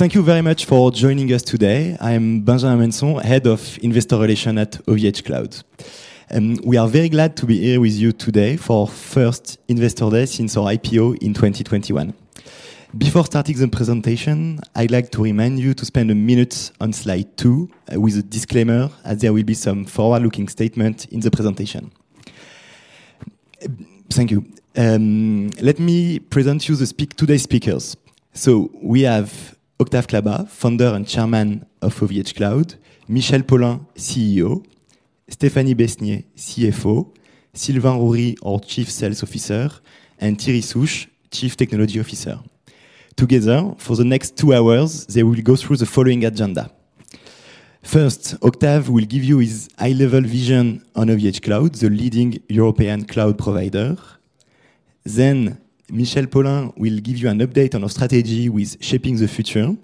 Thank you very much for joining us today. I'm Benjamin Mennesson, Head of Investor Relations at OVHcloud. We are very glad to be here with you today for first Investor Day since our IPO in 2021. Before starting the presentation, I'd like to remind you to spend a minute on Slide 2, with a disclaimer, as there will be some forward-looking statement in the presentation. Thank you. Let me present you today's speakers. So we have Octave Klaba, Founder and Chairman of OVHcloud; Michel Paulin, CEO; Stéphanie Besnier, CFO; Sylvain Rouri, our Chief Sales Officer; and Thierry Souche, Chief Technology Officer. Together, for the next two hours, they will go through the following agenda. First, Octave will give you his high-level vision on OVHcloud, the leading European cloud provider. Then, Michel Paulin will give you an update on our strategy with Shaping the Future.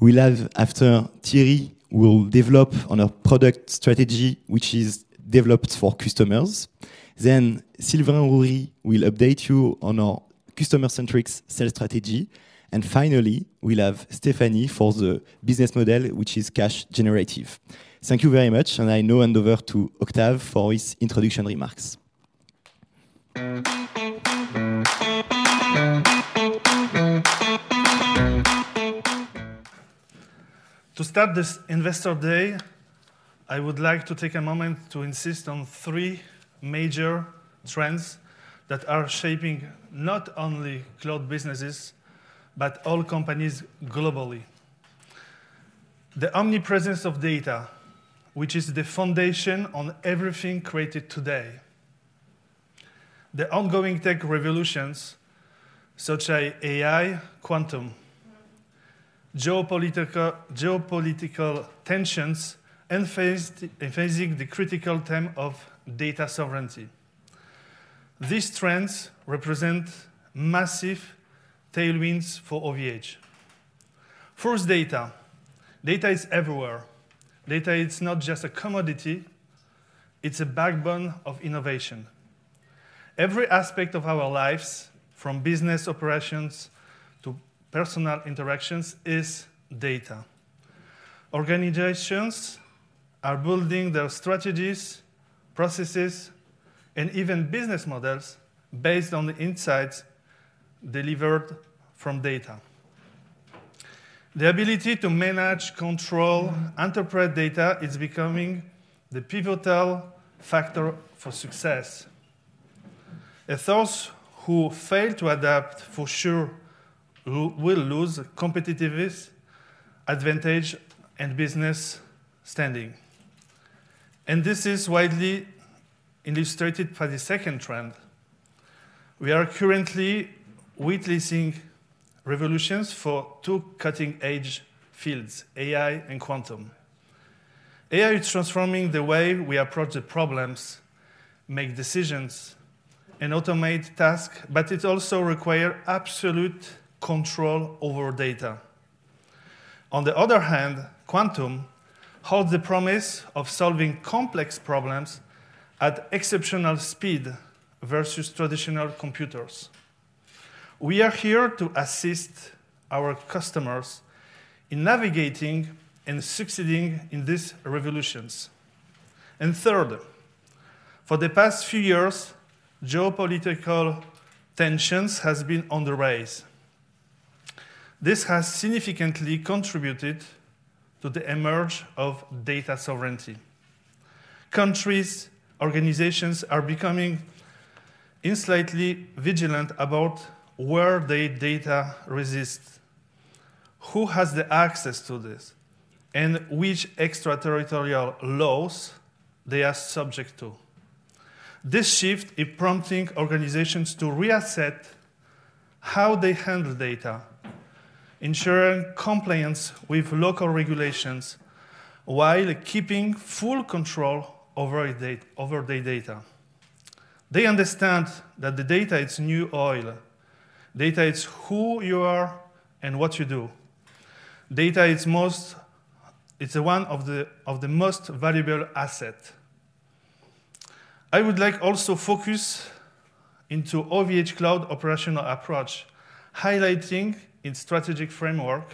We'll have after, Thierry will develop on our product strategy, which is developed for customers. Then Sylvain Rouri will update you on our customer-centric sales strategy. And finally, we'll have Stéphanie for the business model, which is cash generative. Thank you very much, and I now hand over to Octave for his introduction remarks. To start this Investor Day, I would like to take a moment to insist on three major trends that are shaping not only cloud businesses, but all companies globally. The omnipresence of data, which is the foundation on everything created today; the ongoing tech revolutions, such as AI, quantum; geopolitical tensions, emphasizing the critical term of data sovereignty. These trends represent massive tailwinds for OVH. First, data. Data is everywhere. Data is not just a commodity, it's a backbone of innovation. Every aspect of our lives, from business operations to personal interactions, is data. Organizations are building their strategies, processes, and even business models based on the insights delivered from data. The ability to manage, control, interpret data is becoming the pivotal factor for success. Those who fail to adapt, for sure, will lose competitiveness, advantage, and business standing. This is widely illustrated by the second trend. We are currently witnessing revolutions in two cutting-edge fields: AI and quantum. AI is transforming the way we approach the problems, make decisions, and automate tasks, but it also requires absolute control over data. On the other hand, quantum holds the promise of solving complex problems at exceptional speed versus traditional computers. We are here to assist our customers in navigating and succeeding in these revolutions. Third, for the past few years, geopolitical tensions have been on the rise. This has significantly contributed to the emergence of data sovereignty. Countries, organizations are becoming insanely vigilant about where their data resides, who has access to this, and which extraterritorial laws they are subject to. This shift is prompting organizations to reassess how they handle data, ensuring compliance with local regulations, while keeping full control over their data. They understand that the data is new oil. Data is who you are and what you do. Data is most—it's one of the, of the most valuable asset. I would like also focus into OVHcloud operational approach, highlighting its strategic framework,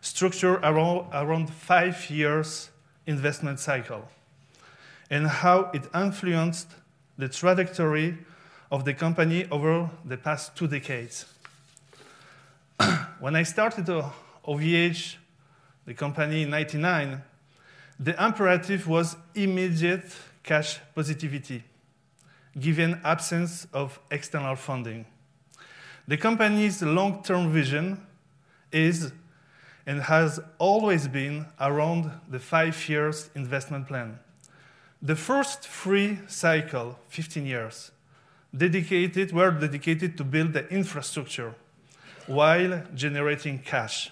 structure around, around five-year investment cycle, and how it influenced the trajectory of the company over the past two decades. When I started OVH, the company, in 1999, the imperative was immediate cash positivity, given absence of external funding. The company's long-term vision is, and has always been, around the five-year investment plan. The first three cycle, 15 years, dedicated—were dedicated to build the infrastructure while generating cash.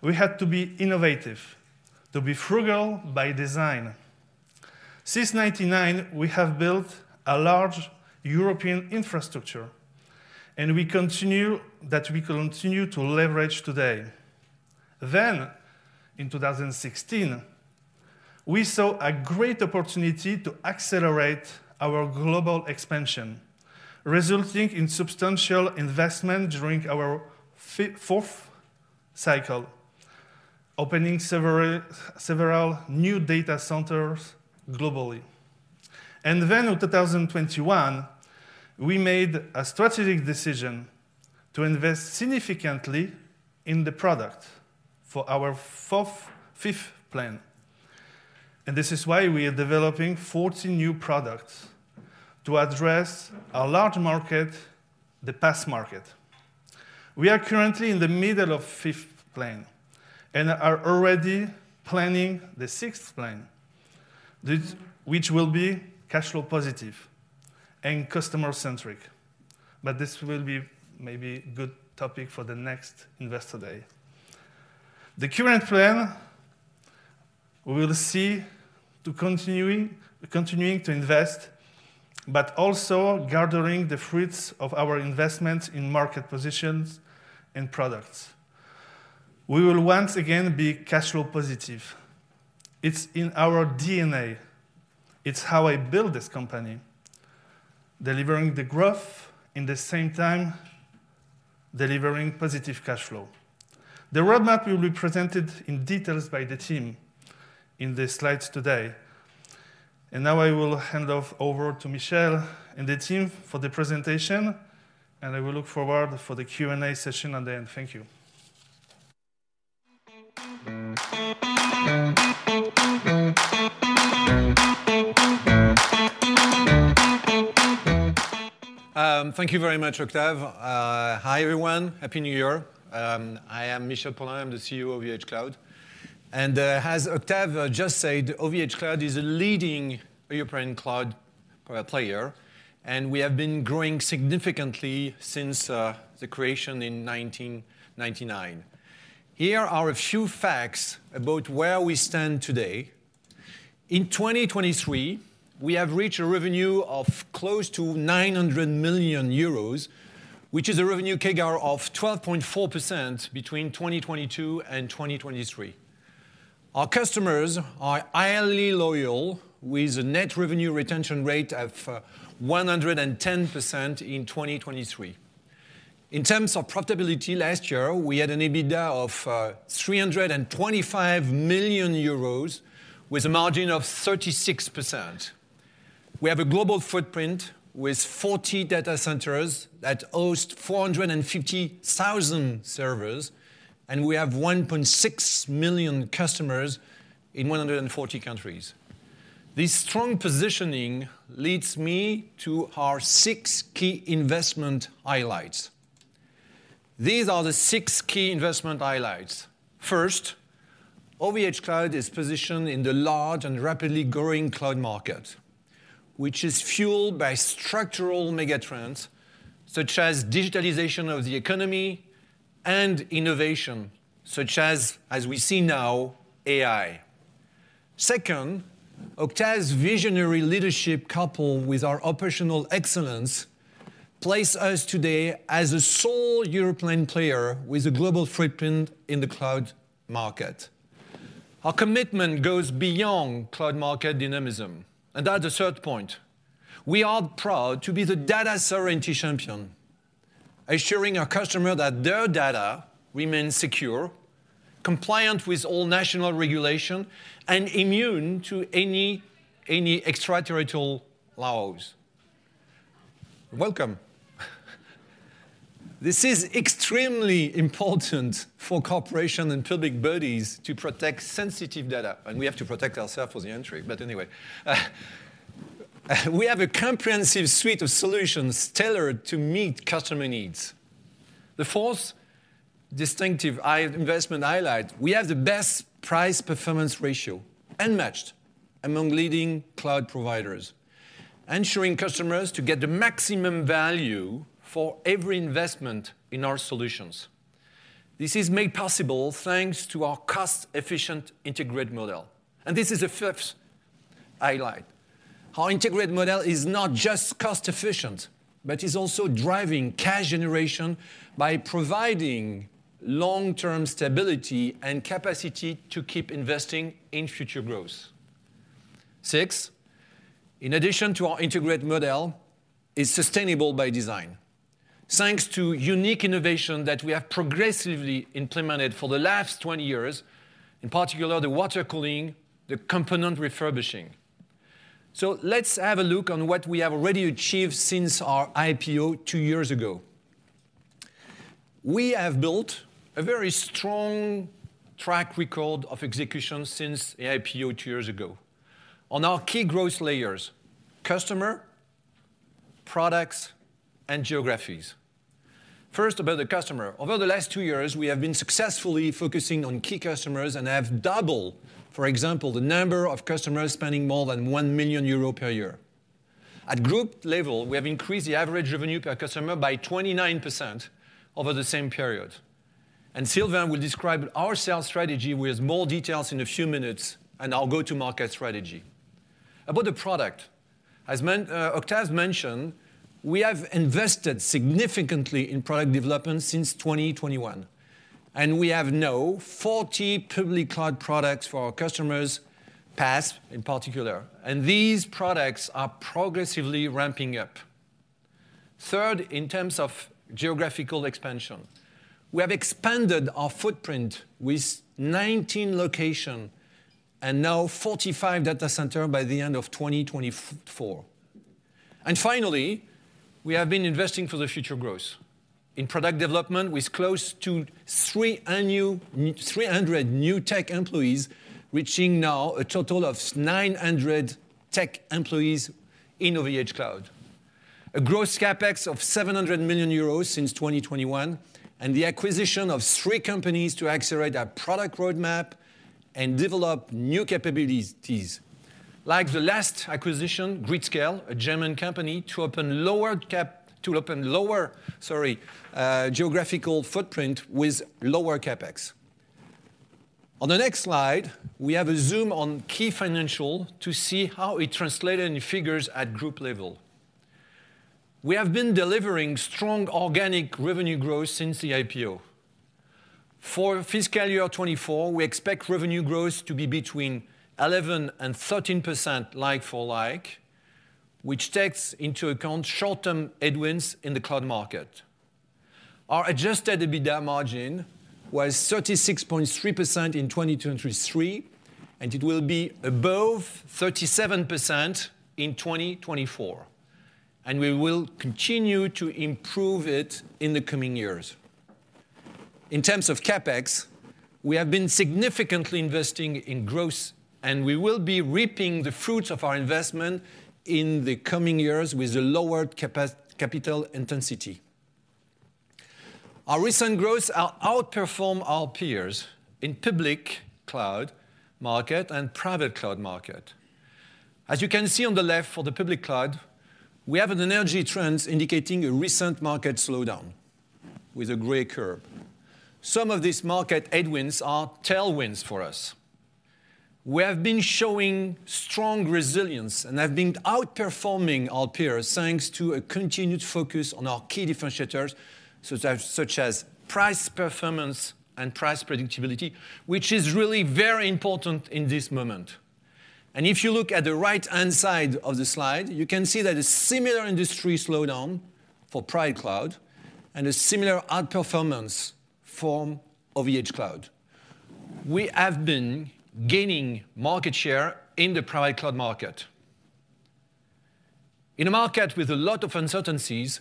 We had to be innovative, to be frugal by design. Since 1999, we have built a large European infrastructure, and we continue—that we continue to leverage today. Then, in 2016-... We saw a great opportunity to accelerate our global expansion, resulting in substantial investment during our fourth cycle, opening several new data centers globally. Then in 2021, we made a strategic decision to invest significantly in the product for our fifth plan. And this is why we are developing Forti new products to address our large market, the PaaS market. We are currently in the middle of fifth plan and are already planning the sixth plan, which will be cash flow positive and customer centric. But this will be maybe good topic for the next Investor Day. The current plan, we will see to continuing to invest, but also gathering the fruits of our investment in market positions and products. We will once again be cash flow positive. It's in our DNA. It's how I build this company, delivering the growth, in the same time, delivering positive cash flow. The roadmap will be presented in details by the team in the slides today. Now I will hand off over to Michel and the team for the presentation, and I will look forward for the Q&A session at the end. Thank you. Thank you very much, Octave. Hi, everyone. Happy New Year. I am Michel Paulin. I'm the CEO of OVHcloud. As Octave just said, OVHcloud is a leading European cloud player, and we have been growing significantly since the creation in 1999. Here are a few facts about where we stand today. In 2023, we have reached a revenue of close to 900 million euros, which is a revenue CAGR of 12.4% between 2022 and 2023. Our customers are highly loyal, with a net revenue retention rate of 110% in 2023. In terms of profitability last year, we had an EBITDA of 325 million euros, with a margin of 36%. We have a global footprint with 40 data centers that host 450,000 servers, and we have 1.6 million customers in 140 countries. This strong positioning leads me to our 6 key investment highlights. These are the 6 key investment highlights. First, OVHcloud is positioned in the large and rapidly growing cloud market, which is fueled by structural megatrends, such as digitalization of the economy and innovation, such as, as we see now, AI. Second, Octave's visionary leadership, coupled with our operational excellence, place us today as a sole European player with a global footprint in the cloud market. Our commitment goes beyond cloud market dynamism, and that's the third point. We are proud to be the data sovereignty champion, assuring our customer that their data remains secure, compliant with all national regulation, and immune to any extraterritorial laws. Welcome. This is extremely important for corporations and public bodies to protect sensitive data, and we have to protect ourselves from the entry, but anyway. We have a comprehensive suite of solutions tailored to meet customer needs. The fourth distinctive investment highlight, we have the best price-performance ratio, unmatched among leading cloud providers, ensuring customers to get the maximum value for every investment in our solutions. This is made possible thanks to our cost-efficient integrated model, and this is the fifth highlight. Our integrated model is not just cost efficient, but is also driving cash generation by providing long-term stability and capacity to keep investing in future growth. Six, in addition to our integrated model, is sustainable by design, thanks to unique innovation that we have progressively implemented for the last 20 years, in particular, the water cooling, the component refurbishing. So let's have a look on what we have already achieved since our IPO two years ago. We have built a very strong track record of execution since the IPO two years ago on our key growth layers: customer, products, and geographies. First, about the customer. Over the last two years, we have been successfully focusing on key customers and have doubled, for example, the number of customers spending more than 1 million euros per year. At group level, we have increased the average revenue per customer by 29% over the same period, and Sylvain will describe our sales strategy with more details in a few minutes and our go-to-market strategy.... About the product, as Octave has mentioned, we have invested significantly in product development since 2021, and we have now 40 Public Cloud products for our customers, PaaS in particular, and these products are progressively ramping up. Third, in terms of geographical expansion, we have expanded our footprint with 19 locations and now 45 data centers by the end of 2024. Finally, we have been investing for the future growth. In product development, with close to 300 new tech employees annually, reaching now a total of 900 tech employees in OVHcloud. A gross CapEx of 700 million euros since 2021, and the acquisition of three companies to accelerate our product roadmap and develop new capabilities. Like the last acquisition, gridscale, a German company, to open lower geographical footprint with lower CapEx. On the next slide, we have a zoom on key financials to see how it translated into figures at group level. We have been delivering strong organic revenue growth since the IPO. For fiscal year 2024, we expect revenue growth to be between 11%-13% like-for-like, which takes into account short-term headwinds in the cloud market. Our adjusted EBITDA margin was 36.3% in 2023, and it will be above 37% in 2024, and we will continue to improve it in the coming years. In terms of CapEx, we have been significantly investing in growth, and we will be reaping the fruits of our investment in the coming years with a lower capital intensity. Our recent growth outperforms our peers in public cloud market and private cloud market. As you can see on the left, for the Public Cloud, we have an industry trends indicating a recent market slowdown, with a gray curve. Some of these market headwinds are tailwinds for us. We have been showing strong resilience and have been outperforming our peers, thanks to a continued focus on our key differentiators, such as, such as price, performance, and price predictability, which is really very important in this moment. And if you look at the right-hand side of the slide, you can see that a similar industry slowdown for private cloud and a similar outperformance from OVHcloud. We have been gaining market share in the private cloud market. In a market with a lot of uncertainties,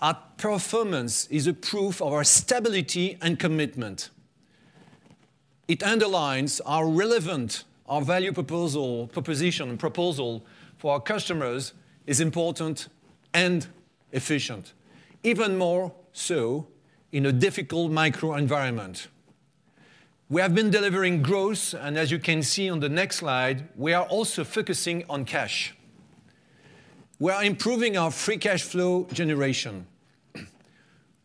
our performance is a proof of our stability and commitment. It underlines our relevance, our value proposition for our customers is important and efficient, even more so in a difficult macro environment. We have been delivering growth, and as you can see on the next slide, we are also focusing on cash. We are improving our free cash flow generation.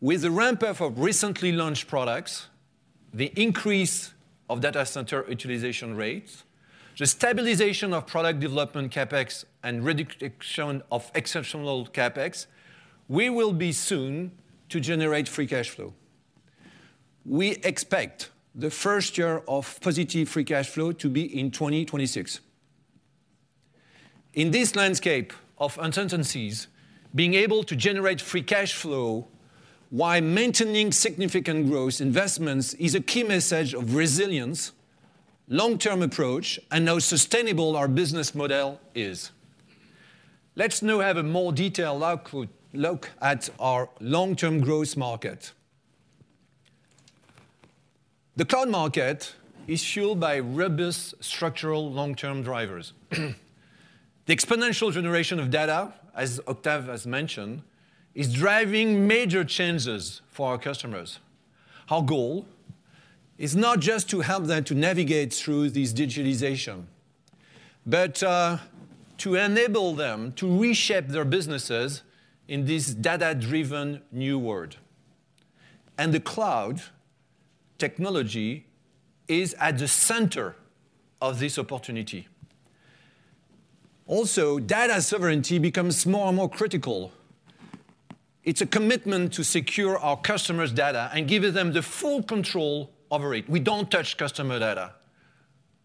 With the ramp up of recently launched products, the increase of data center utilization rates, the stabilization of product development CapEx, and reduction of exceptional CapEx, we will be soon to generate free cash flow. We expect the first year of positive free cash flow to be in 2026. In this landscape of uncertainties, being able to generate free cash flow while maintaining significant growth investments is a key message of resilience, long-term approach, and how sustainable our business model is. Let's now have a more detailed look at our long-term growth market. The cloud market is fueled by robust structural long-term drivers. The exponential generation of data, as Octave has mentioned, is driving major changes for our customers. Our goal is not just to help them to navigate through this digitalization, but, to enable them to reshape their businesses in this data-driven new world. The cloud technology is at the center of this opportunity. Also, data sovereignty becomes more and more critical. It's a commitment to secure our customers' data and give them the full control over it. We don't touch customer data,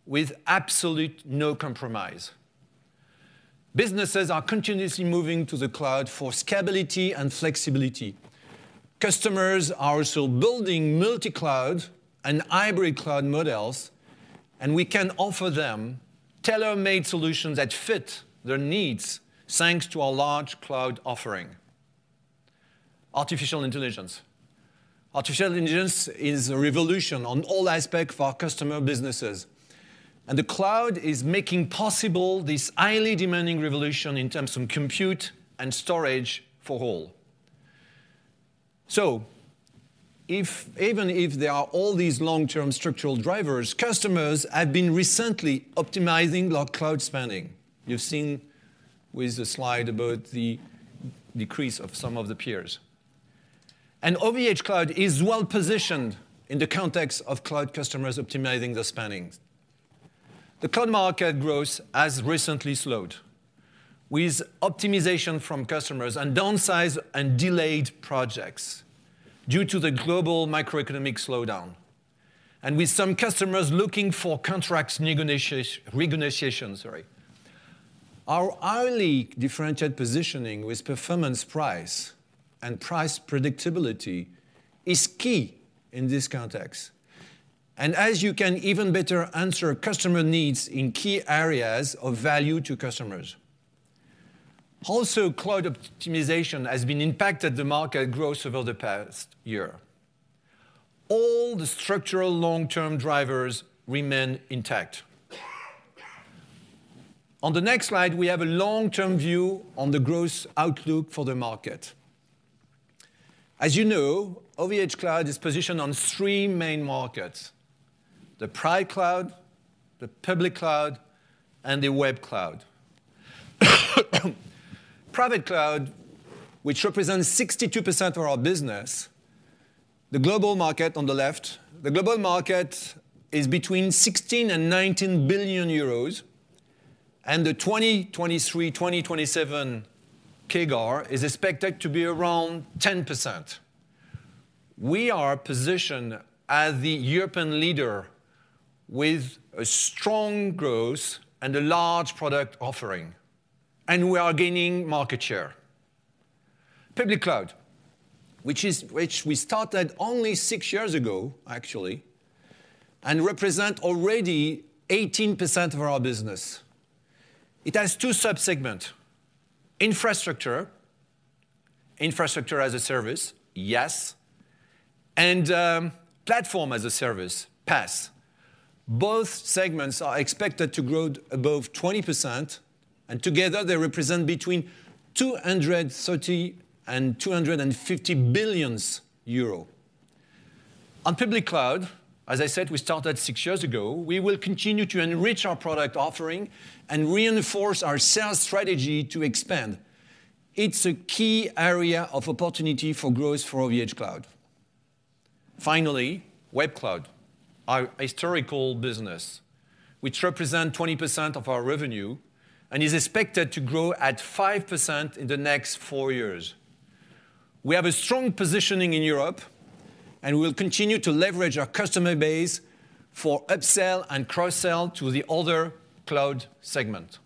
with absolute no compromise. Businesses are continuously moving to the cloud for scalability and flexibility. Customers are also building Multi-cloud and Hybrid Cloud models, and we can offer them tailor-made solutions that fit their needs, thanks to our large cloud offering. Artificial intelligence. Artificial intelligence is a revolution on all aspects of our customer businesses, and the cloud is making possible this highly demanding revolution in terms of compute and storage for all. So if, even if there are all these long-term structural drivers, customers have been recently optimizing their cloud spending. You've seen with the slide about the decrease of some of the peers, and OVHcloud is well positioned in the context of cloud customers optimizing their spendings. The cloud market growth has recently slowed, with optimization from customers and downsize and delayed projects due to the global macroeconomic slowdown, and with some customers looking for contracts renegotiation, sorry. Our highly differentiated positioning with performance price and price predictability is key in this context, and as you can even better answer customer needs in key areas of value to customers. Also, cloud optimization has been impacted the market growth over the past year. All the structural long-term drivers remain intact. On the next slide, we have a long-term view on the growth outlook for the market. As you know, OVHcloud is positioned on three main markets: the private cloud, the public cloud, and the web cloud. Private cloud, which represents 62% of our business, the global market on the left, the global market is between 16 billion and 19 billion euros, and the 2023/2027 CAGR is expected to be around 10%. We are positioned as the European leader with a strong growth and a large product offering, and we are gaining market share. Public cloud, which we started only six years ago, actually, and represent already 18% of our business. It has two sub-segments: infrastructure, infrastructure as a service, IaaS, and platform as a service, PaaS. Both segments are expected to grow above 20%, and together, they represent between 230 billion and 250 billion euro. On Public Cloud, as I said, we started six years ago, we will continue to enrich our product offering and reinforce our sales strategy to expand. It's a key area of opportunity for growth for OVHcloud. Finally, Web Cloud, our historical business, which represent 20% of our revenue and is expected to grow at 5% in the next four years. We have a strong positioning in Europe, and we will continue to leverage our customer base for upsell and cross-sell to the other cloud segment.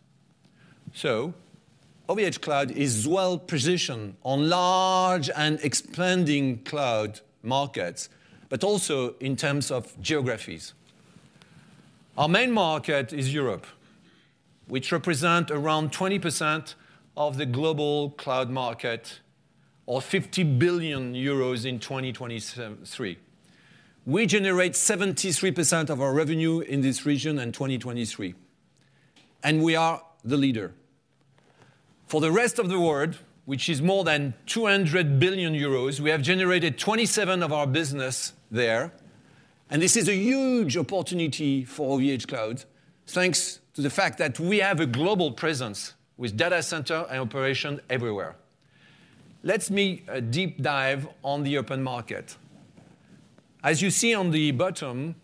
So OVHcloud is well positioned on large and expanding cloud markets, but also in terms of geographies. Our main market is Europe, which represent around 20% of the global cloud market, or 50 billion euros in 2023. We generate 73% of our revenue in this region in 2023, and we are the leader. For the rest of the world, which is more than 200 billion euros, we have generated 27% of our business there, and this is a huge opportunity for OVHcloud, thanks to the fact that we have a global presence with data center and operation everywhere. Let me do a deep dive on the European market. As you see on the bottom,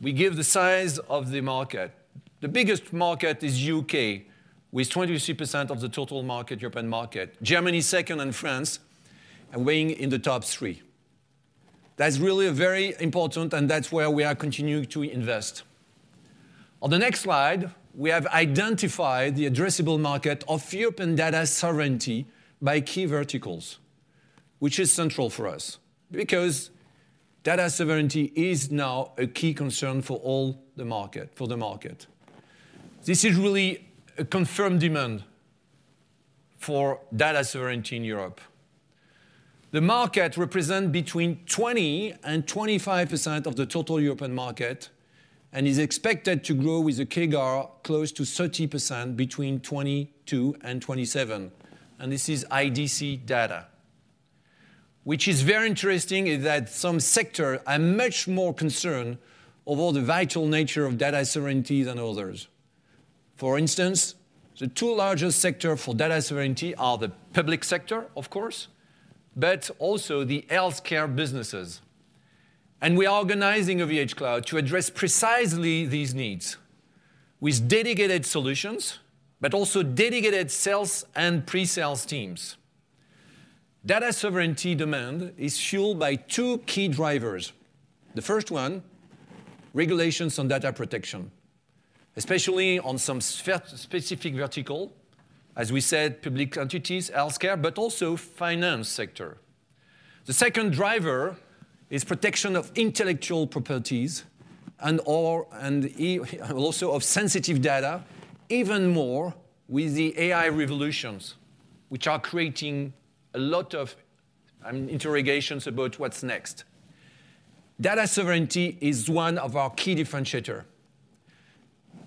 we give the size of the market. The biggest market is U.K., with 23% of the total market, European market. Germany second, and France weighing in the top three. That's really very important, and that's where we are continuing to invest. On the next slide, we have identified the addressable market of European data sovereignty by key verticals, which is central for us, because data sovereignty is now a key concern for all the market, for the market. This is really a confirmed demand for data sovereignty in Europe. The market represents between 20%-25% of the total European market and is expected to grow with a CAGR close to 30% between 2022 and 2027, and this is IDC data. What is very interesting is that some sectors are much more concerned over the vital nature of data sovereignty than others. For instance, the two largest sectors for data sovereignty are the public sector, of course, but also the healthcare businesses. And we are organizing OVHcloud to address precisely these needs with dedicated solutions, but also dedicated sales and pre-sales teams. Data sovereignty demand is fueled by two key drivers. The first one, regulations on data protection, especially on some specific vertical, as we said, public entities, healthcare, but also finance sector. The second driver is protection of intellectual properties and/or, and also of sensitive data, even more with the AI revolutions, which are creating a lot of interrogations about what's next. Data sovereignty is one of our key differentiator.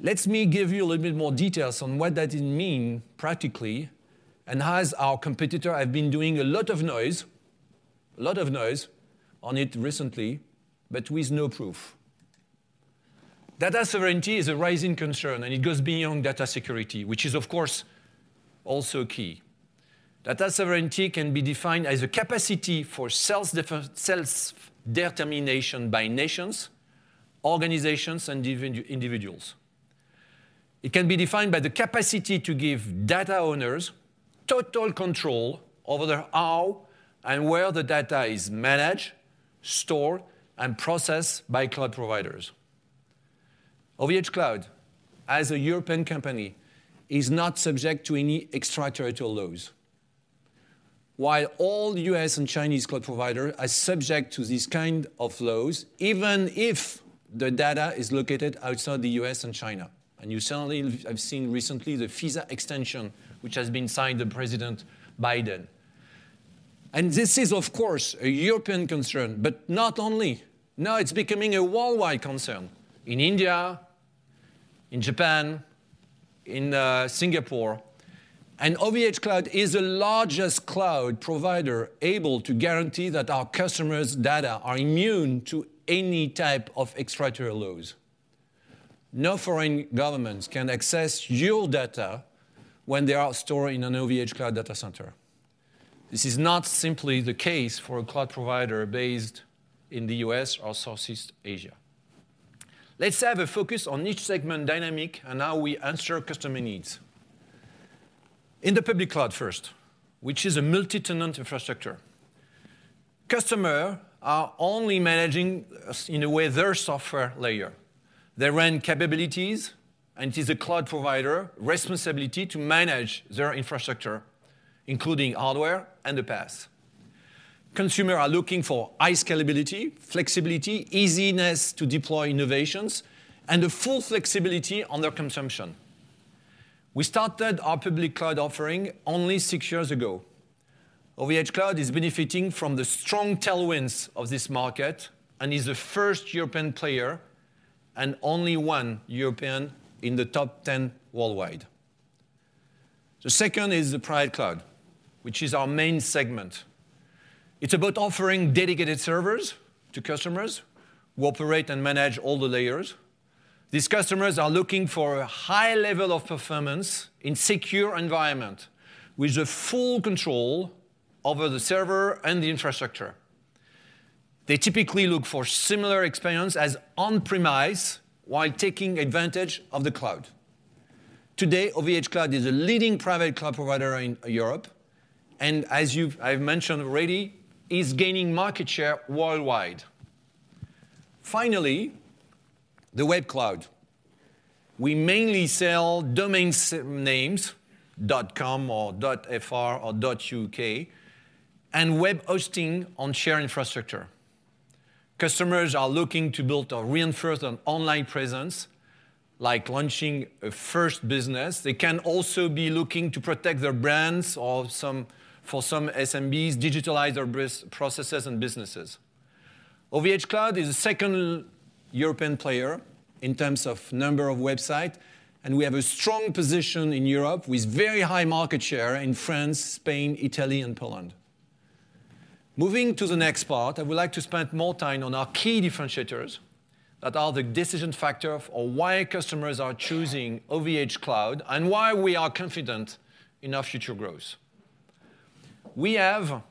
Let me give you a little bit more details on what that is mean practically, and how is our competitor have been doing a lot of noise, a lot of noise on it recently, but with no proof.... Data sovereignty is a rising concern, and it goes beyond data security, which is, of course, also key. Data sovereignty can be defined as a capacity for self-determination by nations, organizations, and even individuals. It can be defined by the capacity to give data owners total control over the how and where the data is managed, stored, and processed by cloud providers. OVHcloud, as a European company, is not subject to any extraterritorial laws, while all U.S. and Chinese cloud provider are subject to these kind of laws, even if the data is located outside the U.S. and China. You certainly have seen recently the FISA extension, which has been signed by President Biden. This is, of course, a European concern, but not only. Now it's becoming a worldwide concern, in India, in Japan, in Singapore. OVHcloud is the largest cloud provider able to guarantee that our customers' data are immune to any type of extraterritorial laws. No foreign governments can access your data when they are stored in an OVHcloud data center. This is not simply the case for a cloud provider based in the U.S. or Southeast Asia. Let's have a focus on each segment dynamic and how we answer customer needs. In the Public Cloud first, which is a multi-tenant infrastructure, customer are only managing, in a way, their software layer. They run capabilities, and it is a cloud provider responsibility to manage their infrastructure, including hardware and the PaaS. Consumer are looking for high scalability, flexibility, easiness to deploy innovations, and a full flexibility on their consumption. We started our Public Cloud offering only six years ago. OVHcloud is benefiting from the strong tailwinds of this market and is the first European player, and only one European in the top 10 worldwide. The second is the Private Cloud, which is our main segment. It's about offering dedicated servers to customers who operate and manage all the layers. These customers are looking for a high level of performance in secure environment, with the full control over the server and the infrastructure. They typically look for similar experience as on-premise while taking advantage of the cloud. Today, OVHcloud is a leading private cloud provider in Europe, and as I've mentioned already, is gaining market share worldwide. Finally, the Web Cloud. We mainly sell domain names, .com or .fr or .uk, and web hosting on shared infrastructure. Customers are looking to build or reinforce an online presence, like launching a first business. They can also be looking to protect their brands or some, for some SMBs, digitalize their business processes and businesses. OVHcloud is the second European player in terms of number of websites, and we have a strong position in Europe, with very high market share in France, Spain, Italy, and Poland. Moving to the next part, I would like to spend more time on our key differentiators that are the decision factor of why customers are choosing OVHcloud and why we are confident in our future growth. We have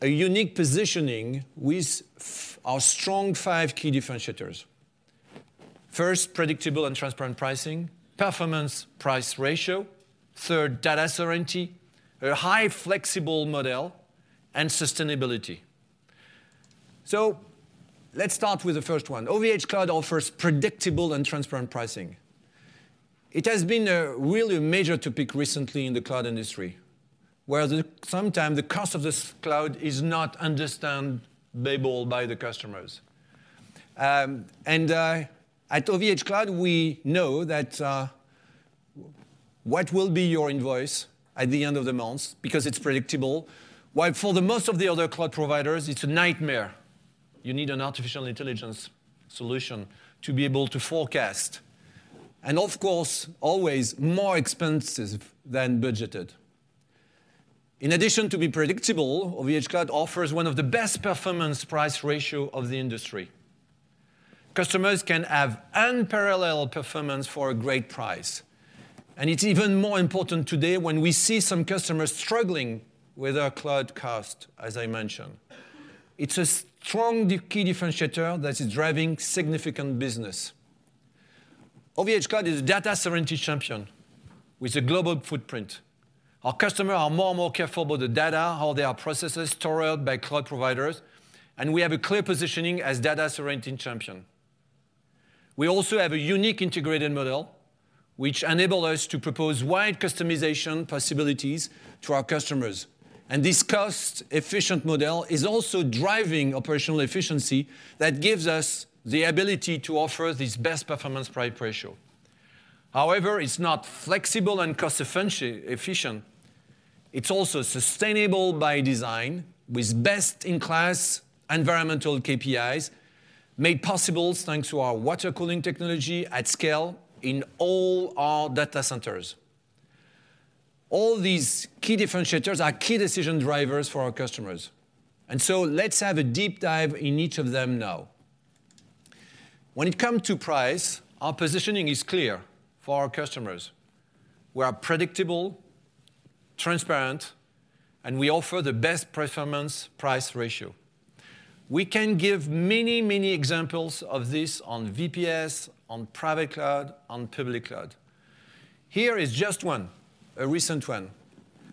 a unique positioning with our strong five key differentiators. First, predictable and transparent pricing; performance price ratio; third, data sovereignty; a high flexible model; and sustainability. Let's start with the first one. OVHcloud offers predictable and transparent pricing. It has been a really major topic recently in the cloud industry, where sometimes the cost of this cloud is not understandable by the customers. At OVHcloud, we know that what will be your invoice at the end of the month, because it's predictable. While for most of the other cloud providers, it's a nightmare. You need an artificial intelligence solution to be able to forecast, and of course, always more expensive than budgeted. In addition to be predictable, OVHcloud offers one of the best performance price ratio of the industry. Customers can have unparalleled performance for a great price, and it's even more important today when we see some customers struggling with their cloud cost, as I mentioned. It's a strong key differentiator that is driving significant business. OVHcloud is a data sovereignty champion with a global footprint. Our customer are more and more careful about the data, how they are processed, stored by cloud providers, and we have a clear positioning as data sovereignty champion. We also have a unique integrated model, which enable us to propose wide customization possibilities to our customers. This cost-efficient model is also driving operational efficiency that gives us the ability to offer this best performance price ratio. However, it's not flexible and cost-efficient. It's also sustainable by design, with best-in-class environmental KPIs, made possible thanks to our Water Cooling technology at Scale in all our data centers. All these key differentiators are key decision drivers for our customers, and so let's have a deep dive in each of them now. When it comes to price, our positioning is clear for our customers. We are predictable, transparent, and we offer the best performance price ratio. We can give many, many examples of this on VPS, on private cloud, on Public Cloud. Here is just one, a recent one.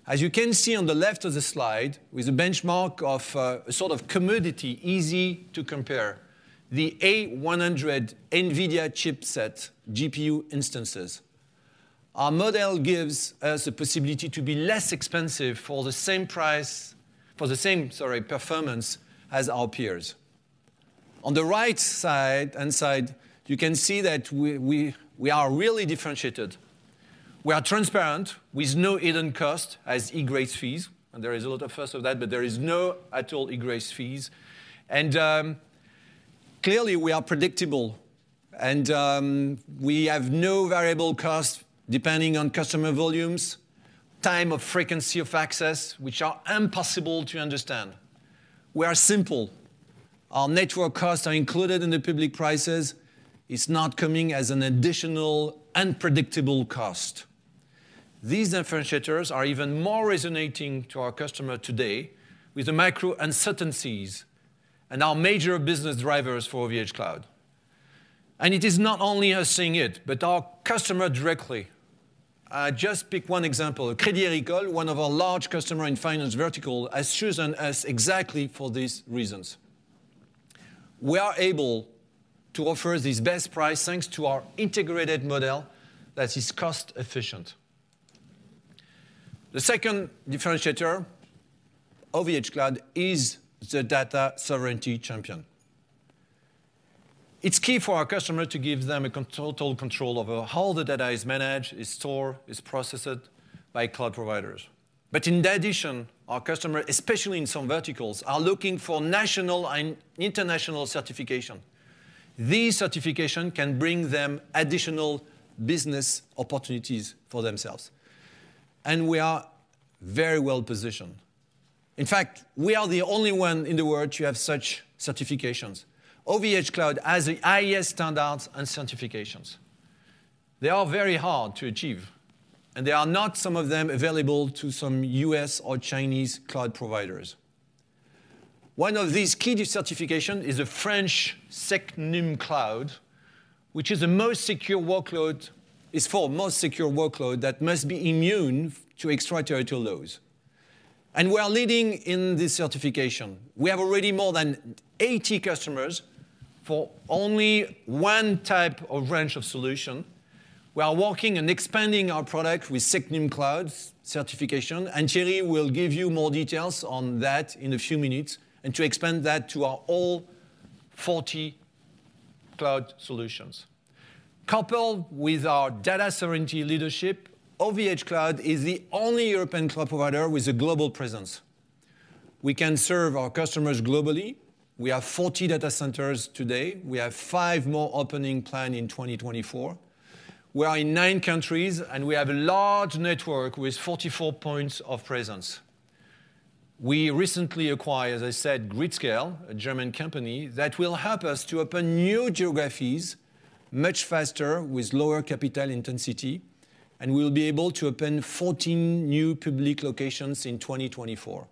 As you can see on the left of the slide, with a benchmark of a sort of commodity, easy to compare, the A100 NVIDIA chipset GPU instances. Our model gives us a possibility to be less expensive for the same price, for the same, sorry, performance as our peers. On the right-hand side, you can see that we are really differentiated. We are transparent, with no hidden cost as egress fees, and there is a lot of first of that, but there is no at all egress fees. And clearly, we are predictable and we have no variable cost, depending on customer volumes, time of frequency of access, which are impossible to understand. We are simple. Our network costs are included in the public prices. It's not coming as an additional unpredictable cost. These differentiators are even more resonating to our customer today with the macro uncertainties and are major business drivers for OVHcloud. It is not only us saying it, but our customer directly. I just pick one example. Crédit Agricole, one of our large customer in finance vertical, has chosen us exactly for these reasons. We are able to offer this best price, thanks to our integrated model that is cost efficient. The second differentiator, OVHcloud is the data sovereignty champion. It's key for our customer to give them a total control over how the data is managed, is stored, is processed by cloud providers. But in addition, our customer, especially in some verticals, are looking for national and international certification. These certification can bring them additional business opportunities for themselves, and we are very well positioned. In fact, we are the only one in the world to have such certifications. OVHcloud has the highest standards and certifications. They are very hard to achieve, and they are not, some of them, available to some U.S. or Chinese cloud providers. One of these key certification is a French SecNumCloud, which is for most secure workload that must be immune to extraordinary loads, and we are leading in this certification. We have already more than 80 customers for only one type of range of solution. We are working and expanding our product with SecNumCloud certification, and Thierry will give you more details on that in a few minutes, and to expand that to our all 40 cloud solutions. Coupled with our data sovereignty leadership, OVHcloud is the only European cloud provider with a global presence. We can serve our customers globally. We have 40 data centers today. We have five more opening planned in 2024. We are in nine countries, and we have a large network with 44 points of presence. We recently acquired, as I said, gridscale, a German company, that will help us to open new geographies much faster, with lower capital intensity, and we will be able to open 14 new public locations in 2024.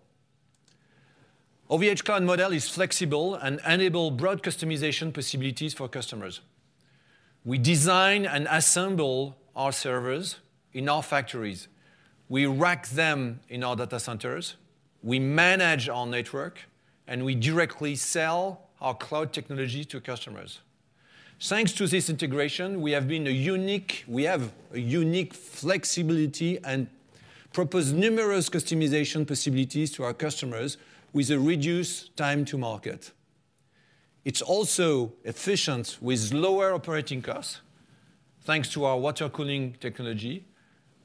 OVHcloud model is flexible and enable broad customization possibilities for customers. We design and assemble our servers in our factories. We rack them in our data centers, we manage our network, and we directly sell our cloud technology to customers. Thanks to this integration, we have a unique flexibility and propose numerous customization possibilities to our customers with a reduced time to market. It's also efficient, with lower operating costs, thanks to our Water Cooling technology.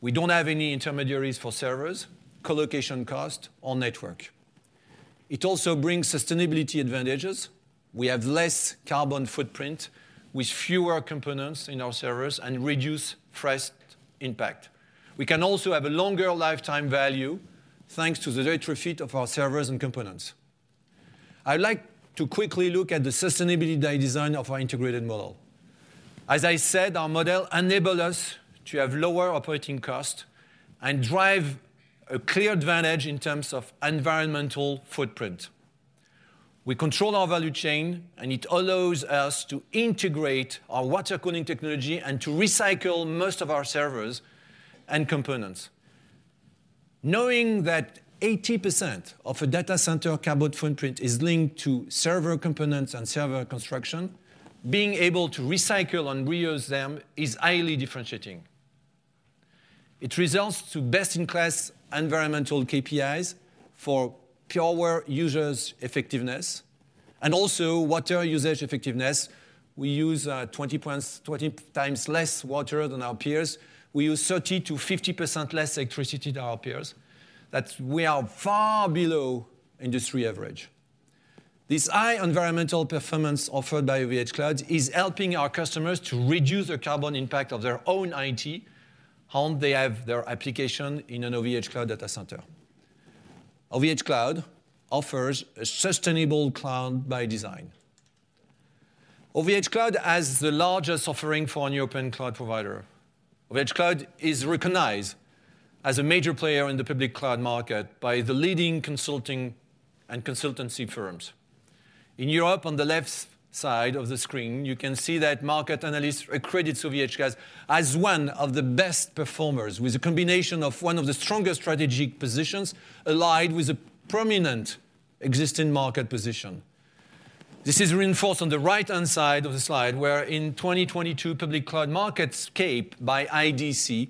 We don't have any intermediaries for servers, colocation cost, or network. It also brings sustainability advantages. We have less carbon footprint, with fewer components in our servers and reduced price impact. We can also have a longer lifetime value, thanks to the retrofit of our servers and components. I'd like to quickly look at the sustainability design of our integrated model. As I said, our model enable us to have lower operating cost and drive a clear advantage in terms of environmental footprint. We control our value chain, and it allows us to integrate our water cooling technology and to recycle most of our servers and components. Knowing that 80% of a data center carbon footprint is linked to server components and server construction, being able to recycle and reuse them is highly differentiating. It results to best-in-class environmental KPIs for power usage effectiveness and also water usage effectiveness. We use 20 points, 20 times less water than our peers. We use 30%-50% less electricity than our peers. That's we are far below industry average. This high environmental performance offered by OVHcloud is helping our customers to reduce the carbon impact of their own IT, how they have their application in an OVHcloud data center. OVHcloud offers a sustainable cloud by design. OVHcloud has the largest offering for an open cloud provider. OVHcloud is recognized as a major player in the Public Cloud market by the leading consulting and consultancy firms. In Europe, on the left side of the screen, you can see that market analysts accredited OVHcloud as one of the best performers, with a combination of one of the strongest strategic positions allied with a prominent existing market position. This is reinforced on the right-hand side of the slide, where in 2022 Public Cloud MarketScape by IDC,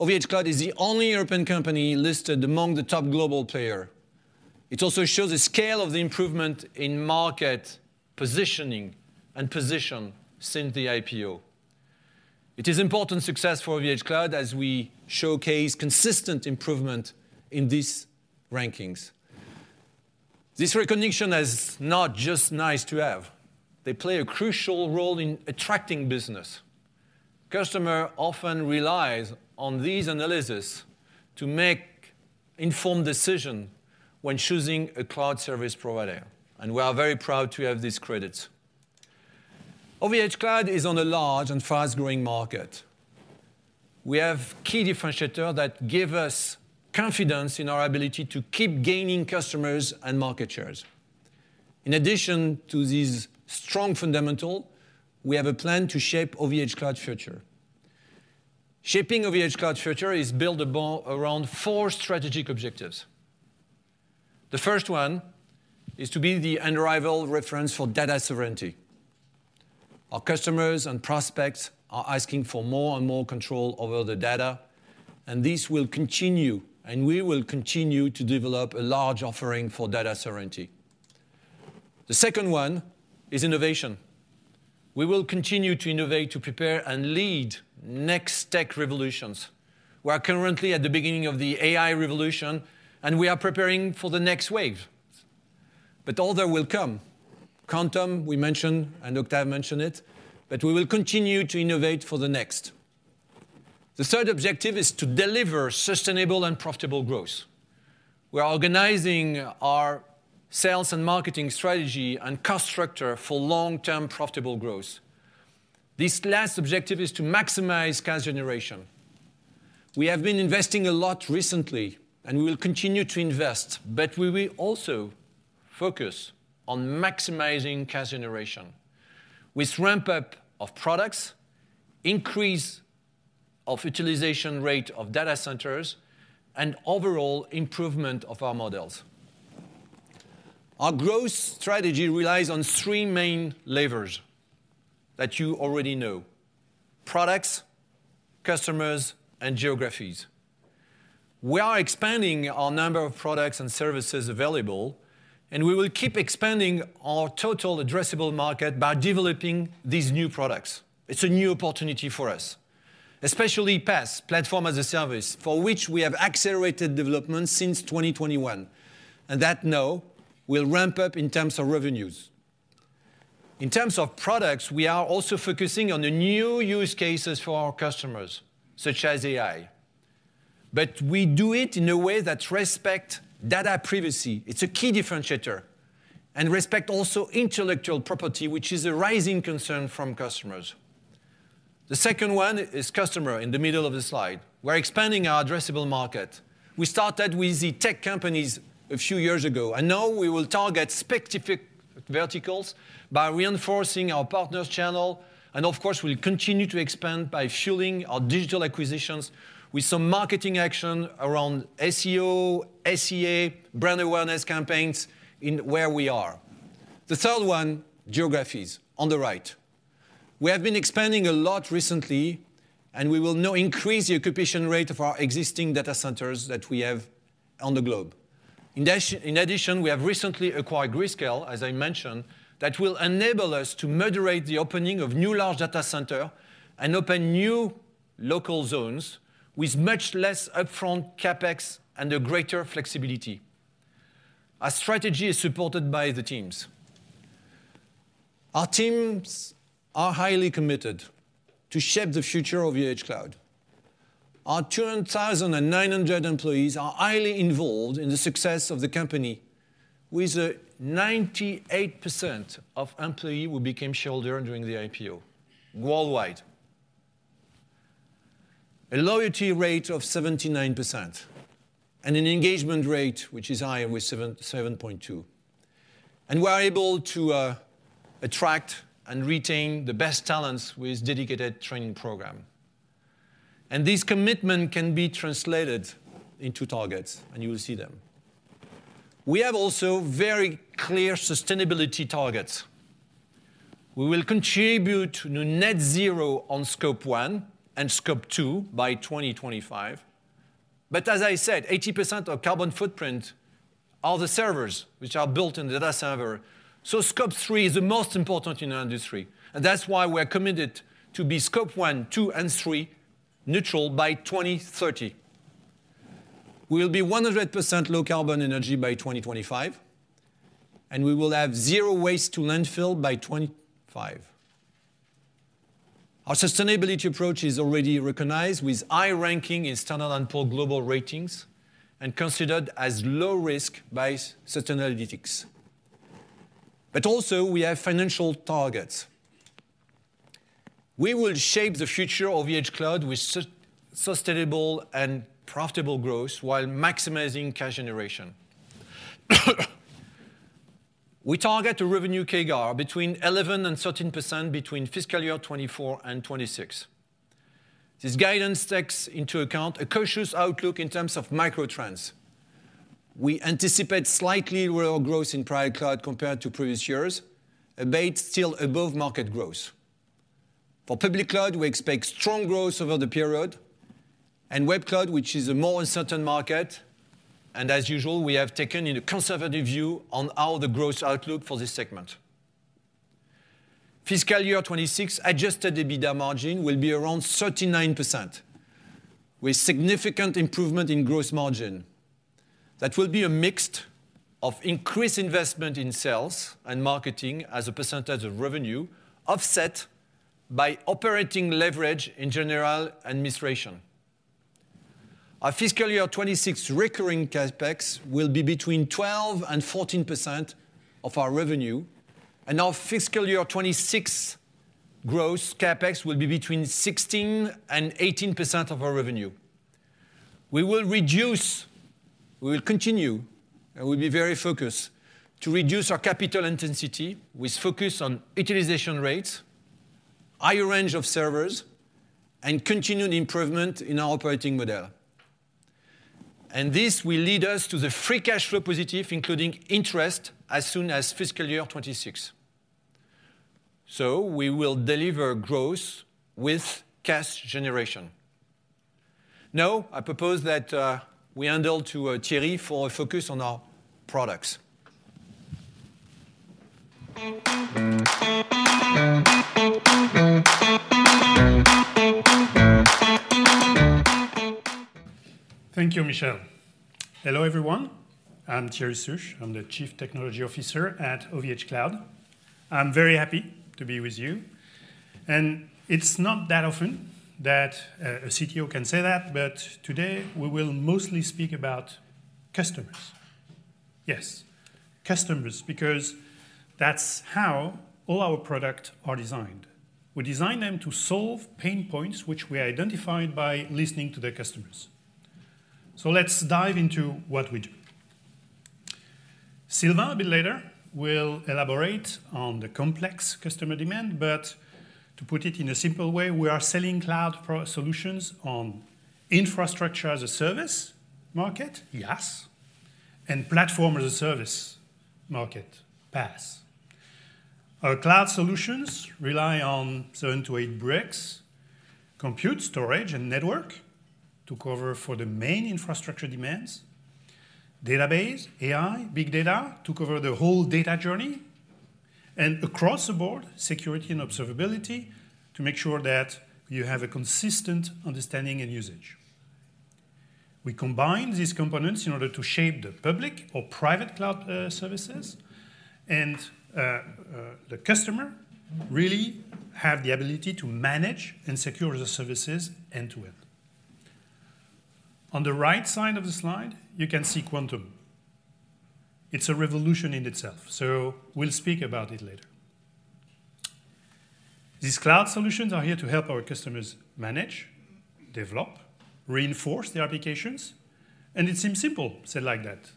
OVHcloud is the only European company listed among the top global player. It also shows the scale of the improvement in market positioning and position since the IPO. It is important success for OVHcloud as we showcase consistent improvement in these rankings. This recognition is not just nice to have. They play a crucial role in attracting business. Customer often relies on these analysis to make informed decision when choosing a cloud service provider, and we are very proud to have these credits. OVHcloud is on a large and fast-growing market. We have key differentiator that give us confidence in our ability to keep gaining customers and market shares. In addition to these strong fundamental, we have a plan to shape OVHcloud future. Shaping OVHcloud's future is built around four strategic objectives. The first one is to be the unrivaled reference for data sovereignty. Our customers and prospects are asking for more and more control over the data, and this will continue, and we will continue to develop a large offering for data sovereignty. The second one is innovation. We will continue to innovate, to prepare and lead next tech revolutions. We are currently at the beginning of the AI revolution, and we are preparing for the next wave. But other will come. Quantum, we mentioned, and Octave mentioned it, but we will continue to innovate for the next. The third objective is to deliver sustainable and profitable growth. We are organizing our sales and marketing strategy and cost structure for long-term profitable growth. This last objective is to maximize cash generation. We have been investing a lot recently, and we will continue to invest, but we will also focus on maximizing cash generation, with ramp up of products, increase of utilization rate of data centers, and overall improvement of our models. Our growth strategy relies on three main levers that you already know: products, customers, and geographies. We are expanding our number of products and services available, and we will keep expanding our total addressable market by developing these new products. It's a new opportunity for us, especially PaaS, Platform as a Service, for which we have accelerated development since 2021, and that now will ramp up in terms of revenues. In terms of products, we are also focusing on the new use cases for our customers, such as AI. But we do it in a way that respect data privacy, it's a key differentiator, and respect also intellectual property, which is a rising concern from customers. The second one is customer, in the middle of the slide. We're expanding our addressable market. We started with the tech companies a few years ago, and now we will target specific verticals by reinforcing our partners channel, and of course, we'll continue to expand by fueling our digital acquisitions with some marketing action around SEO, SEA, brand awareness campaigns in where we are. The third one, geographies, on the right. We have been expanding a lot recently, and we will now increase the occupation rate of our existing data centers that we have on the globe. In addition, we have recently acquired gridscale, as I mentioned, that will enable us to moderate the opening of new large data center and open new Local Zones with much less upfront CapEx and a greater flexibility. Our strategy is supported by the teams. Our teams are highly committed to shape the future of OVHcloud. Our 2,900 employees are highly involved in the success of the company, with a 98% of employee who became shareholder during the IPO worldwide, a loyalty rate of 79%, and an engagement rate, which is high, with 7.2. We are able to attract and retain the best talents with dedicated training program. This commitment can be translated into targets, and you will see them. We have also very clear sustainability targets. We will contribute to net zero on Scope 1 and Scope 2 by 2025. But as I said, 80% of carbon footprint are the servers, which are built in the data center. So Scope 3 is the most important in our industry, and that's why we are committed to be Scope 1, 2, and 3 neutral by 2030. We will be 100% low carbon energy by 2025, and we will have zero waste to landfill by 2025. Our sustainability approach is already recognized with high ranking in Standard & Poor's Global ratings, and considered as low risk by Sustainalytics. But also, we have financial targets. We will shape the future of OVHcloud with sustainable and profitable growth, while maximizing cash generation. We target a revenue CAGR between 11% and 13% between fiscal year 2024 and 2026. This guidance takes into account a cautious outlook in terms of micro trends. We anticipate slightly lower growth in private cloud compared to previous years, albeit still above market growth. For Public Cloud, we expect strong growth over the period, and Web Cloud, which is a more uncertain market, and as usual, we have taken a conservative view on how the growth outlook for this segment. Fiscal year 2026 adjusted EBITDA margin will be around 39%, with significant improvement in gross margin. That will be a mix of increased investment in sales and marketing as a percentage of revenue, offset by operating leverage in general administration. Our fiscal year 2026 recurring CapEx will be between 12% and 14% of our revenue, and our fiscal year 2026 gross CapEx will be between 16% and 18% of our revenue. We will continue, and we'll be very focused, to reduce our capital intensity, with focus on utilization rates, higher range of servers, and continued improvement in our operating model. And this will lead us to the free cash flow positive, including interest, as soon as fiscal year 2026. So we will deliver growth with cash generation. Now, I propose that we hand over to Thierry for a focus on our products. Thank you, Michel. Hello, everyone. I'm Thierry Souche. I'm the Chief Technology Officer at OVHcloud. I'm very happy to be with you, and it's not that often that a CTO can say that, but today we will mostly speak about customers. Yes, customers, because that's how all our product are designed. We design them to solve pain points, which we identified by listening to the customers. So let's dive into what we do. Sylvain, a bit later, will elaborate on the complex customer demand, but to put it in a simple way, we are selling cloud pro- solutions on infrastructure-as-a-service market, IaaS, and platform-as-a-service market, PaaS. Our cloud solutions rely on 7-8 bricks: compute, storage, and network to cover for the main infrastructure demands. Database, AI, big data to cover the whole data journey. And across the board, security and observability to make sure that you have a consistent understanding and usage. We combine these components in order to shape the public or private cloud services, and the customer really have the ability to manage and secure the services end to end. On the right side of the slide, you can see Quantum. It's a revolution in itself, so we'll speak about it later. These cloud solutions are here to help our customers manage, develop, reinforce their applications, and it seems simple, said like that.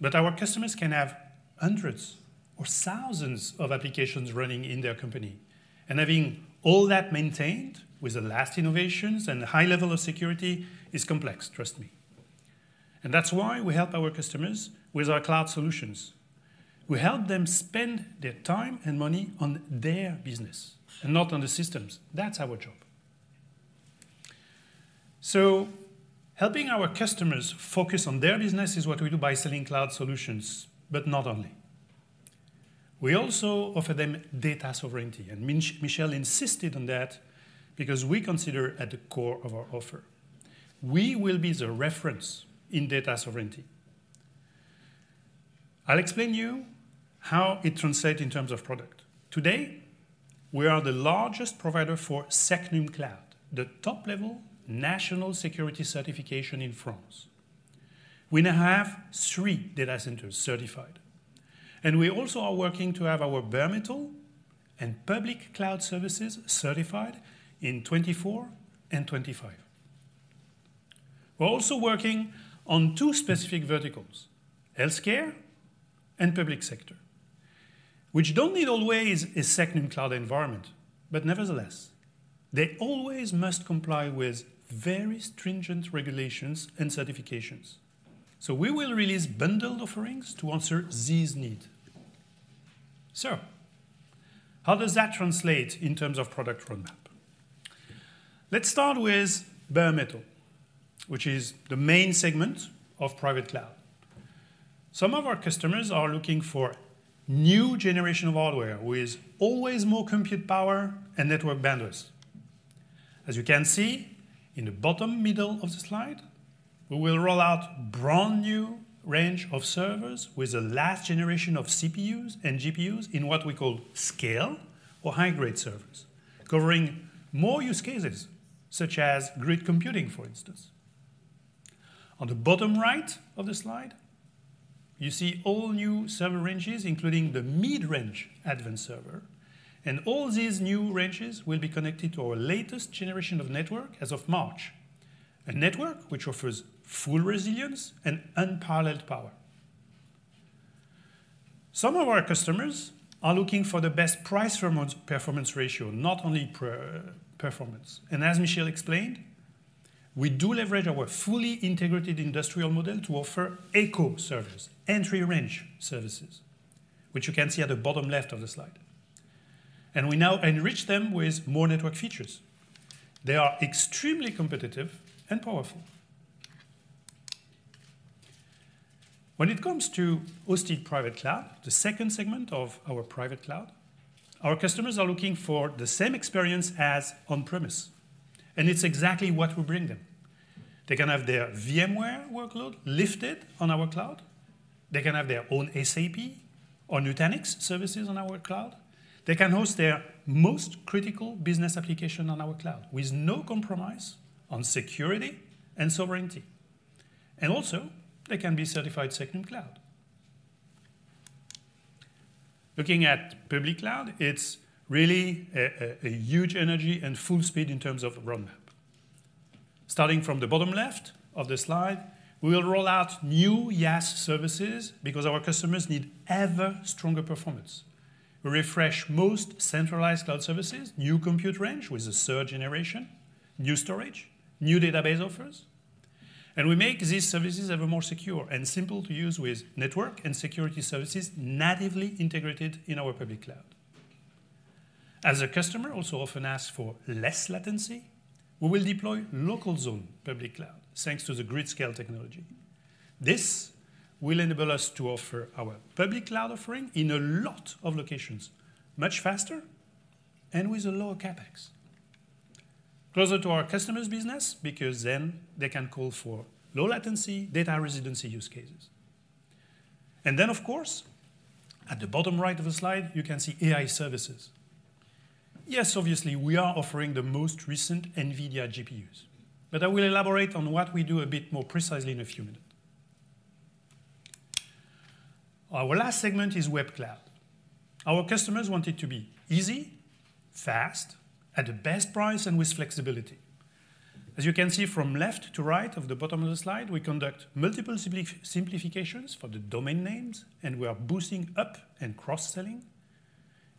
But our customers can have hundreds or thousands of applications running in their company, and having all that maintained with the last innovations and a high level of security is complex, trust me. And that's why we help our customers with our cloud solutions. We help them spend their time and money on their business and not on the systems. That's our job. So helping our customers focus on their business is what we do by selling cloud solutions, but not only. We also offer them data sovereignty, and Michel insisted on that because we consider it at the core of our offer. We will be the reference in data sovereignty. I'll explain to you how it translates in terms of product. Today, we are the largest provider for SecNumCloud, the top-level national security certification in France. We now have three data centers certified, and we also are working to have our Bare Metal and Public Cloud services certified in 2024 and 2025. We're also working on two specific verticals, healthcare and public sector, which don't need always a SecNumCloud environment, but nevertheless, they always must comply with very stringent regulations and certifications. We will release bundled offerings to answer these needs. How does that translate in terms of product roadmap? Let's start with Bare Metal, which is the main segment of Private Cloud.... Some of our customers are looking for new generation of hardware with always more compute power and network bandwidth. As you can see in the bottom middle of the slide, we will roll out brand new range of servers with the last generation of CPUs and GPUs in what we call scale or High Grade servers, covering more use cases, such as grid computing, for instance. On the bottom right of the slide, you see all new server ranges, including the mid-range Advance server, and all these new ranges will be connected to our latest generation of network as of March. A network which offers full resilience and unparalleled power. Some of our customers are looking for the best price performance, performance ratio, not only price performance. We now enrich them with more network features. They are extremely competitive and powerful. When it comes to Hosted Private Cloud, the second segment of our private cloud, our customers are looking for the same experience as on-premises, and it's exactly what we bring them. They can have their VMware workload lifted on our cloud. They can have their own SAP or Nutanix services on our cloud. They can host their most critical business application on our cloud with no compromise on security and sovereignty. And also, they can be certified SecNumCloud. Looking at Public Cloud, it's really a huge energy and full speed in terms of roadmap. Starting from the bottom left of the slide, we will roll out new IaaS services because our customers need ever stronger performance. We refresh most centralized cloud services, new compute range with the third generation, new storage, new database offers, and we make these services ever more secure and simple to use with network and security services natively integrated in our Public Cloud. As a customer also often asks for less latency, we will deploy Local Zone Public Cloud, thanks to the gridscale technology. This will enable us to offer our Public Cloud offering in a lot of locations, much faster and with a lower CapEx. Closer to our customer's business, because then they can call for low latency data residency use cases. And then, of course, at the bottom right of the slide, you can see AI services. Yes, obviously, we are offering the most recent NVIDIA GPUs, but I will elaborate on what we do a bit more precisely in a few minutes. Our last segment is Web Cloud. Our customers want it to be easy, fast, at the best price, and with flexibility. As you can see from left to right of the bottom of the slide, we conduct multiple simplifications for the domain names, and we are boosting up and cross-selling.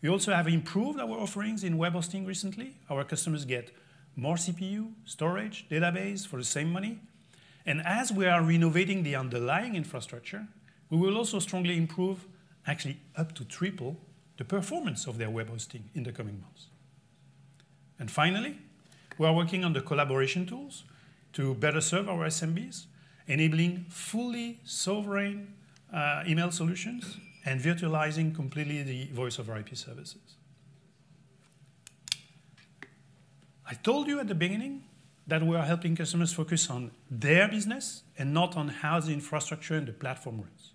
We also have improved our offerings in web hosting recently. Our customers get more CPU, storage, database for the same money, and as we are renovating the underlying infrastructure, we will also strongly improve, actually up to triple, the performance of their web hosting in the coming months. And finally, we are working on the collaboration tools to better serve our SMBs, enabling fully sovereign email solutions and virtualizing completely the voice-over-IP services. I told you at the beginning that we are helping customers focus on their business and not on how the infrastructure and the platform works.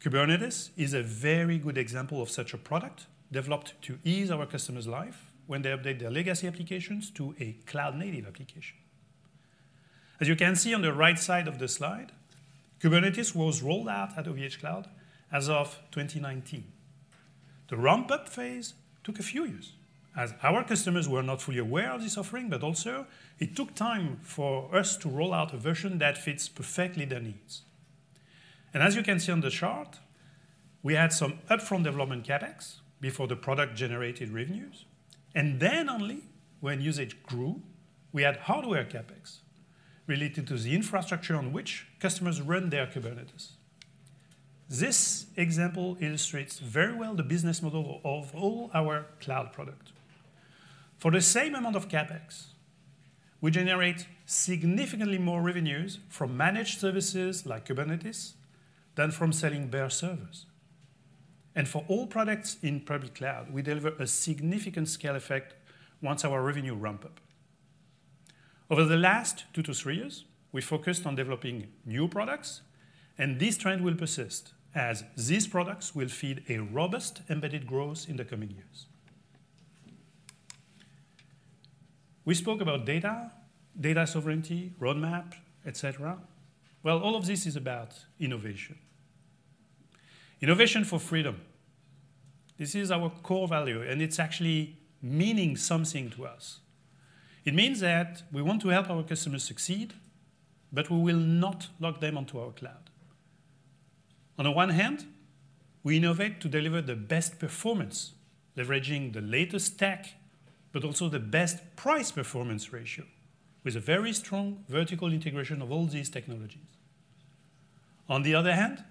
Kubernetes is a very good example of such a product, developed to ease our customers' life when they update their legacy applications to a cloud-native application. As you can see on the right side of the slide, Kubernetes was rolled out at OVHcloud as of 2019. The ramp-up phase took a few years, as our customers were not fully aware of this offering, but also it took time for us to roll out a version that fits perfectly their needs. As you can see on the chart, we had some upfront development CapEx before the product generated revenues, and then only when usage grew, we had hardware CapEx related to the infrastructure on which customers run their Kubernetes. This example illustrates very well the business model of all our cloud product. For the same amount of CapEx, we generate significantly more revenues from managed services like Kubernetes than from selling bare servers. For all products in public cloud, we deliver a significant scale effect once our revenue ramp up. Over the last two to three years, we focused on developing new products, and this trend will persist as these products will feed a robust embedded growth in the coming years. We spoke about data, data sovereignty, roadmap, et cetera. Well, all of this is about innovation. Innovation for freedom. This is our core value, and it's actually meaning something to us. It means that we want to help our customers succeed, but we will not lock them onto our cloud. On the one hand, we innovate to deliver the best performance, leveraging the latest tech, but also the best price performance ratio, with a very strong vertical integration of all these technologies. On the other hand...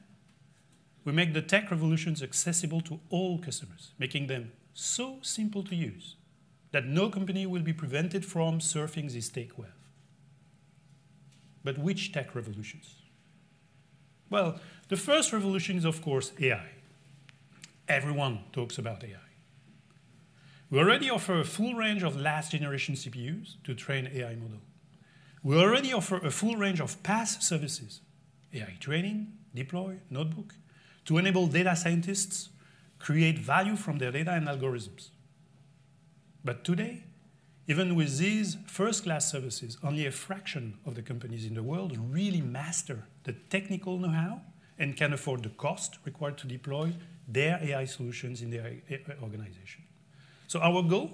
We make the tech revolutions accessible to all customers, making them so simple to use that no company will be prevented from surfing this tech wave. But which tech revolutions? Well, the first revolution is, of course, AI. Everyone talks about AI. We already offer a full range of last-generation CPUs to train AI model. We already offer a full range of PaaS services, AI Training, AI Deploy, AI Notebook, to enable data scientists create value from their data and algorithms. But today, even with these first-class services, only a fraction of the companies in the world really master the technical know-how and can afford the cost required to deploy their AI solutions in their organization. So our goal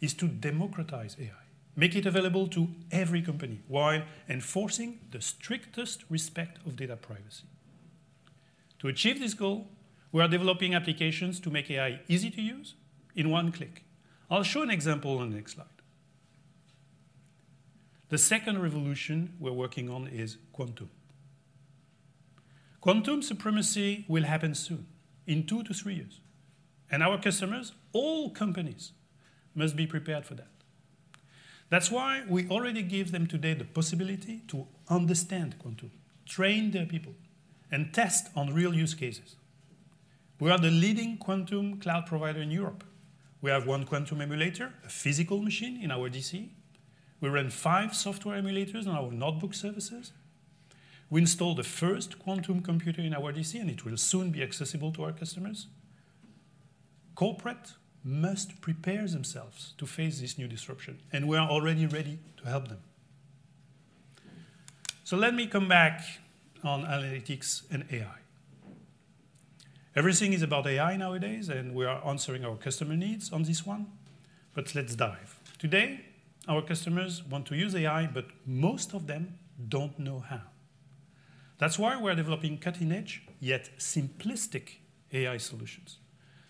is to democratize AI, make it available to every company, while enforcing the strictest respect of data privacy. To achieve this goal, we are developing applications to make AI easy to use in one click. I'll show an example on the next slide. The second revolution we're working on is quantum. Quantum supremacy will happen soon, in 2-3 years, and our customers, all companies, must be prepared for that. That's why we already give them today the possibility to understand quantum, train their people, and test on real use cases. We are the leading quantum cloud provider in Europe. We have one quantum emulator, a physical machine in our DC. We run five software emulators on our notebook services. We installed the first quantum computer in our DC, and it will soon be accessible to our customers. Corporate must prepare themselves to face this new disruption, and we are already ready to help them. So let me come back on analytics and AI. Everything is about AI nowadays, and we are answering our customer needs on this one, but let's dive. Today, our customers want to use AI, but most of them don't know how. That's why we're developing cutting-edge, yet simplistic, AI solutions.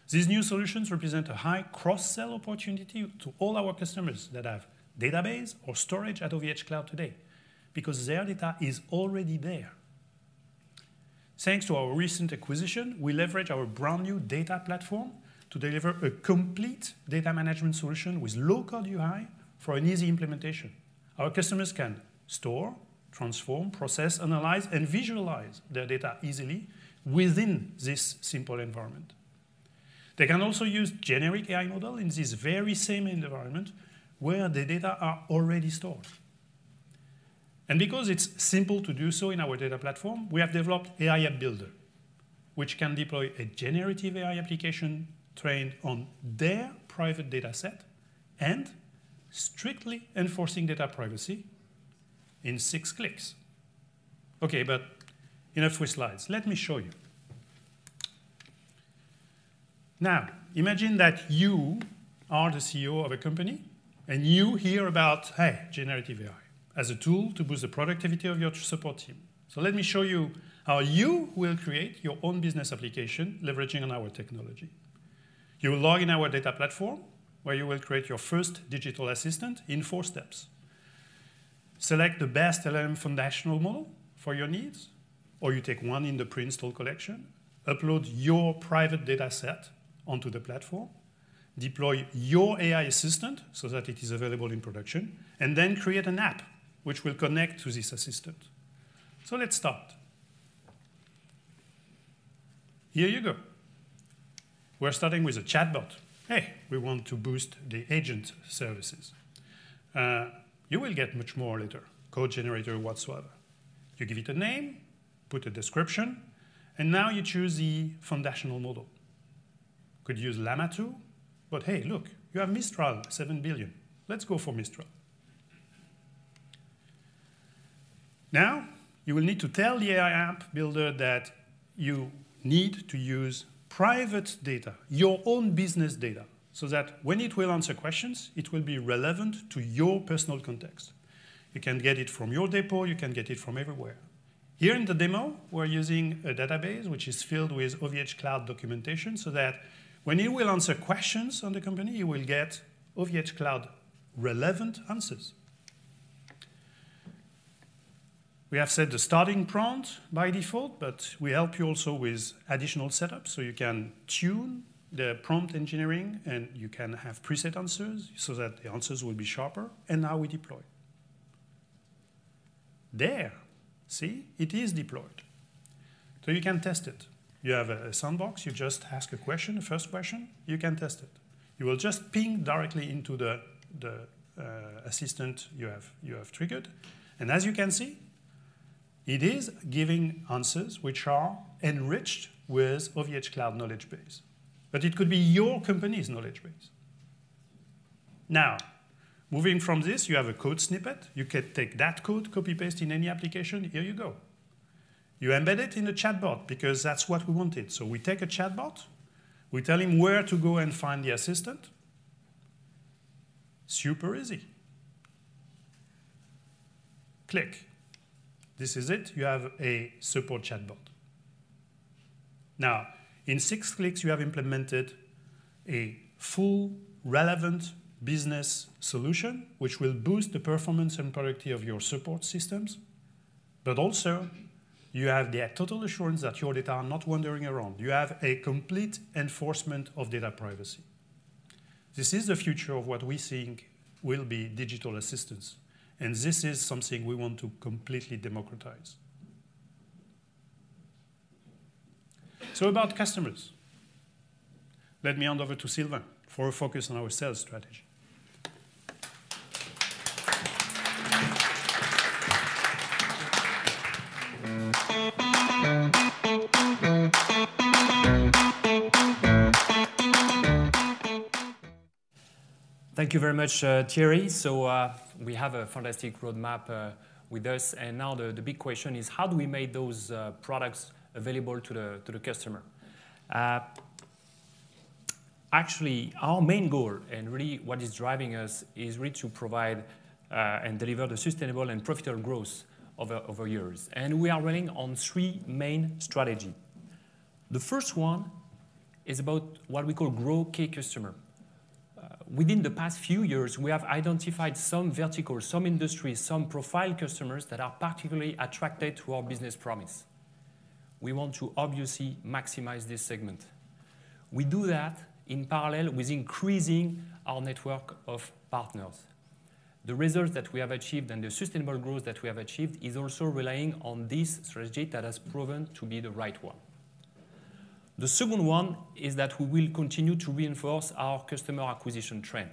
These new solutions represent a high cross-sell opportunity to all our customers that have database or storage at OVHcloud today, because their data is already there. Thanks to our recent acquisition, we leverage our brand-new Data Platform to deliver a complete data management solution with low-code UI for an easy implementation. Our customers can store, transform, process, analyze, and visualize their data easily within this simple environment. They can also use generic AI model in this very same environment where the data are already stored. And because it's simple to do so in our Data Platform, we have developed AI App Builder, which can deploy a generative AI application trained on their private data set and strictly enforcing data privacy in six clicks. Okay, but enough with slides. Let me show you. Now, imagine that you are the CEO of a company, and you hear about, hey, generative AI as a tool to boost the productivity of your support team. So let me show you how you will create your own business application leveraging on our technology. You will log in our Data Platform, where you will create your first digital assistant in four steps. Select the best LLM foundational model for your needs, or you take one in the pre-installed collection, upload your private data set onto the platform, deploy your AI assistant so that it is available in production, and then create an app which will connect to this assistant. So let's start. Here you go. We're starting with a chatbot. Hey, we want to boost the agent services. You will get much more later, code generator, whatsoever. You give it a name, put a description, and now you choose the foundational model. Could use Llama 2, but hey, look, you have Mistral 7B. Let's go for Mistral. Now, you will need to tell the AI App Builder that you need to use private data, your own business data, so that when it will answer questions, it will be relevant to your personal context. You can get it from your depot; you can get it from everywhere. Here in the demo, we're using a database which is filled with OVHcloud documentation, so that when you will answer questions on the company, you will get OVHcloud relevant answers. We have set the starting prompt by default, but we help you also with additional setups, so you can tune the prompt engineering, and you can have preset answers so that the answers will be sharper, and now we deploy. There, see? It is deployed. So you can test it. You have a, a sandbox. You just ask a question, a first question. You can test it. You will just ping directly into the assistant you have, you have triggered, and as you can see, it is giving answers which are enriched with OVHcloud knowledge base, but it could be your company's knowledge base. Now, moving from this, you have a code snippet. You can take that code, copy/paste in any application. Here you go. You embed it in a chatbot because that's what we wanted. So we take a chatbot, we tell him where to go and find the assistant. Super easy. Click. This is it. You have a support chatbot. Now, in six clicks, you have implemented a full relevant business solution, which will boost the performance and productivity of your support systems, but also you have the total assurance that your data are not wandering around. You have a complete enforcement of data privacy. This is the future of what we think will be digital assistance, and this is something we want to completely democratize. So about customers, let me hand over to Sylvain for a focus on our sales strategy. Thank you very much, Thierry. So, we have a fantastic roadmap with us, and now the big question is: how do we make those products available to the customer? Actually, our main goal, and really what is driving us, is really to provide and deliver the sustainable and profitable growth over years. And we are running on three main strategy. The first one is about what we call grow key customer. Within the past few years, we have identified some verticals, some industries, some profile customers that are particularly attracted to our business promise. We want to obviously maximize this segment. We do that in parallel with increasing our network of partners. The results that we have achieved and the sustainable growth that we have achieved is also relying on this strategy that has proven to be the right one. The second one is that we will continue to reinforce our customer acquisition trend.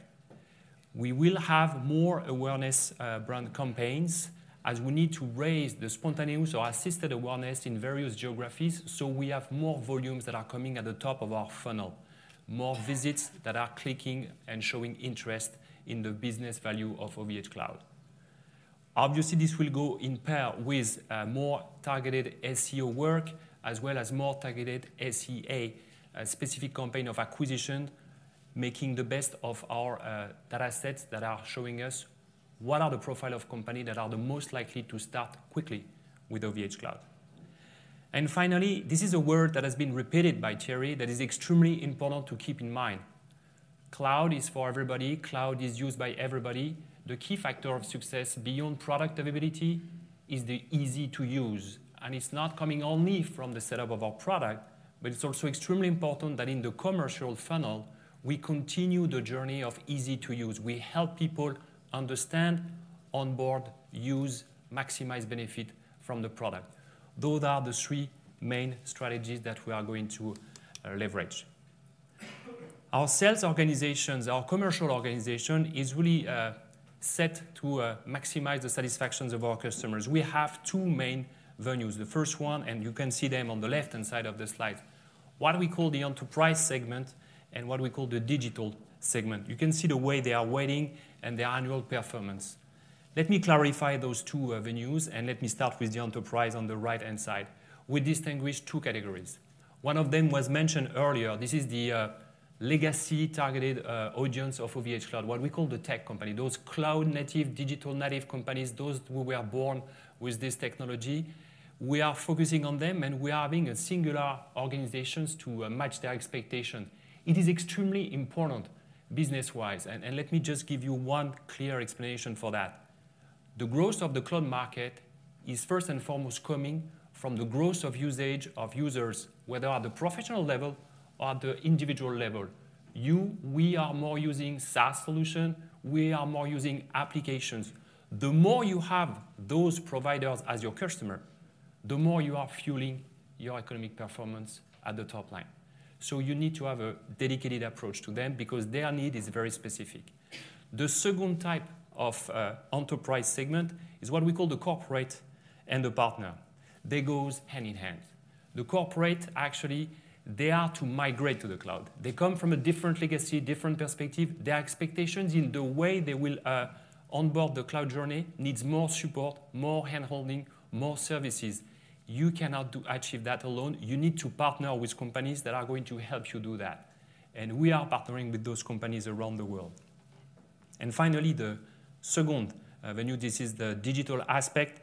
We will have more awareness, brand campaigns, as we need to raise the spontaneous or assisted awareness in various geographies, so we have more volumes that are coming at the top of our funnel, more visits that are clicking and showing interest in the business value of OVHcloud. Obviously, this will go in pair with, more targeted SEO work, as well as more targeted SEA, a specific campaign of acquisition, making the best of our, data sets that are showing us what are the profile of company that are the most likely to start quickly with OVHcloud. Finally, this is a word that has been repeated by Thierry that is extremely important to keep in mind. Cloud is for everybody. Cloud is used by everybody. The key factor of success beyond product availability is the easy to use, and it's not coming only from the setup of our product, but it's also extremely important that in the commercial funnel, we continue the journey of easy to use. We help people understand, onboard, use, maximize benefit from the product. Those are the three main strategies that we are going to leverage. Our sales organizations, our commercial organization is really set to maximize the satisfaction of our customers. We have two main venues. The first one, and you can see them on the left-hand side of the slide, what we call the enterprise segment and what we call the digital segment. You can see the way they are weighing and their annual performance. Let me clarify those two avenues, and let me start with the enterprise on the right-hand side. We distinguish two categories. One of them was mentioned earlier. This is the legacy targeted audience of OVHcloud, what we call the tech company. Those cloud native, digital native companies, those who were born with this technology, we are focusing on them, and we are being a singular organizations to match their expectation. It is extremely important business-wise, and, and let me just give you one clear explanation for that. The growth of the cloud market is first and foremost coming from the growth of usage of users, whether at the professional level or the individual level. We are more using SaaS solution. We are more using applications. The more you have those providers as your customer, the more you are fueling your economic performance at the top line. So you need to have a dedicated approach to them because their need is very specific. The second type of enterprise segment is what we call the corporate and the partner. They goes hand in hand. The corporate, actually, they are to migrate to the cloud. They come from a different legacy, different perspective. Their expectations in the way they will onboard the cloud journey needs more support, more hand-holding, more services. You cannot do achieve that alone. You need to partner with companies that are going to help you do that, and we are partnering with those companies around the world. And finally, the second venue, this is the digital aspect.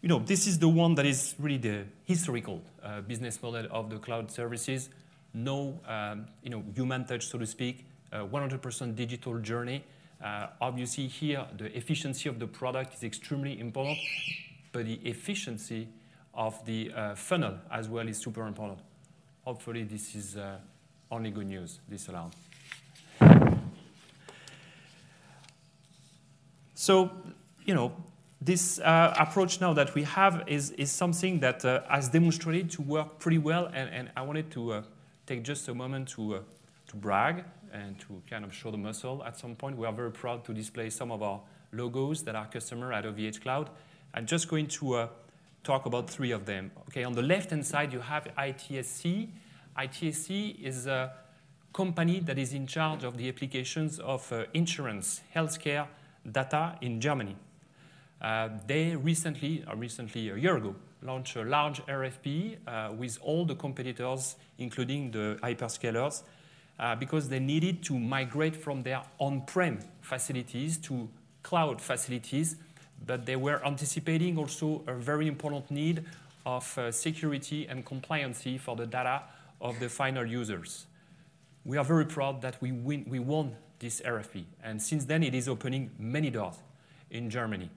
You know, this is the one that is really the historical business model of the cloud services. No, you know, human touch, so to speak, 100% digital journey. Obviously, here, the efficiency of the product is extremely important, but the efficiency of the funnel as well is super important. Hopefully, this is only good news this around. So, you know, this approach now that we have is something that has demonstrated to work pretty well, and I wanted to take just a moment to brag and to kind of show the muscle at some point. We are very proud to display some of our logos that are customer at OVHcloud. I'm just going to talk about three of them. Okay, on the left-hand side, you have ITSC. ITSC is a company that is in charge of the applications of insurance, healthcare data in Germany. They recently, or recently, a year ago, launched a large RFP with all the competitors, including the hyperscalers, because they needed to migrate from their on-prem facilities to cloud facilities. But they were anticipating also a very important need of security and compliancy for the data of the final users... We are very proud that we win, we won this RFP, and since then, it is opening many doors in Germany.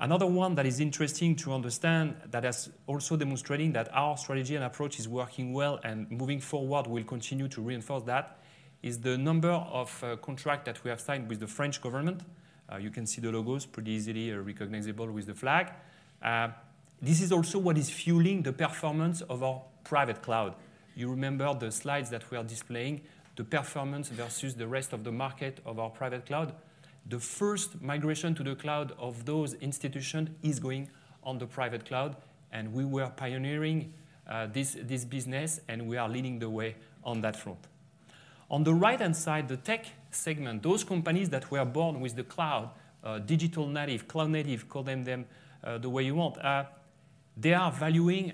Another one that is interesting to understand, that is also demonstrating that our strategy and approach is working well and moving forward, we'll continue to reinforce that, is the number of contract that we have signed with the French government. You can see the logos pretty easily are recognizable with the flag. This is also what is fueling the performance of our private cloud. You remember the slides that we are displaying, the performance versus the rest of the market of our private cloud? The first migration to the cloud of those institutions is going on the private cloud, and we were pioneering this business, and we are leading the way on that front. On the right-hand side, the tech segment, those companies that were born with the cloud, digital native, cloud native, call them the way you want, they are valuing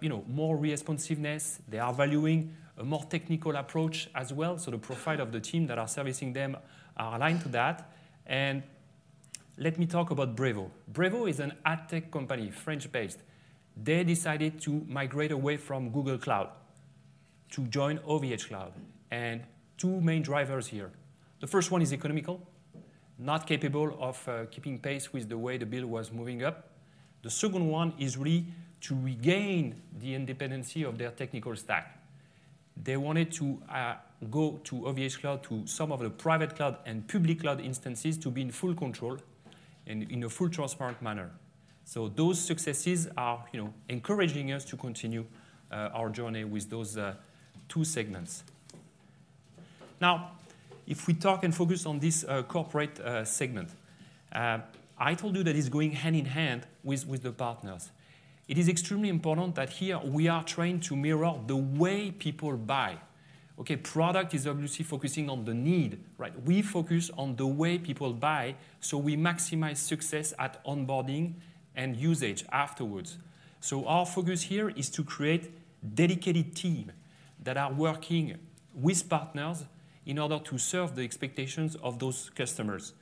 you know, more responsiveness. They are valuing a more technical approach as well, so the profile of the team that are servicing them are aligned to that. Let me talk about Brevo. Brevo is an ad tech company, French-based. They decided to migrate away from Google Cloud to join OVHcloud, and two main drivers here. The first one is economical, not capable of keeping pace with the way the bill was moving up. The second one is really to regain the independence of their technical stack. They wanted to go to OVHcloud, to some of the private cloud and public cloud instances, to be in full control and in a full transparent manner. So those successes are, you know, encouraging us to continue our journey with those two segments. Now, if we talk and focus on this corporate segment, I told you that it's going hand in hand with, with the partners. It is extremely important that here we are trying to mirror the way people buy, okay? Product is obviously focusing on the need, right? We focus on the way people buy, so we maximize success at onboarding and usage afterwards. So our focus here is to create dedicated team that are working with partners in order to serve the expectations of those customers.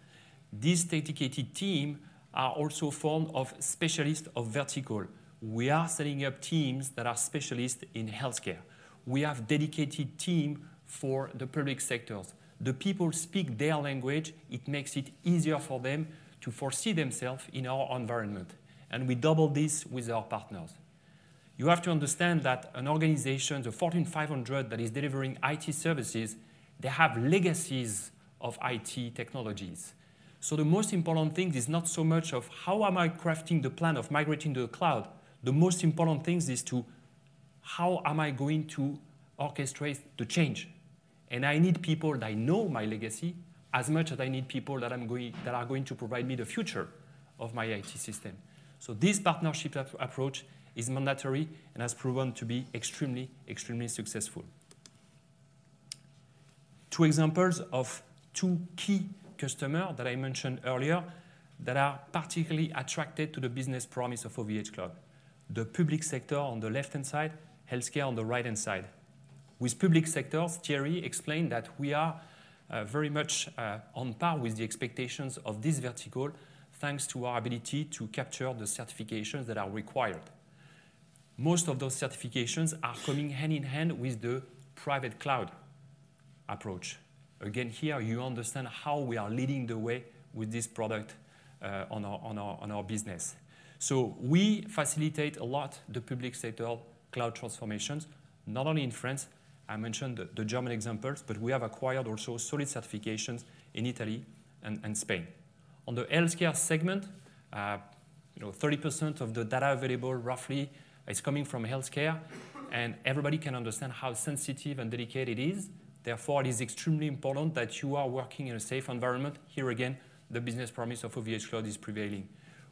These dedicated team are also formed of specialists of vertical. We are setting up teams that are specialists in healthcare. We have dedicated team for the public sectors. The people speak their language, it makes it easier for them to foresee themselves in our environment, and we double this with our partners. You have to understand that an organization, the Fortune 500 that is delivering IT services, they have legacies of IT technologies. So the most important thing is not so much of: How am I crafting the plan of migrating to the cloud? The most important things is to: How am I going to orchestrate the change? I need people that know my legacy as much as I need people that are going to provide me the future of my IT system. So this partnership approach is mandatory and has proven to be extremely, extremely successful. Two examples of two key customer that I mentioned earlier that are particularly attracted to the business promise of OVHcloud. The public sector on the left-hand side, healthcare on the right-hand side. With public sector, Thierry explained that we are very much on par with the expectations of this vertical, thanks to our ability to capture the certifications that are required. Most of those certifications are coming hand in hand with the private cloud approach. Again, here, you understand how we are leading the way with this product on our business. So we facilitate a lot the public sector cloud transformations, not only in France. I mentioned the German examples, but we have acquired also solid certifications in Italy and Spain. On the healthcare segment, you know, 30% of the data available, roughly, is coming from healthcare, and everybody can understand how sensitive and delicate it is. Therefore, it is extremely important that you are working in a safe environment. Here again, the business promise of OVHcloud is prevailing.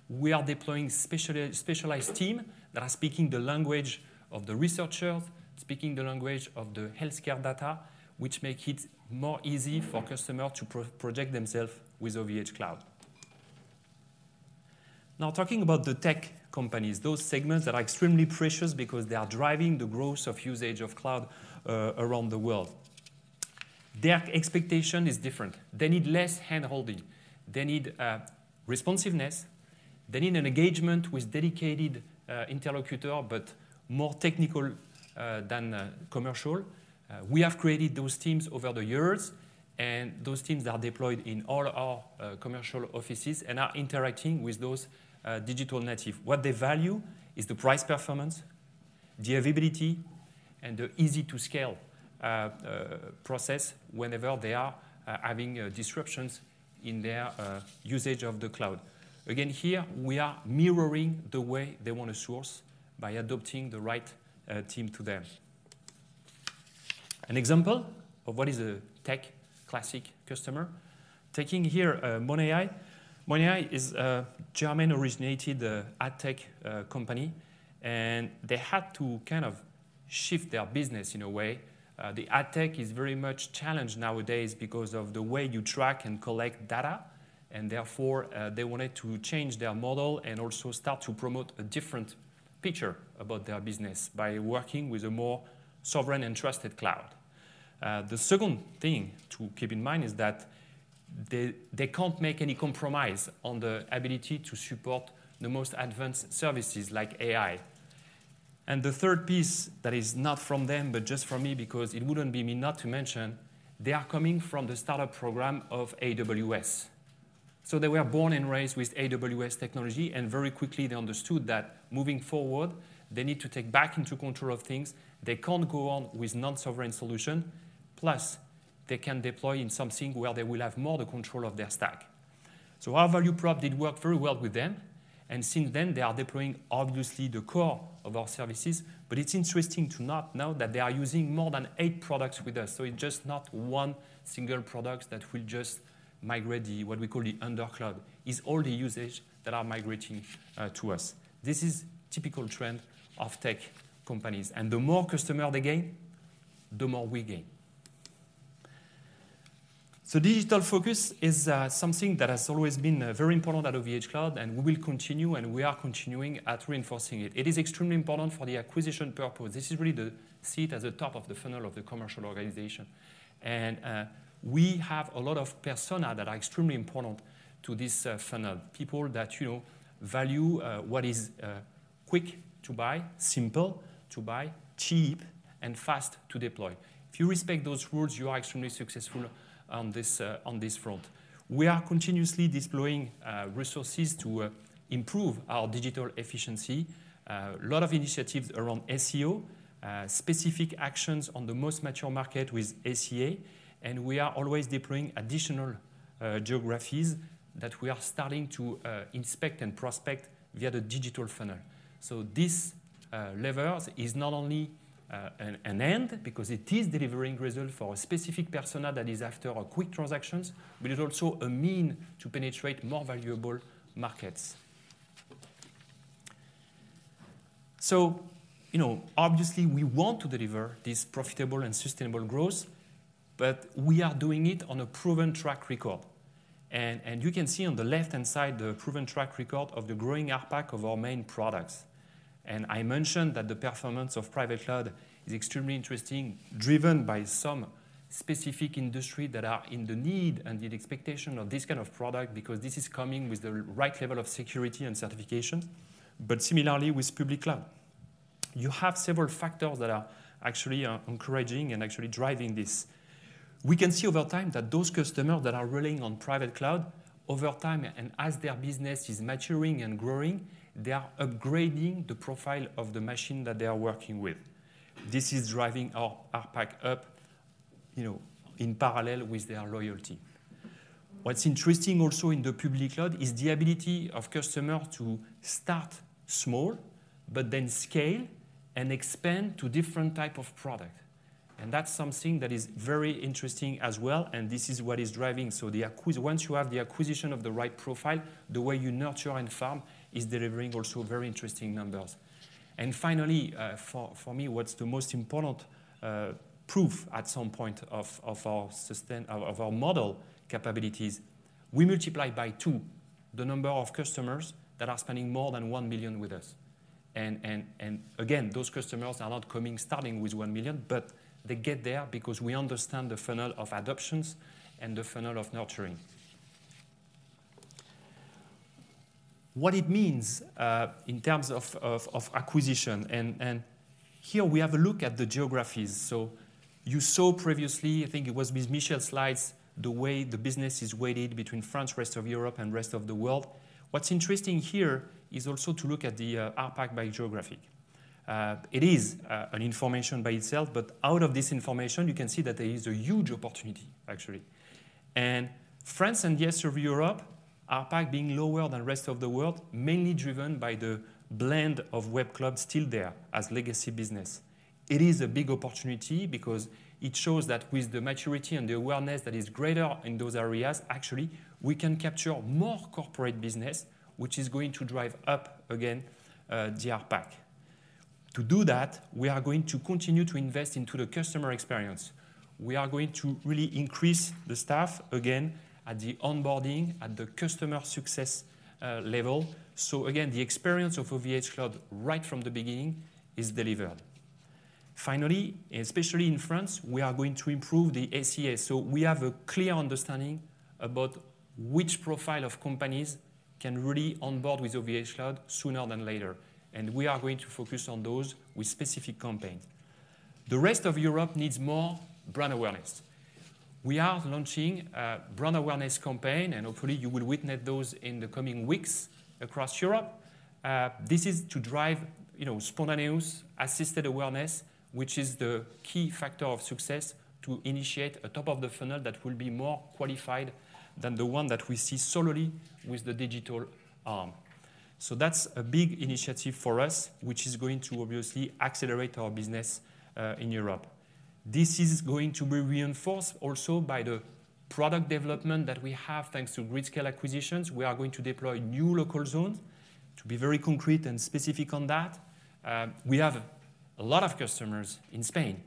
We are deploying specialized team that are speaking the language of the researchers, speaking the language of the healthcare data, which make it more easy for customer to project themselves with OVHcloud. Now, talking about the tech companies, those segments that are extremely precious because they are driving the growth of usage of cloud around the world. Their expectation is different. They need less handholding. They need responsiveness. They need an engagement with dedicated interlocutor, but more technical than commercial. We have created those teams over the years, and those teams are deployed in all our commercial offices and are interacting with those digital native. What they value is the price performance, the availability, and the easy-to-scale process whenever they are having disruptions in their usage of the cloud. Again, here, we are mirroring the way they want to source by adopting the right team to them. An example of what is a tech classic customer, taking here, moin.ai. moin.ai is a German-originated ad tech company, and they had to kind of shift their business in a way. The ad tech is very much challenged nowadays because of the way you track and collect data, and therefore, they wanted to change their model and also start to promote a different picture about their business by working with a more sovereign and trusted cloud. The second thing to keep in mind is that they can't make any compromise on the ability to support the most advanced services like AI. And the third piece, that is not from them, but just from me, because it wouldn't be me not to mention, they are coming from the startup program of AWS. So they were born and raised with AWS technology, and very quickly they understood that moving forward, they need to take back into control of things. They can't go on with non-sovereign solution, plus they can deploy in something where they will have more the control of their stack. So our value prop did work very well with them, and since then, they are deploying obviously the core of our services. But it's interesting to note now that they are using more than eight products with us. So it's just not one single product that will just migrate the, what we call the undercloud, is all the usage that are migrating, to us. This is typical trend of tech companies, and the more customer they gain, the more we gain. So digital focus is, something that has always been, very important at OVHcloud, and we will continue, and we are continuing at reinforcing it. It is extremely important for the acquisition purpose. This is really the seat at the top of the funnel of the commercial organization. We have a lot of persona that are extremely important to this funnel. People that, you know, value what is quick to buy, simple to buy, cheap and fast to deploy. If you respect those rules, you are extremely successful on this on this front. We are continuously deploying resources to improve our digital efficiency. A lot of initiatives around SEO, specific actions on the most mature market with ACA, and we are always deploying additional geographies that we are starting to inspect and prospect via the digital funnel. So this level is not only an end, because it is delivering results for a specific persona that is after quick transactions, but it's also a means to penetrate more valuable markets. So, you know, obviously, we want to deliver this profitable and sustainable growth, but we are doing it on a proven track record. And you can see on the left-hand side, the proven track record of the growing ARPAC of our main products. And I mentioned that the performance of private cloud is extremely interesting, driven by some specific industries that are in the need and the expectation of this kind of product, because this is coming with the right level of security and certification. But similarly, with public cloud, you have several factors that are actually encouraging and actually driving this. We can see over time that those customers that are running on private cloud, over time and as their business is maturing and growing, they are upgrading the profile of the machine that they are working with. This is driving our ARPAC up, you know, in parallel with their loyalty. What's interesting also in the public cloud is the ability of customer to start small, but then scale and expand to different type of product. And that's something that is very interesting as well, and this is what is driving. So once you have the acquisition of the right profile, the way you nurture and farm is delivering also very interesting numbers. Finally, for me, what's the most important proof at some point of our model capabilities, we multiply by two the number of customers that are spending more than 1 million with us. And again, those customers are not coming, starting with 1 million, but they get there because we understand the funnel of adoptions and the funnel of nurturing. What it means in terms of acquisition, and here we have a look at the geographies. So you saw previously, I think it was with Michel's slides, the way the business is weighted between France, rest of Europe and rest of the world. What's interesting here is also to look at the ARPAC by geographic. It is an information by itself, but out of this information, you can see that there is a huge opportunity, actually, and France and the rest of Europe, ARPAC being lower than the rest of the world, mainly driven by the blend of Web Cloud still there as legacy business. It is a big opportunity because it shows that with the maturity and the awareness that is greater in those areas, actually, we can capture more corporate business, which is going to drive up again, the ARPAC. To do that, we are going to continue to invest into the customer experience. We are going to really increase the staff again at the onboarding, at the customer success, level. So again, the experience of OVHcloud right from the beginning is delivered. Finally, especially in France, we are going to improve the SEA. We have a clear understanding about which profile of companies can really onboard with OVHcloud sooner than later, and we are going to focus on those with specific campaigns. The rest of Europe needs more brand awareness. We are launching a brand awareness campaign, and hopefully, you will witness those in the coming weeks across Europe. This is to drive, you know, spontaneous, assisted awareness, which is the key factor of success to initiate a top of the funnel that will be more qualified than the one that we see solely with the digital arm. That's a big initiative for us, which is going to obviously accelerate our business in Europe. This is going to be reinforced also by the product development that we have, thanks to gridscale acquisitions. We are going to deploy new Local Zones. To be very concrete and specific on that, we have a lot of customers in Spain.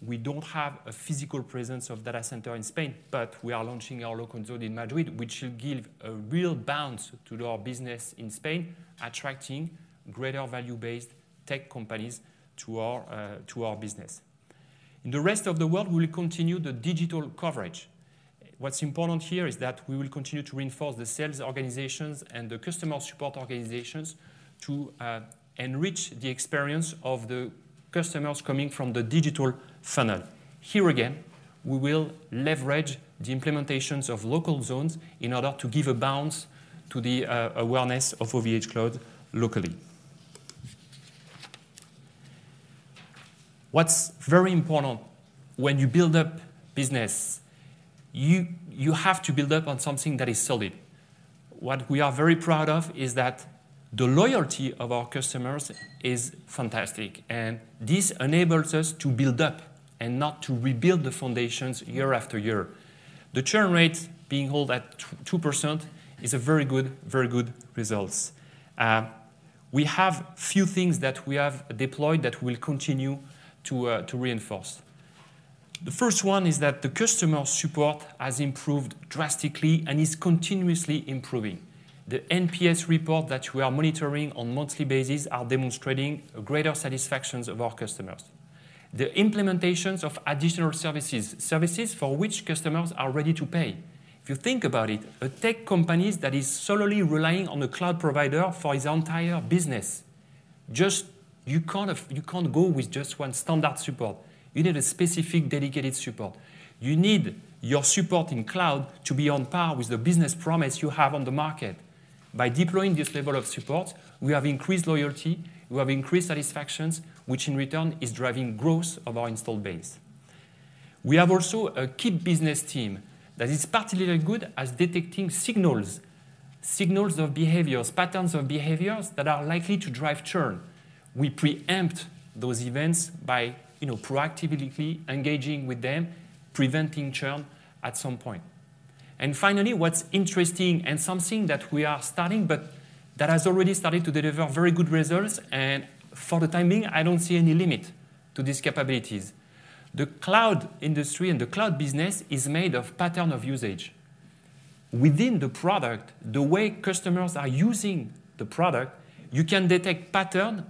We don't have a physical presence of data center in Spain, but we are launching our local zone in Madrid, which should give a real bounce to our business in Spain, attracting greater value-based tech companies to our, to our business. In the rest of the world, we will continue the digital coverage. What's important here is that we will continue to reinforce the sales organizations and the customer support organizations to enrich the experience of the customers coming from the digital funnel. Here again, we will leverage the implementations of local zones in order to give a bounce to the awareness of OVHcloud locally. What's very important when you build up business, you have to build up on something that is solid. What we are very proud of is that the loyalty of our customers is fantastic, and this enables us to build up and not to rebuild the foundations year after year. The churn rate being held at 2% is a very good, very good results. We have a few things that we have deployed that we'll continue to, to reinforce. The first one is that the customer support has improved drastically and is continuously improving. The NPS report that we are monitoring on monthly basis are demonstrating a greater satisfaction of our customers. The implementations of additional services, services for which customers are ready to pay. If you think about it, a tech company that is solely relying on a cloud provider for its entire business, just you can't have, you can't go with just one standard support. You need a specific, dedicated support. You need your support in cloud to be on par with the business promise you have on the market. By deploying this level of support, we have increased loyalty, we have increased satisfaction, which in return is driving growth of our installed base. We have also a key business team that is particularly good at detecting signals, signals of behaviors, patterns of behaviors that are likely to drive churn. We preempt those events by, you know, proactively engaging with them, preventing churn at some point. Finally, what's interesting and something that we are starting, but that has already started to deliver very good results, and for the time being, I don't see any limit to these capabilities. The cloud industry and the cloud business is made of pattern of usage. Within the product, the way customers are using the product, you can detect pattern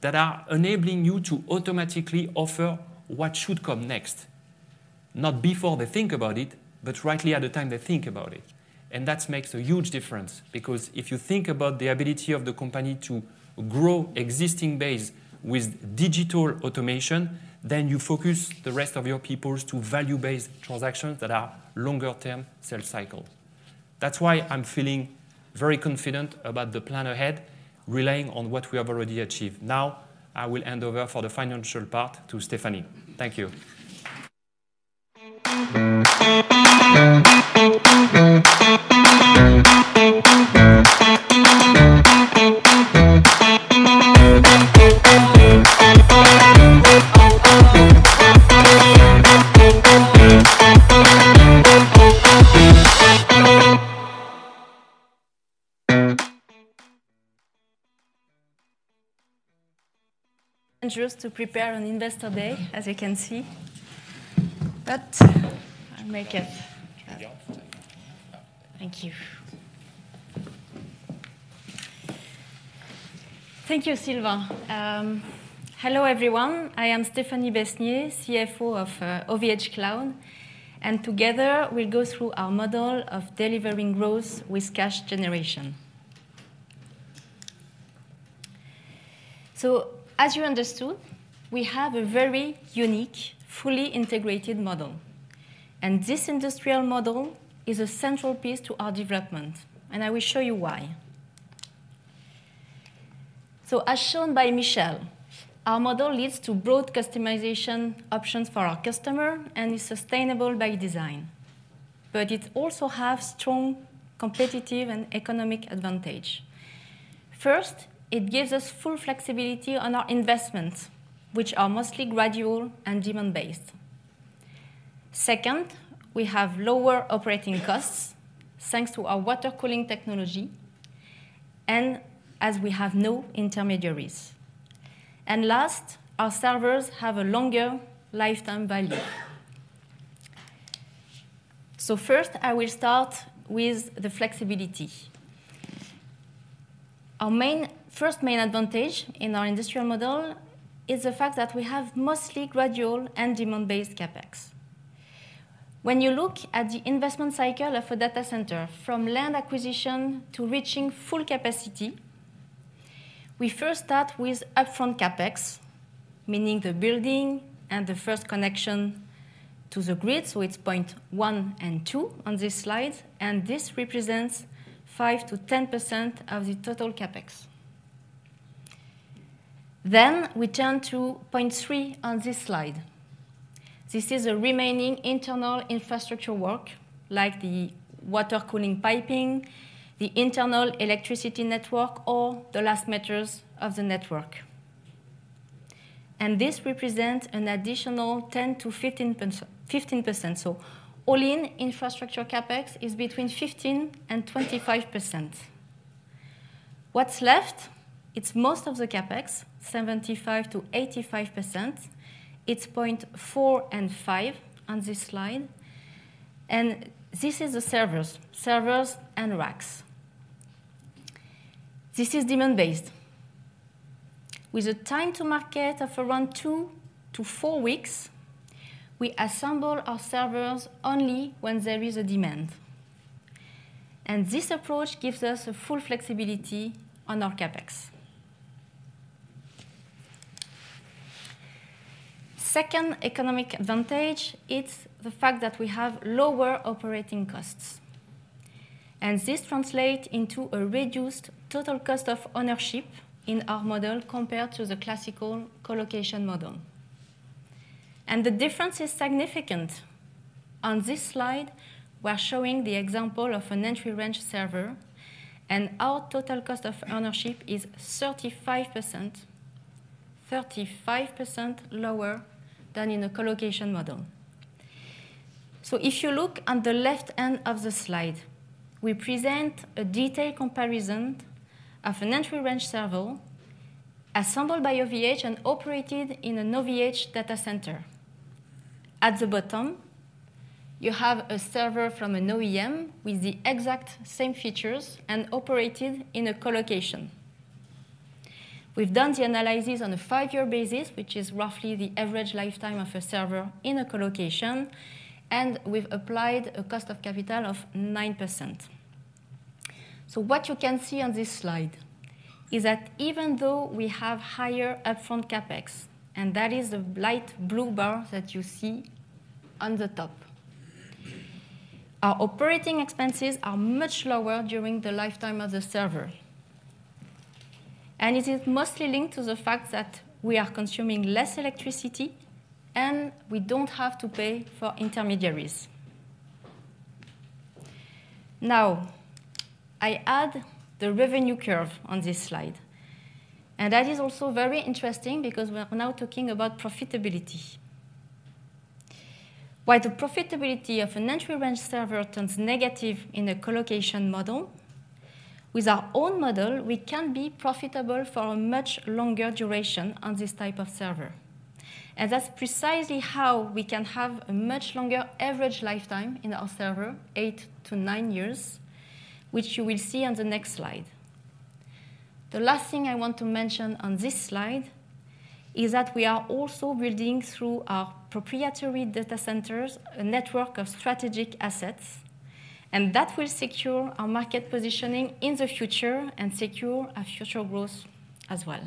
that are enabling you to automatically offer what should come next, not before they think about it, but rightly at the time they think about it. That makes a huge difference, because if you think about the ability of the company to grow existing base with digital automation, then you focus the rest of your peoples to value-based transactions that are longer-term sales cycle. That's why I'm feeling very confident about the plan ahead, relying on what we have already achieved. Now, I will hand over for the financial part to Stéphanie. Thank you. ... dangerous to prepare an investor day, as you can see, but I'll make it. Good job. Thank you. Thank you, Sylvain. Hello, everyone. I am Stéphanie Besnier, CFO of OVHcloud, and together we'll go through our model of delivering growth with cash generation. As you understood, we have a very unique, fully integrated model, and this industrial model is a central piece to our development, and I will show you why. As shown by Michel, our model leads to broad customization options for our customer and is sustainable by design, but it also have strong competitive and economic advantage. First, it gives us full flexibility on our investments, which are mostly gradual and demand-based. Second, we have lower operating costs, thanks to our water cooling technology and as we have no intermediaries. And last, our servers have a longer lifetime value. First, I will start with the flexibility. Our main, first main advantage in our industrial model is the fact that we have mostly gradual and demand-based CapEx. When you look at the investment cycle of a data center, from land acquisition to reaching full capacity, we first start with upfront CapEx, meaning the building and the first connection to the grid. So it's point 1 and 2 on this slide, and this represents 5%-10% of the total CapEx. Then we turn to point 3 on this slide. This is the remaining internal infrastructure work, like the water cooling piping, the internal electricity network, or the last meters of the network. And this represents an additional 10%-15%, 15%. So all-in infrastructure CapEx is between 15%-25%. What's left? It's most of the CapEx, 75%-85%. It's 0.4 and 0.5 on this slide, and this is the servers, servers and racks. This is demand-based. With a time to market of around two to four weeks, we assemble our servers only when there is a demand, and this approach gives us a full flexibility on our CapEx. Second economic advantage, it's the fact that we have lower operating costs, and this translate into a reduced total cost of ownership in our model compared to the classical colocation model. The difference is significant. On this slide, we're showing the example of an entry range server, and our total cost of ownership is 35%, 35% lower than in a colocation model. If you look on the left end of the slide, we present a detailed comparison of an entry range server assembled by OVH and operated in an OVH data center. At the bottom, you have a server from an OEM with the exact same features and operated in a colocation. We've done the analysis on a five-year basis, which is roughly the average lifetime of a server in a colocation, and we've applied a cost of capital of 9%. What you can see on this slide is that even though we have higher upfront CapEx, and that is the light blue bar that you see on the top, our operating expenses are much lower during the lifetime of the server. It is mostly linked to the fact that we are consuming less electricity, and we don't have to pay for intermediaries. Now, I add the revenue curve on this slide, and that is also very interesting because we are now talking about profitability. While the profitability of an entry range server turns negative in a colocation model, with our own model, we can be profitable for a much longer duration on this type of server. And that's precisely how we can have a much longer average lifetime in our server, eight to nine years, which you will see on the next slide. The last thing I want to mention on this slide is that we are also building, through our proprietary data centers, a network of strategic assets, and that will secure our market positioning in the future and secure our future growth as well.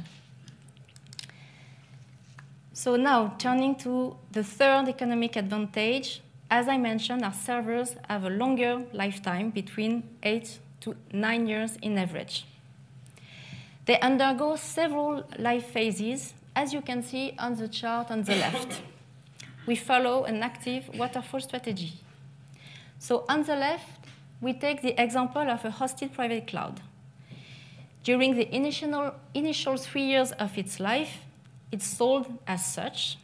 So now, turning to the third economic advantage, as I mentioned, our servers have a longer lifetime between eight to nine years on average. They undergo several life phases, as you can see on the chart on the left. We follow an active waterfall strategy. So on the left, we take the example of a Hosted Private Cloud. During the initial three years of its life, it's sold as such,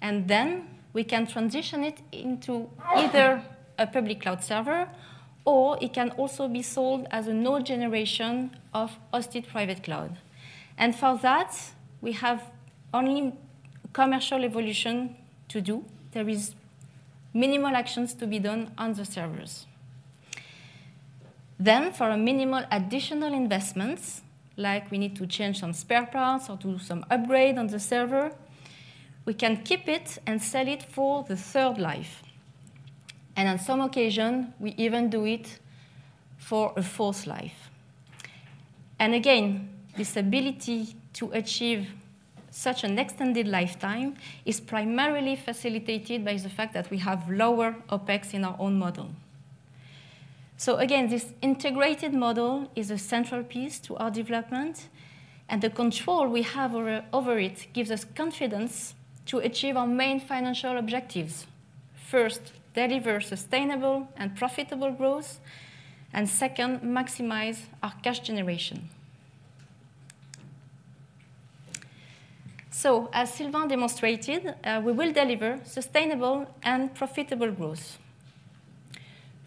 and then we can transition it into either a Public Cloud server, or it can also be sold as a new generation of Hosted Private Cloud. And for that, we have only commercial evolution to do. There is minimal actions to be done on the servers. Then, for a minimal additional investments, like we need to change some spare parts or do some upgrade on the server, we can keep it and sell it for the third life, and on some occasion, we even do it for a fourth life. And again, this ability to achieve such an extended lifetime is primarily facilitated by the fact that we have lower OpEx in our own model. So again, this integrated model is a central piece to our development, and the control we have over it gives us confidence to achieve our main financial objectives. First, deliver sustainable and profitable growth, and second, maximize our cash generation. So, as Sylvain demonstrated, we will deliver sustainable and profitable growth.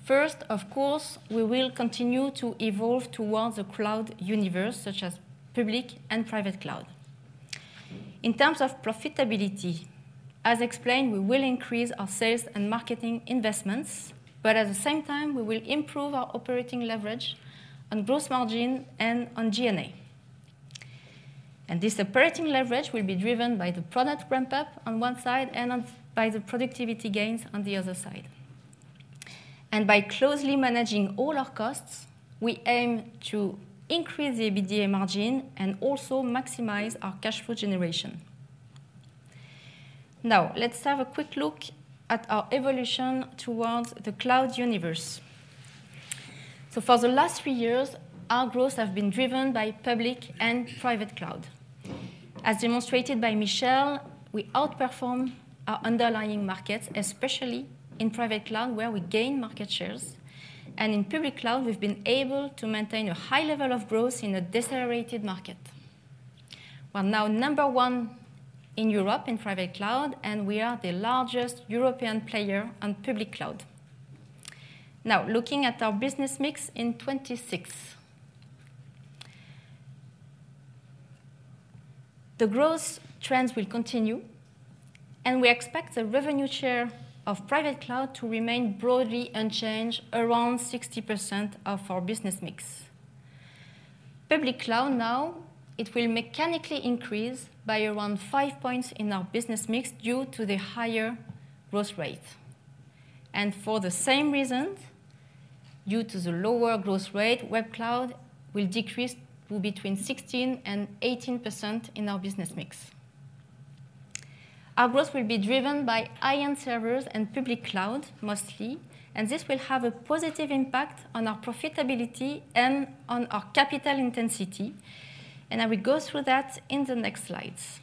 First, of course, we will continue to evolve towards a cloud universe, such as public and private cloud. In terms of profitability, as explained, we will increase our sales and marketing investments, but at the same time, we will improve our operating leverage on gross margin and on G&A. And this operating leverage will be driven by the product ramp-up on one side and by the productivity gains on the other side. And by closely managing all our costs, we aim to increase the EBITDA margin and also maximize our cash flow generation. Now, let's have a quick look at our evolution towards the cloud universe. So for the last three years, our growth have been driven by Public Cloud and Private Cloud. As demonstrated by Michel, we outperform our underlying markets, especially in Private Cloud, where we gain market shares. And in Public Cloud, we've been able to maintain a high level of growth in a decelerated market. We're now number one in Europe in Private Cloud, and we are the largest European player on Public Cloud. Now, looking at our business mix in 2026.... The growth trends will continue, and we expect the revenue share of Private Cloud to remain broadly unchanged, around 60% of our business mix. Public Cloud now, it will mechanically increase by around 5 points in our business mix due to the higher growth rate. For the same reason, due to the lower growth rate, Web Cloud will decrease to between 16%-18% in our business mix. Our growth will be driven by high-end servers and Public Cloud mostly, and this will have a positive impact on our profitability and on our capital intensity. I will go through that in the next slides.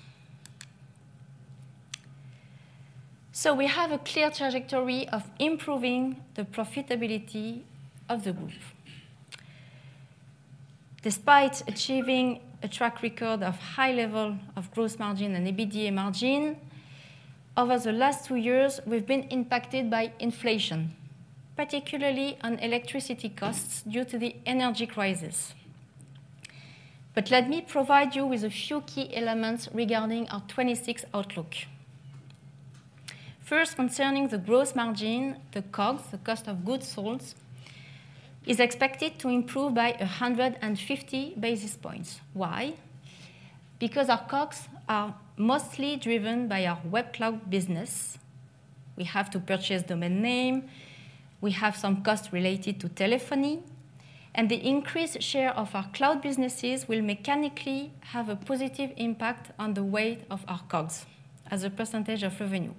So we have a clear trajectory of improving the profitability of the group. Despite achieving a track record of high level of growth margin and EBITDA margin, over the last two years, we've been impacted by inflation, particularly on electricity costs due to the energy crisis. But let me provide you with a few key elements regarding our 2026 outlook. First, concerning the growth margin, the COGS, the cost of goods sold, is expected to improve by 150 basis points. Why? Because our COGS are mostly driven by our Web Cloud business. We have to purchase domain name, we have some costs related to telephony, and the increased share of our cloud businesses will mechanically have a positive impact on the weight of our COGS as a percentage of revenue.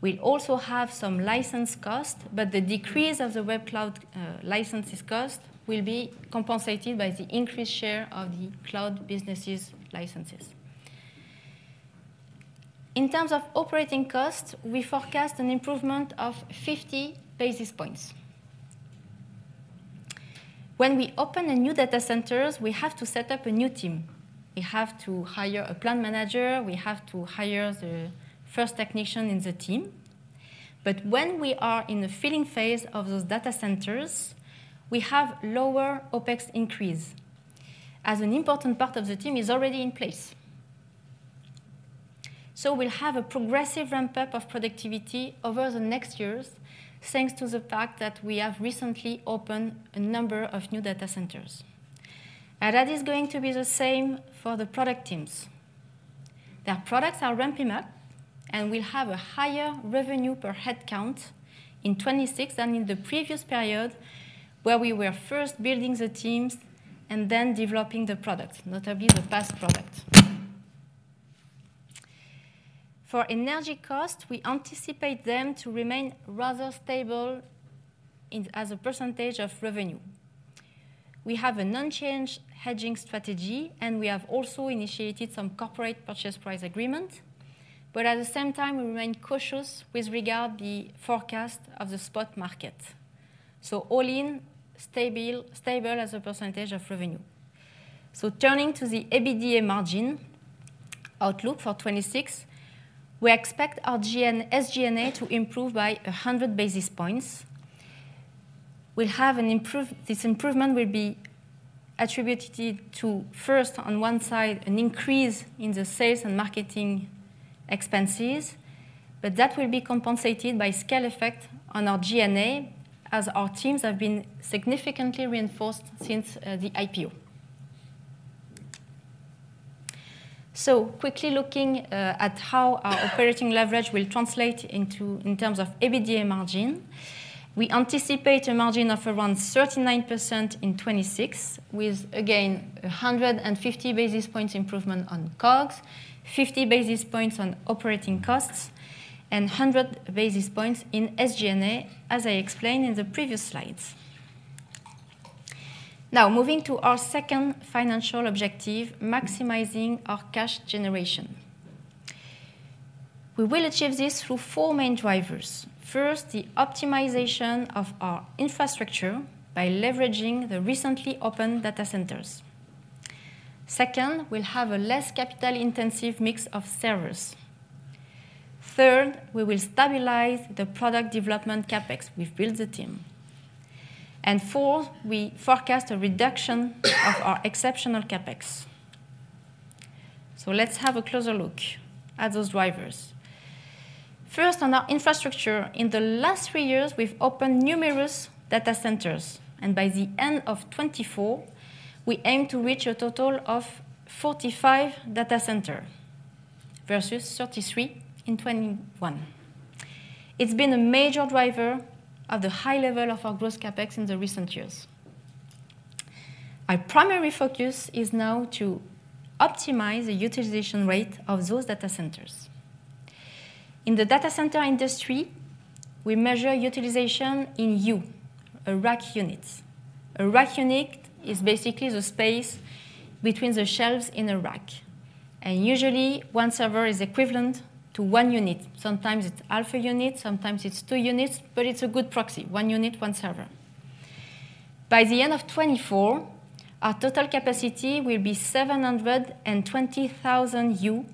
We also have some license costs, but the decrease of the Web Cloud licenses cost will be compensated by the increased share of the cloud businesses licenses. In terms of operating costs, we forecast an improvement of 50 basis points. When we open a new data centers, we have to set up a new team. We have to hire a plant manager, we have to hire the first technician in the team. But when we are in the filling phase of those data centers, we have lower OpEx increase, as an important part of the team is already in place. So we'll have a progressive ramp-up of productivity over the next years, thanks to the fact that we have recently opened a number of new data centers. That is going to be the same for the product teams. Their products are ramping up, and we'll have a higher revenue per headcount in 2026 than in the previous period, where we were first building the teams and then developing the products, notably the PaaS product. For energy costs, we anticipate them to remain rather stable in, as a percentage of revenue. We have an unchanged hedging strategy, and we have also initiated some corporate purchase price agreement, but at the same time, we remain cautious with regard the forecast of the spot market. So all in, stable, stable as a percentage of revenue. So turning to the EBITDA margin outlook for 2026, we expect our G&A-SG&A to improve by 100 basis points. This improvement will be attributed to, first on one side, an increase in the sales and marketing expenses, but that will be compensated by scale effect on our G&A, as our teams have been significantly reinforced since the IPO. So quickly looking at how our operating leverage will translate into, in terms of EBITDA margin, we anticipate a margin of around 39% in 2026, with again, a 150 basis points improvement on COGS, 50 basis points on operating costs, and 100 basis points in SG&A, as I explained in the previous slides. Now, moving to our second financial objective, maximizing our cash generation. We will achieve this through four main drivers. First, the optimization of our infrastructure by leveraging the recently opened data centers. Second, we'll have a less capital-intensive mix of servers. Third, we will stabilize the product development CapEx. We've built the team. And four, we forecast a reduction of our exceptional CapEx. So let's have a closer look at those drivers. First, on our infrastructure, in the last three years, we've opened numerous data centers, and by the end of 2024, we aim to reach a total of 45 data centers versus 33 in 2021. It's been a major driver of the high level of our gross CapEx in the recent years. Our primary focus is now to optimize the utilization rate of those data centers. In the data center industry, we measure utilization in U, a rack unit. A rack unit is basically the space between the shelves in a rack, and usually, one server is equivalent to one unit. Sometimes it's half a unit, sometimes it's two units, but it's a good proxy, one unit, one server. By the end of 2024, our total capacity will be 720,000 U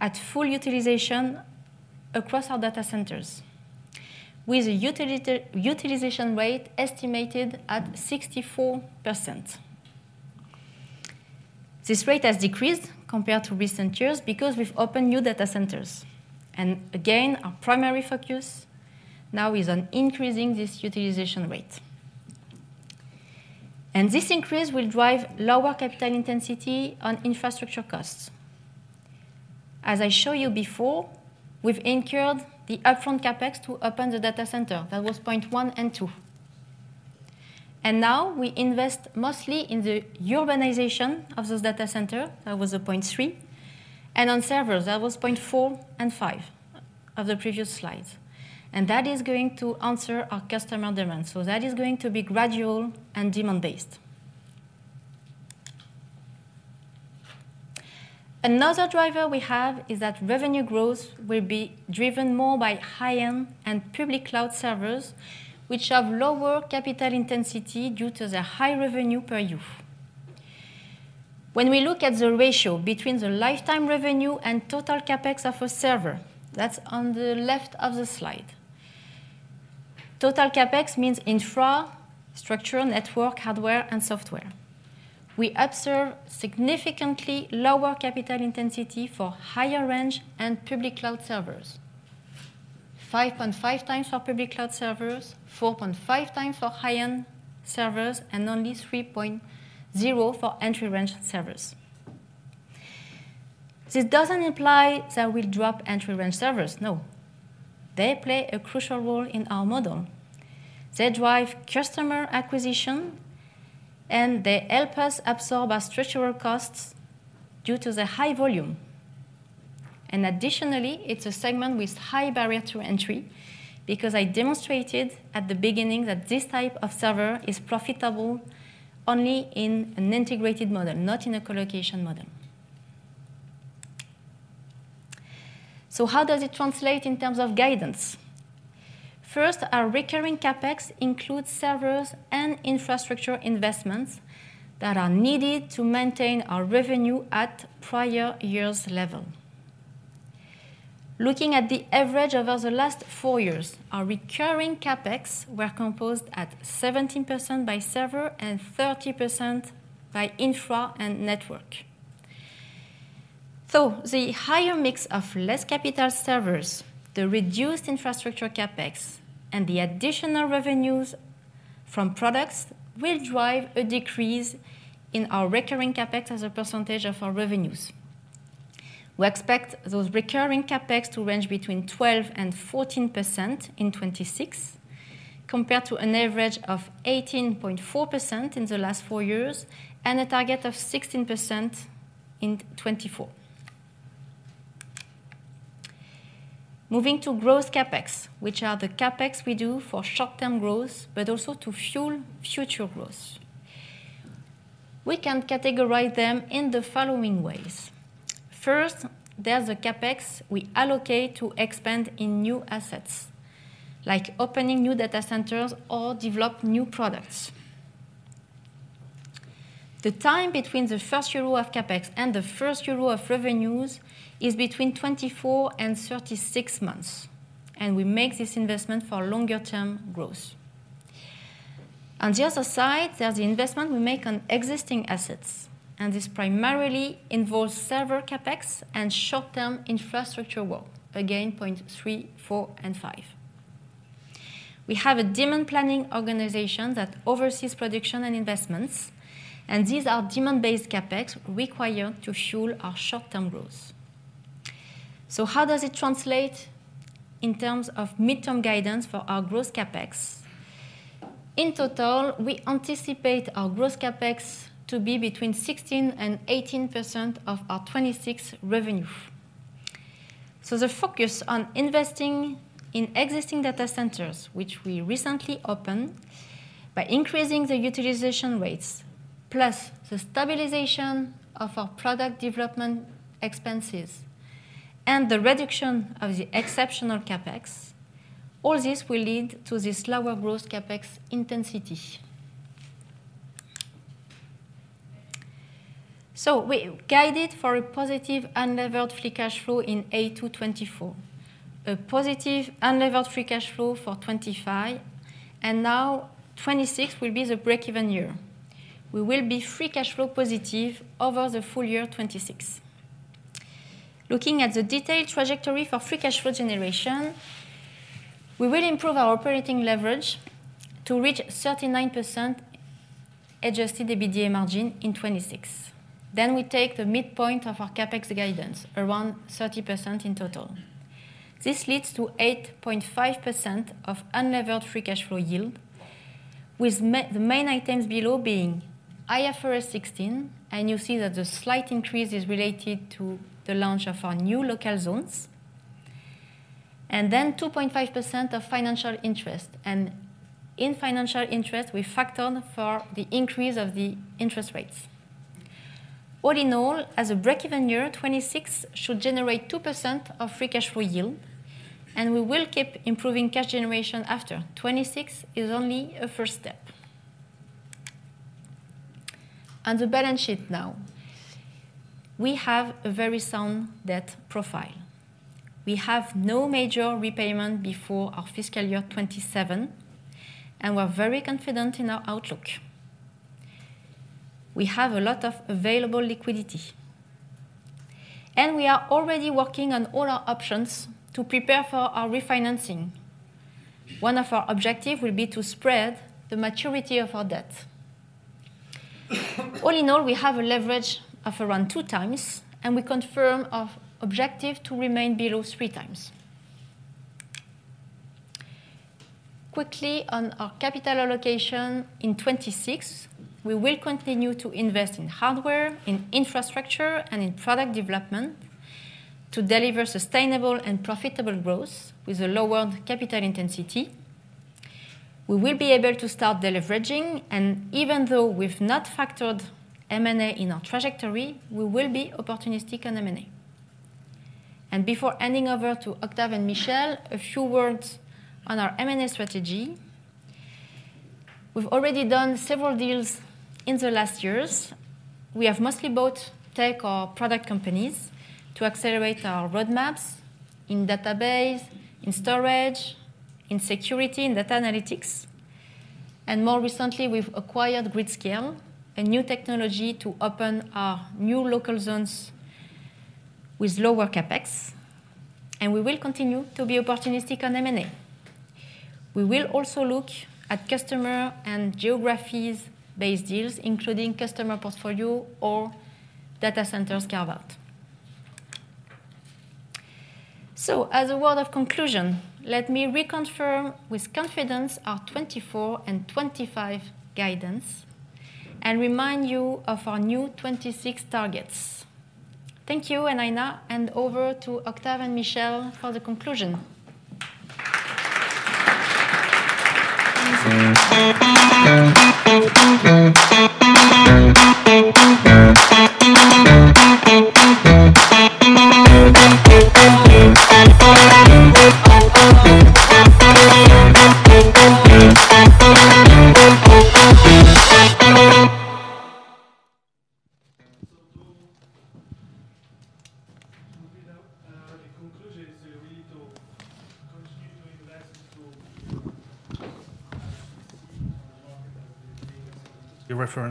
at full utilization across our data centers, with a utilization rate estimated at 64%. This rate has decreased compared to recent years because we've opened new data centers, and again, our primary focus now is on increasing this utilization rate. This increase will drive lower capital intensity on infrastructure costs. As I show you before, we've incurred the upfront CapEx to open the data center. That was point one and two. And now we invest mostly in the urbanization of this data center, that was 0.3, and on servers, that was 0.4 and 0.5 of the previous slides. And that is going to answer our customer demands, so that is going to be gradual and demand-based. Another driver we have is that revenue growth will be driven more by high-end and public cloud servers, which have lower capital intensity due to the high revenue per U. When we look at the ratio between the lifetime revenue and total CapEx of a server, that's on the left of the slide. Total CapEx means infra, structural network, hardware, and software. We observe significantly lower capital intensity for higher range and public cloud servers. 5.5 times for public cloud servers, 4.5 times for high-end servers, and only 3.0 for entry-range servers. This doesn't imply that we'll drop entry-range servers, no. They play a crucial role in our model. They drive customer acquisition, and they help us absorb our structural costs due to the high volume. And additionally, it's a segment with high barrier to entry because I demonstrated at the beginning that this type of server is profitable only in an integrated model, not in a colocation model. So how does it translate in terms of guidance? First, our recurring CapEx includes servers and infrastructure investments that are needed to maintain our revenue at prior years' level. Looking at the average over the last four years, our recurring CapEx were composed at 17% by server and 30% by infra and network. So the higher mix of less capital servers, the reduced infrastructure CapEx, and the additional revenues from products will drive a decrease in our recurring CapEx as a percentage of our revenues. We expect those recurring CapEx to range between 12% and 14% in 2026, compared to an average of 18.4% in the last four years, and a target of 16% in 2024. Moving to growth CapEx, which are the CapEx we do for short-term growth, but also to fuel future growth. We can categorize them in the following ways: First, there's the CapEx we allocate to expand in new assets, like opening new data centers or develop new products. The time between the first EUR of CapEx and the first EUR of revenues is between 24 and 36 months, and we make this investment for longer term growth. On the other side, there's the investment we make on existing assets, and this primarily involves server CapEx and short-term infrastructure work, again, points three, four, and five. We have a demand planning organization that oversees production and investments, and these are demand-based CapEx required to fuel our short-term growth. So how does it translate in terms of midterm guidance for our growth CapEx? In total, we anticipate our growth CapEx to be between 16% and 18% of our 2026 revenue. So the focus on investing in existing data centers, which we recently opened, by increasing the utilization rates, plus the stabilization of our product development expenses and the reduction of the exceptional CapEx, all this will lead to this lower growth CapEx intensity. So we guided for a positive unlevered free cash flow in H2 2024, a positive unlevered free cash flow for 2025, and now 2026 will be the break-even year. We will be free cash flow positive over the full year 2026. Looking at the detailed trajectory for free cash flow generation, we will improve our operating leverage to reach 39% adjusted EBITDA margin in 2026. Then we take the midpoint of our CapEx guidance, around 30% in total. This leads to 8.5% of unlevered free cash flow yield, with the main items below being IFRS 16, and you see that the slight increase is related to the launch of our new Local Zones. And then 2.5% of financial interest, and in financial interest, we factor for the increase of the interest rates. All in all, as a break-even year, 2026 should generate 2% of free cash flow yield, and we will keep improving cash generation after. 2026 is only a first step.... On the balance sheet now, we have a very sound debt profile. We have no major repayment before our fiscal year 2027, and we're very confident in our outlook. We have a lot of available liquidity, and we are already working on all our options to prepare for our refinancing. One of our objective will be to spread the maturity of our debt. All in all, we have a leverage of around 2x, and we confirm our objective to remain below 3x. Quickly on our capital allocation in 2026, we will continue to invest in hardware, in infrastructure, and in product development to deliver sustainable and profitable growth with a lower capital intensity. We will be able to start deleveraging, and even though we've not factored M&A in our trajectory, we will be opportunistic on M&A. Before handing over to Octave and Michel, a few words on our M&A strategy. We've already done several deals in the last years. We have mostly bought tech or product companies to accelerate our roadmaps in database, in storage, in security, in data analytics, and more recently, we've acquired gridscale, a new technology to open our new local zones with lower CapEx, and we will continue to be opportunistic on M&A. We will also look at customer and geographies-based deals, including customer portfolio or data centers carve-out. As a word of conclusion, let me reconfirm with confidence our 2024 and 2025 guidance and remind you of our new 2026 targets. Thank you, and I now hand over to Octave and Michel for the conclusion. The conclusion is we need to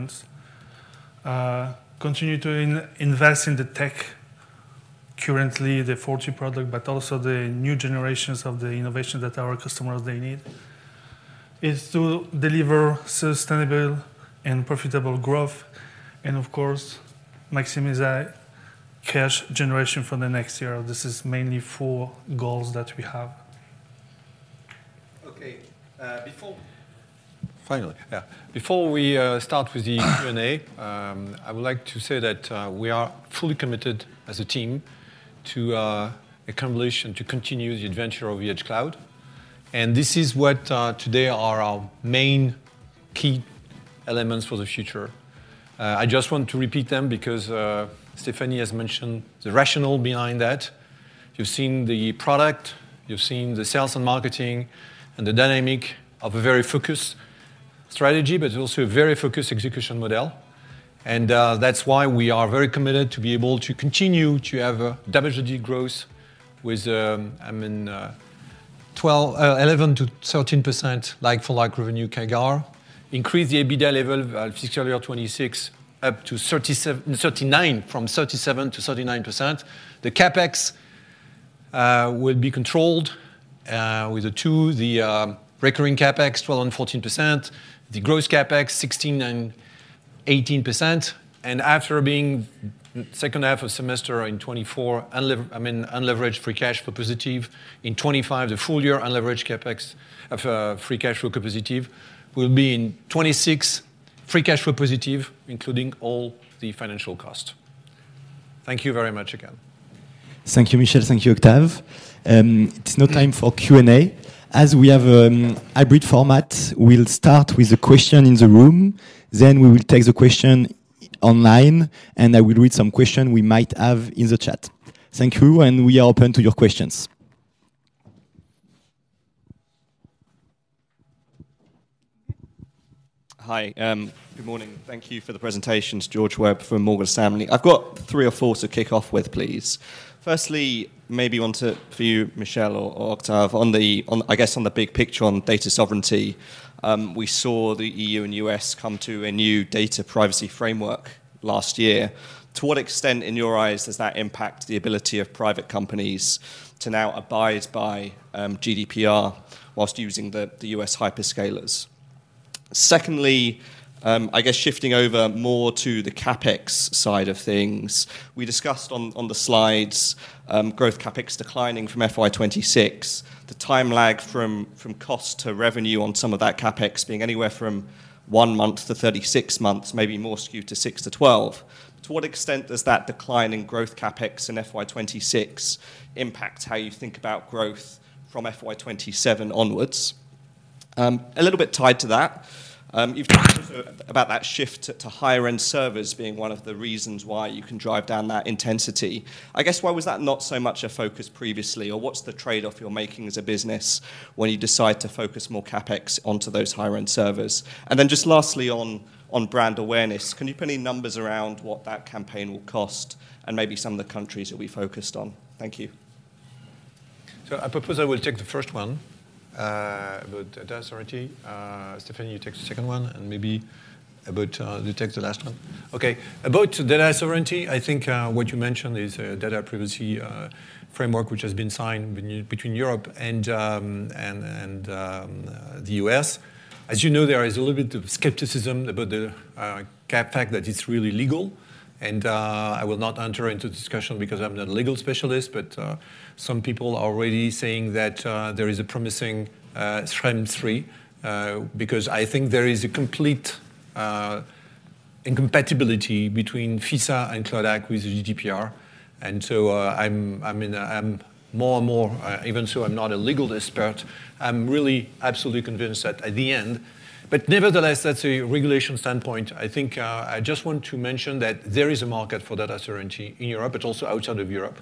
continue to invest to the market as the reference. Continue to invest in the tech, currently the Forti-product, but also the new generations of the innovation that our customers, they need, is to deliver sustainable and profitable growth and of course, maximize our cash generation for the next year. This is mainly four goals that we have. Okay, before... Finally, yeah. Before we start with the Q&A, I would like to say that we are fully committed as a team to accomplish and to continue the adventure of OVHcloud, and this is what today are our main key elements for the future. I just want to repeat them because Stephanie has mentioned the rationale behind that. You've seen the product, you've seen the sales and marketing, and the dynamic of a very focused strategy, but also a very focused execution model. And that's why we are very committed to be able to continue to have a double-digit growth with, I mean, eleven to thirteen percent like-for-like revenue CAGR, increase the EBITDA level of fiscal year 2026 up to 39, from 37 to 39%. The CapEx will be controlled with the two, the recurring CapEx, 12%-14%, the growth CapEx, 16%-18%. And after being second half of semester in 2024, unlev- I mean, unleveraged free cash flow positive. In 2025, the full year unleveraged CapEx of free cash flow positive will be in 2026, free cash flow positive, including all the financial cost. Thank you very much again. Thank you, Michel. Thank you, Octave. It's now time for Q&A. As we have a hybrid format, we'll start with the question in the room, then we will take the question online, and I will read some question we might have in the chat. Thank you, and we are open to your questions. Hi, good morning. Thank you for the presentation. It's George Webb from Morgan Stanley. I've got three or four to kick off with, please. Firstly, maybe onto for you, Michel or Octave, on the big picture on data sovereignty. We saw the EU and U.S. come to a new data privacy framework last year. To what extent, in your eyes, does that impact the ability of private companies to now abide by GDPR while using the U.S. hyperscalers? Secondly, I guess shifting over more to the CapEx side of things. We discussed on the slides growth CapEx declining from FY 2026, the time lag from cost to revenue on some of that CapEx being anywhere from one month to 36 months, maybe more skewed to six to 12. To what extent does that decline in growth CapEx in FY 2026 impact how you think about growth from FY 2027 onwards? A little bit tied to that, you've talked also about that shift to higher-end servers being one of the reasons why you can drive down that intensity. I guess, why was that not so much a focus previously? Or what's the trade-off you're making as a business when you decide to focus more CapEx onto those higher-end servers? And then just lastly on brand awareness, can you put any numbers around what that campaign will cost, and maybe some of the countries it will be focused on? Thank you. So I propose I will take the first one, about data sovereignty. Stephanie, you take the second one, and maybe Hubert, you take the last one. Okay. About data sovereignty, I think, what you mentioned is a data privacy framework, which has been signed between Europe and the U.S.. As you know, there is a little bit of skepticism about the CapEx, that it's really legal, and I will not enter into discussion because I'm not a legal specialist. But, some people are already saying that, there is a promising trendy, because I think there is a complete incompatibility between FISA and CLOUD Act with GDPR. I'm more and more, even though I'm not a legal expert, I'm really absolutely convinced that at the end... But nevertheless, that's a regulation standpoint. I think I just want to mention that there is a market for data sovereignty in Europe, but also outside of Europe.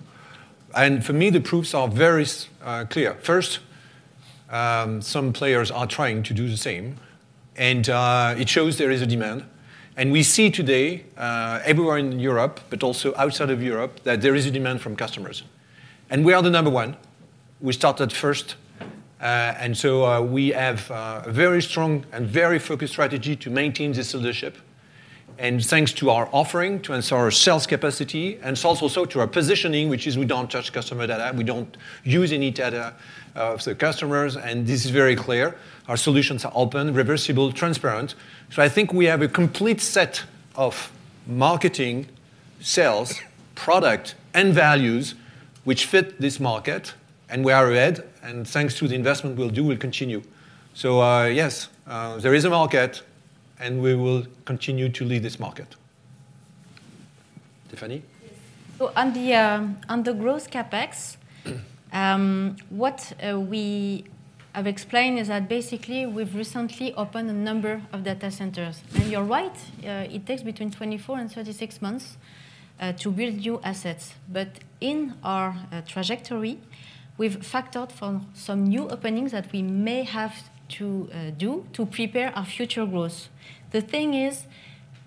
And for me, the proofs are very clear. First, some players are trying to do the same, and it shows there is a demand. And we see today everywhere in Europe, but also outside of Europe, that there is a demand from customers. And we are the number one. We started first, and so we have a very strong and very focused strategy to maintain this leadership. Thanks to our offering, thanks to our sales capacity, and also to our positioning, which is we don't touch customer data, we don't use any data of the customers, and this is very clear. Our solutions are open, reversible, transparent. So I think we have a complete set of marketing, sales, product, and values which fit this market, and we are ahead, and thanks to the investment we'll do, we'll continue. So, yes, there is a market, and we will continue to lead this market. Stéphanie? Yes. So on the growth CapEx, what we have explained is that basically, we've recently opened a number of data centers. And you're right, it takes between 24-36 months to build new assets. But in our trajectory, we've factored for some new openings that we may have to do to prepare our future growth. The thing is,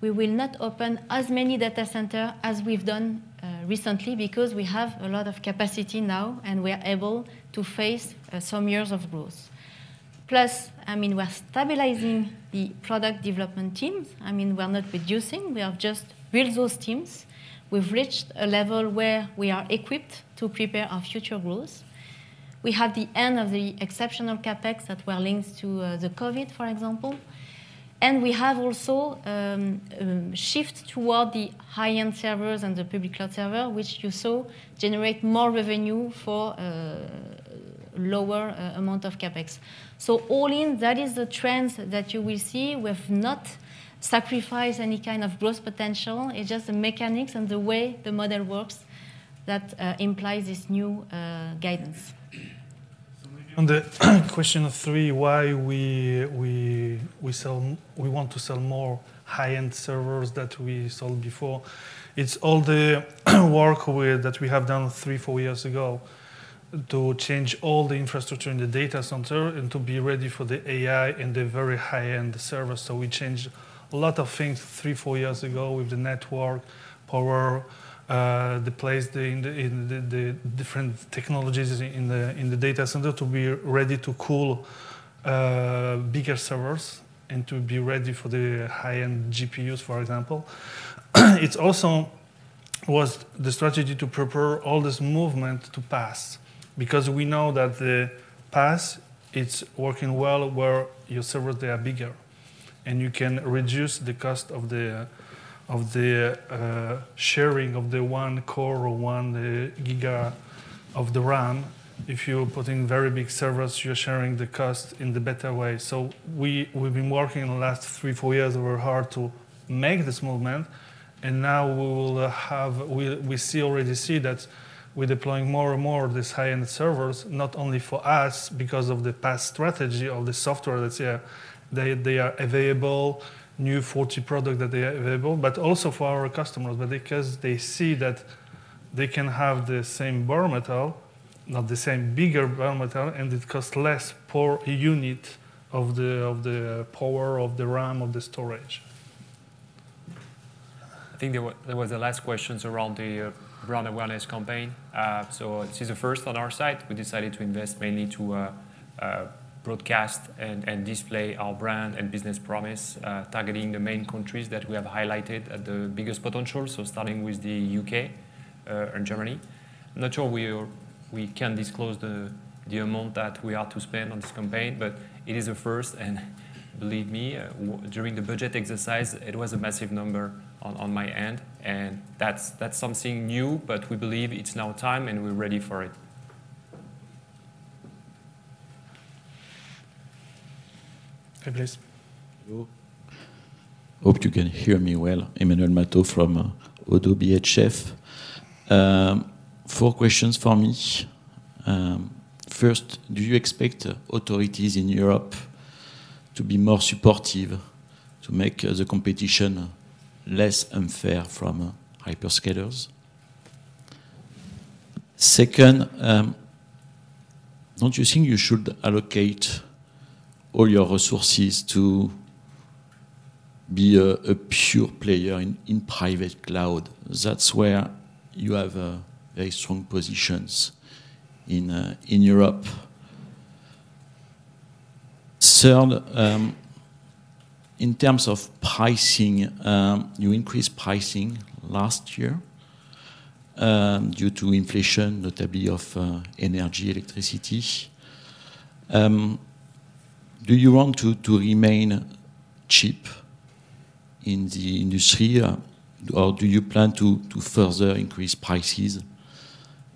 we will not open as many data center as we've done recently, because we have a lot of capacity now, and we are able to face some years of growth. Plus, I mean, we're stabilizing the product development team. I mean, we're not reducing, we have just built those teams. We've reached a level where we are equipped to prepare our future growth. We have the end of the exceptional CapEx that were linked to the COVID, for example. We have also shift toward the high-end servers and the public cloud server, which you saw generate more revenue for lower amount of CapEx. All in, that is the trend that you will see. We've not sacrificed any kind of growth potential. It's just the mechanics and the way the model works that implies this new guidance. So maybe on the question of three, why we want to sell more high-end servers that we sold before, it's all the work that we have done 3, 4 years ago to change all the infrastructure in the data center and to be ready for the AI and the very high-end servers. So we changed a lot of things 3, 4 years ago with the network, power, the place in the different technologies in the data center to be ready to cool bigger servers and to be ready for the high-end GPUs, for example. It's also was the strategy to prepare all this movement to PaaS, because we know that the PaaS, it's working well where your servers, they are bigger, and you can reduce the cost of the sharing of the 1 core or 1 giga of the RAM. If you're putting very big servers, you're sharing the cost in the better way. So we've been working the last three, four years very hard to make this movement, and now we already see that we're deploying more and more of these high-end servers, not only for us because of the past strategy of the software that's here. They are available, new 40 product that they are available, but also for our customers. Because they see that they can have the same bare metal, not the same bigger bare metal, and it costs less per unit of the power, of the RAM, of the storage. I think there were, there were the last questions around the brand awareness campaign. So this is a first on our side. We decided to invest mainly to broadcast and display our brand and business promise, targeting the main countries that we have highlighted at the biggest potential, so starting with the UK and Germany. I'm not sure we can disclose the amount that we are to spend on this campaign, but it is a first, and believe me, during the budget exercise, it was a massive number on my end. That's something new, but we believe it's now time, and we're ready for it. Hey, please. You.... I hope you can hear me well. Emmanuel Matot from ODDO BHF. Four questions for me. First, do you expect authorities in Europe to be more supportive to make the competition less unfair from hyperscalers? Second, don't you think you should allocate all your resources to be a pure player in private cloud? That's where you have very strong positions in Europe. Third, in terms of pricing, you increased pricing last year due to inflation, notably of energy, electricity. Do you want to remain cheap in the industry or do you plan to further increase prices,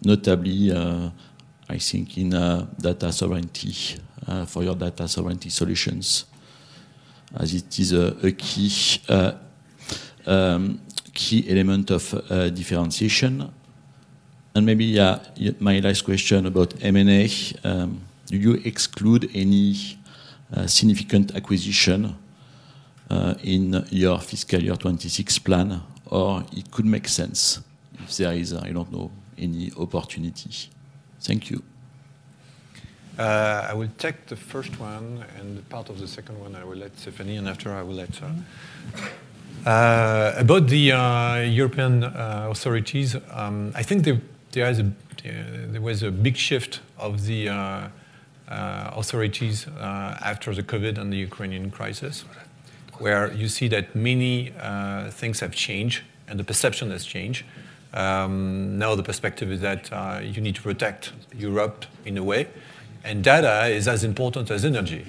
notably, I think in data sovereignty for your data sovereignty solutions, as it is a key element of differentiation? And maybe my last question about M&A. Do you exclude any significant acquisition in your fiscal year 2026 plan, or it could make sense if there is, I don't know, any opportunity? Thank you. I will take the first one, and the part of the second one. I will let Stéphanie, and after I will let her. Sure. About the European authorities, I think there was a big shift of the authorities after the COVID and the Ukrainian crisis, where you see that many things have changed and the perception has changed. Now the perspective is that you need to protect Europe in a way, and data is as important as energy.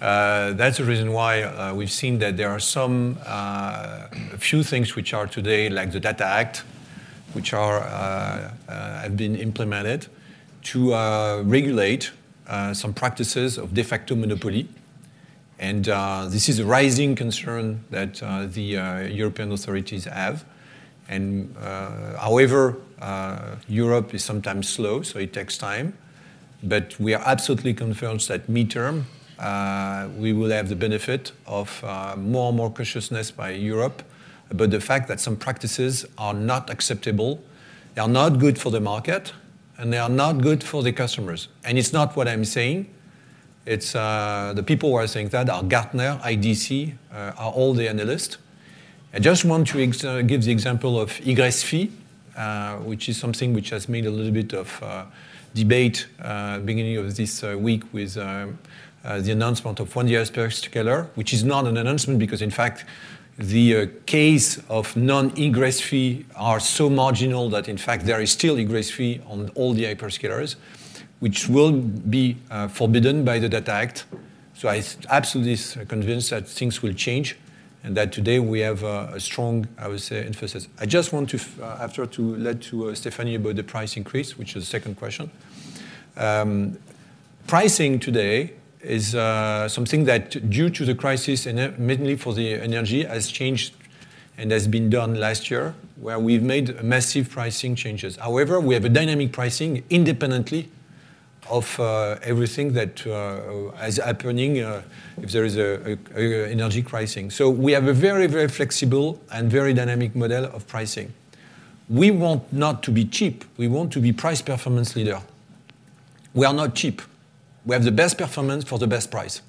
That's the reason why we've seen that there are some a few things which are today, like the Data Act, which have been implemented to regulate some practices of de facto monopoly. This is a rising concern that the European authorities have. However, Europe is sometimes slow, so it takes time. But we are absolutely convinced that midterm, we will have the benefit of more and more consciousness by Europe about the fact that some practices are not acceptable, they are not good for the market, and they are not good for the customers. And it's not what I'm saying. It's the people who are saying that are Gartner, IDC, all the analysts. I just want to give the example of egress fee, which is something which has made a little bit of debate beginning of this week with the announcement of one U.S. hyperscaler, which is not an announcement, because in fact, the case of non-egress fee are so marginal that in fact there is still egress fee on all the hyperscalers, which will be forbidden by the Data Act. So I'm absolutely convinced that things will change, and that today we have a strong, I would say, emphasis. I just want to hand over to Stéphanie about the price increase, which is the second question. Pricing today is something that due to the crisis, and mainly for the energy, has changed and has been done last year, where we've made massive pricing changes. However, we have a dynamic pricing independently of everything that is happening, if there is an energy pricing. So we have a very, very flexible and very dynamic model of pricing. We want not to be cheap; we want to be price-performance leader. We are not cheap. We have the best performance for the best price,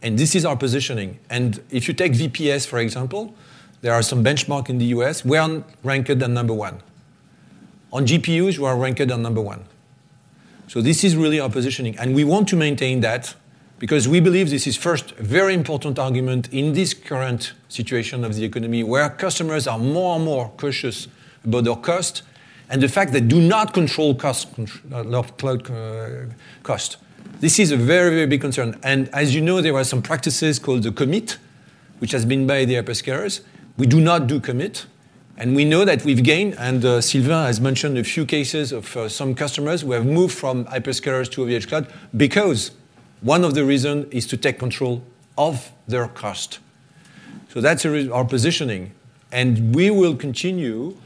and this is our positioning. If you take VPS, for example, there are some benchmark in the U.S., we are ranked at number one. On GPUs, we are ranked at number one. This is really our positioning, and we want to maintain that because we believe this is, first, a very important argument in this current situation of the economy, where customers are more and more cautious about their cost and the fact they do not control cost, cloud cost. This is a very, very big concern. As you know, there are some practices called the commit, which has been by the hyperscalers. We do not do commit, and we know that we've gained, and, Sylvain has mentioned a few cases of some customers who have moved from hyperscalers to OVHcloud because one of the reason is to take control of their cost. So that's the reason our positioning, and we will continue,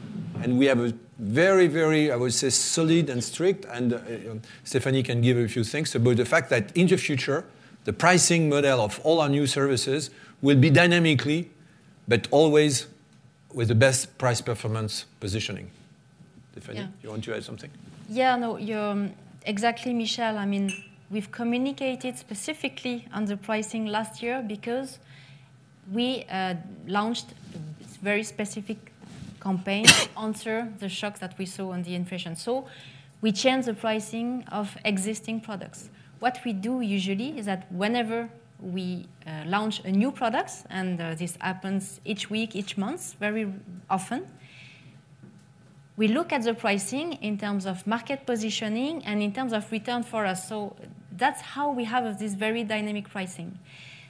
and we have a very, very, I would say, solid and strict, and Stéphanie can give a few things about the fact that in the future, the pricing model of all our new services will be dynamically, but always with the best price-performance positioning. Stéphanie- Yeah. - You want to add something? Yeah, no, Exactly, Michel. I mean, we've communicated specifically on the pricing last year because we launched this very specific campaign after the shock that we saw on the inflation. So we changed the pricing of existing products. What we do usually is that whenever we launch a new products, and this happens each week, each month, very often, we look at the pricing in terms of market positioning and in terms of return for us. So that's how we have this very dynamic pricing.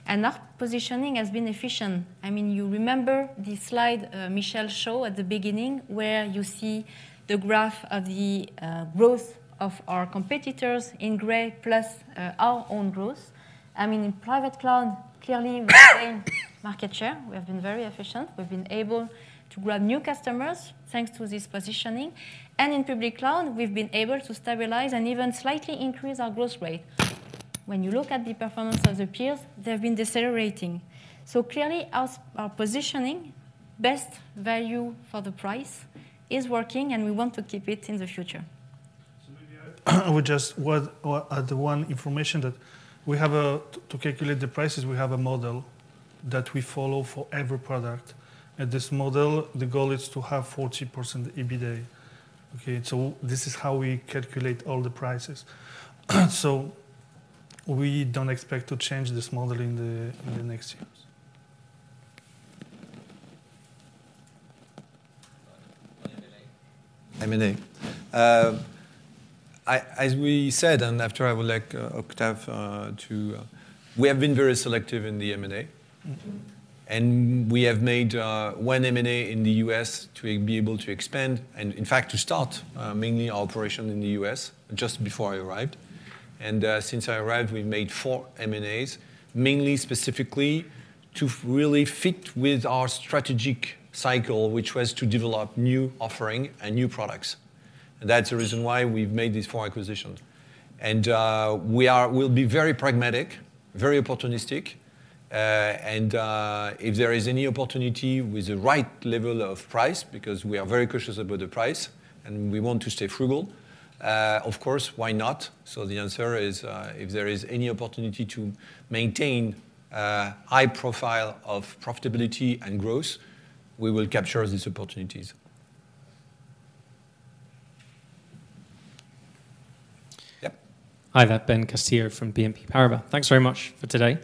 And that positioning has been efficient. I mean, you remember the slide, Michel showed at the beginning, where you see the graph of the growth of our competitors in gray, plus our own growth. I mean, in private cloud, clearly, market share, we have been very efficient. We've been able to grab new customers thanks to this positioning. In Public Cloud, we've been able to stabilize and even slightly increase our growth rate. ... when you look at the performance of the peers, they've been decelerating. So clearly, our positioning, best value for the price, is working, and we want to keep it in the future. So maybe I would just word or add one information that we have a to calculate the prices, we have a model that we follow for every product. And this model, the goal is to have 40% EBITDA, okay? So this is how we calculate all the prices. So we don't expect to change this model in the next years. M&A. M&A. As we said, and after, I would like Octave to... We have been very selective in the M&A. Mm-hmm. And we have made one M&A in the U.S. to be able to expand and, in fact, to start mainly our operation in the U.S., just before I arrived. And since I arrived, we've made four M&As, mainly specifically to really fit with our strategic cycle, which was to develop new offering and new products. That's the reason why we've made these four acquisitions. And we are—we'll be very pragmatic, very opportunistic, and if there is any opportunity with the right level of price, because we are very cautious about the price, and we want to stay frugal, of course, why not? So the answer is, if there is any opportunity to maintain a high profile of profitability and growth, we will capture these opportunities. Yep. Hi there, Ben Castillo from BNP Paribas. Thanks very much for today.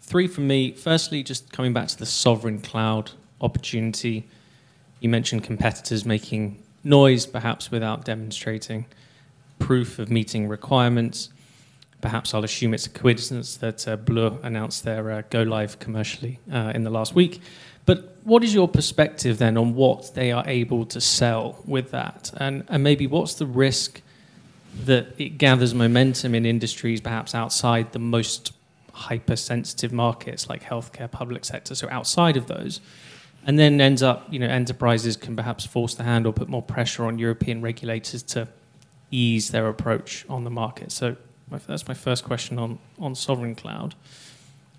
Three from me. Firstly, just coming back to the sovereign cloud opportunity. You mentioned competitors making noise, perhaps without demonstrating proof of meeting requirements. Perhaps I'll assume it's a coincidence that, Bleu announced their, go live commercially, in the last week. But what is your perspective then on what they are able to sell with that? And, and maybe what's the risk that it gathers momentum in industries, perhaps outside the most hypersensitive markets like healthcare, public sector, so outside of those, and then ends up, you know, enterprises can perhaps force the hand or put more pressure on European regulators to ease their approach on the market? So that's my first question on sovereign cloud.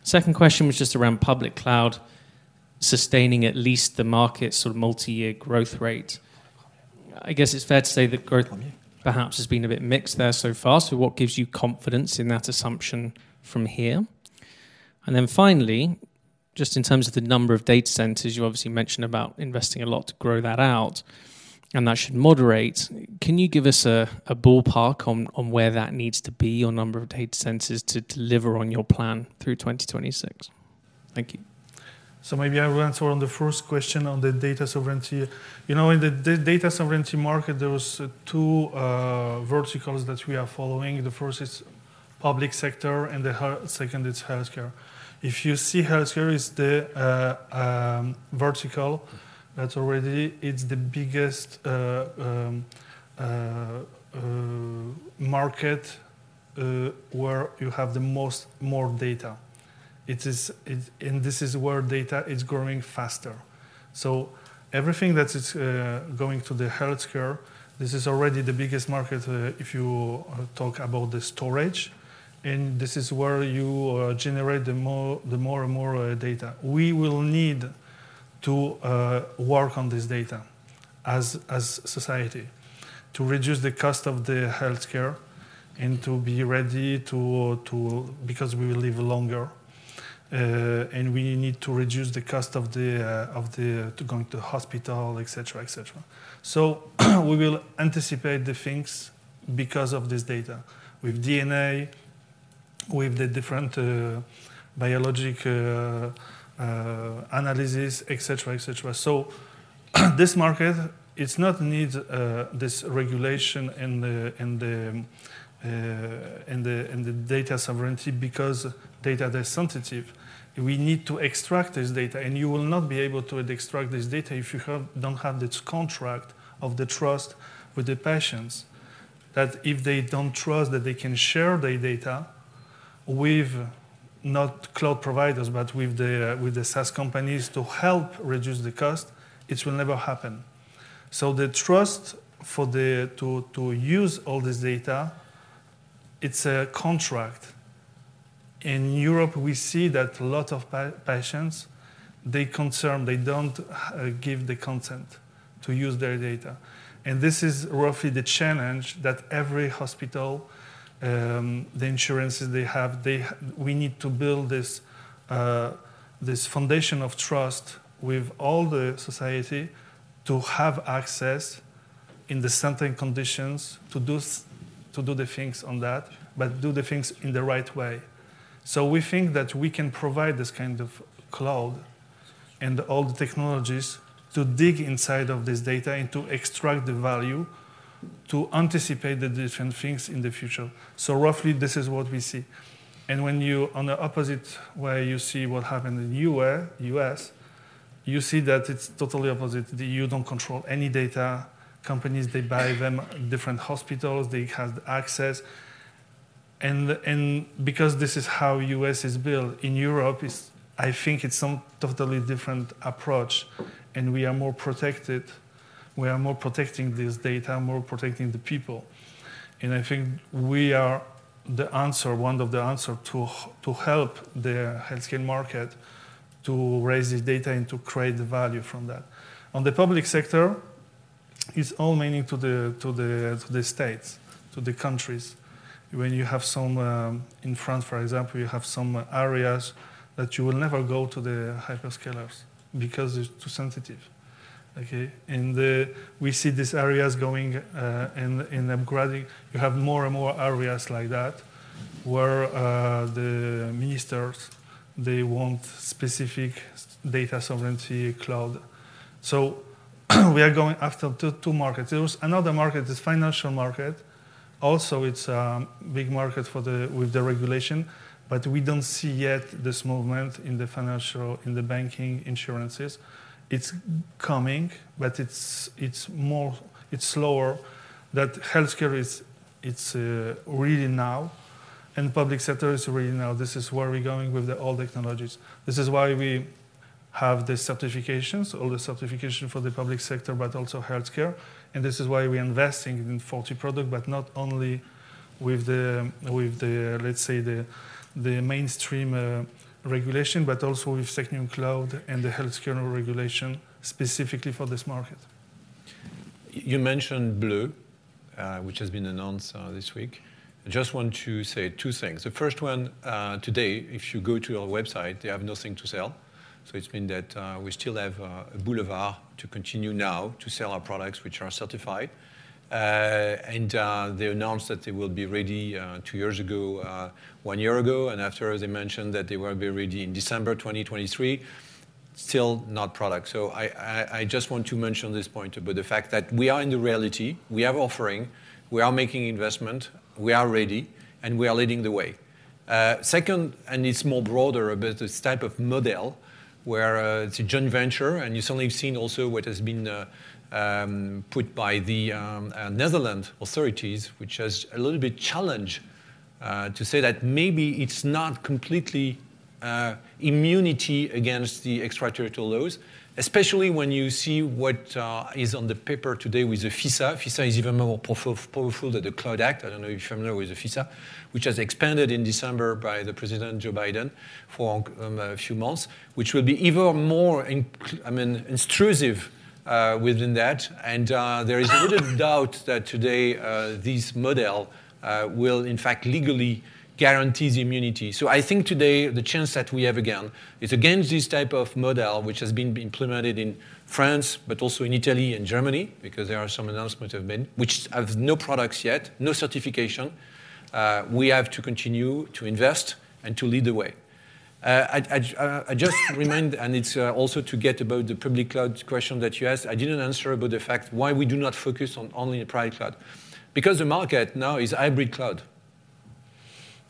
Second question was just around Public Cloud sustaining at least the market sort of multi-year growth rate. I guess it's fair to say that growth- Yeah... perhaps has been a bit mixed there so far. So what gives you confidence in that assumption from here? And then finally, just in terms of the number of data centers, you obviously mentioned about investing a lot to grow that out, and that should moderate. Can you give us a ballpark on where that needs to be, your number of data centers, to deliver on your plan through 2026? Thank you. So maybe I will answer on the first question on the data sovereignty. You know, in the data sovereignty market, there was two verticals that we are following. The first is public sector, and the second is healthcare. If you see healthcare is the vertical, that's already, it's the biggest market where you have the most more data. It is, and this is where data is growing faster. So everything that is going to the healthcare, this is already the biggest market if you talk about the storage, and this is where you generate the more, the more and more data. We will need to work on this data as society to reduce the cost of the healthcare and to be ready to, to... Because we will live longer, and we need to reduce the cost of the, of the, to going to hospital, et cetera, et cetera. So we will anticipate the things because of this data, with DNA, with the different, biologic, analysis, et cetera, et cetera. So, this market, it's not need this regulation in the, in the, in the data sovereignty because data is sensitive. We need to extract this data, and you will not be able to extract this data if you don't have this contract of the trust with the patients. That if they don't trust that they can share their data with not cloud providers, but with the, with the SaaS companies to help reduce the cost, it will never happen. So the trust for the to use all this data, it's a contract. In Europe, we see that a lot of patients, they concern, they don't give the consent to use their data. And this is roughly the challenge that every hospital, the insurances they have, they we need to build this, this foundation of trust with all the society to have access in the certain conditions to do to do the things on that, but do the things in the right way. So we think that we can provide this kind of cloud and all the technologies to dig inside of this data and to extract the value to anticipate the different things in the future. So roughly, this is what we see. And when you, on the opposite way, you see what happened in U.S., U.S., you see that it's totally opposite. You don't control any data. Companies, they buy them, different hospitals, they have the access. And, and because this is how U.S. is built, in Europe, is I think it's some totally different approach, and we are more protected. We are more protecting this data, more protecting the people.... and I think we are the answer, one of the answer to to help the healthcare market to raise this data and to create the value from that. On the public sector, it's all mainly to the states, to the countries. When you have some, In France, for example, you have some areas that you will never go to the hyperscalers because it's too sensitive, okay? And we see these areas going and upgrading. You have more and more areas like that, where the ministers, they want specific data sovereignty cloud. So we are going after two markets. There is another market, is financial market. Also, it's a big market for with the regulation, but we don't see yet this movement in the financial, in the banking insurances. It's coming, but it's slower. That healthcare is, it's really now, and public sector is really now. This is where we're going with the old technologies. This is why we have the certifications, all the certification for the public sector, but also healthcare, and this is why we are investing in OVH product, but not only with the, let's say, the mainstream regulation, but also with SecNumCloud and the healthcare regulation specifically for this market. You mentioned Blue, which has been announced this week. I just want to say two things. The first one, today, if you go to our website, they have nothing to sell. So it means that we still have a boulevard to continue now to sell our products, which are certified. They announced that they will be ready two years ago, one year ago, and after, as I mentioned, that they will be ready in December 2023, still no product. So I just want to mention this point about the fact that we are in the reality, we have offerings, we are making investments, we are ready, and we are leading the way. Second, and it's more broader, about this type of model where it's a joint venture, and you've certainly seen also what has been put by the Netherlands authorities, which has a little bit challenge to say that maybe it's not completely immunity against the extraterritorial laws, especially when you see what is on the paper today with the FISA. FISA is even more powerful than the CLOUD Act. I don't know if you're familiar with the FISA, which was expanded in December by President Joe Biden for a few months, which will be even more, I mean, intrusive within that. And there is a little doubt that today this model will in fact legally guarantee the immunity. So I think today, the chance that we have again is against this type of model, which has been implemented in France, but also in Italy and Germany, because there are some announcements have been, which have no products yet, no certification. We have to continue to invest and to lead the way. I just remind, and it's also to get about the public cloud question that you asked. I didn't answer about the fact why we do not focus on only the private cloud. Because the market now is hybrid cloud.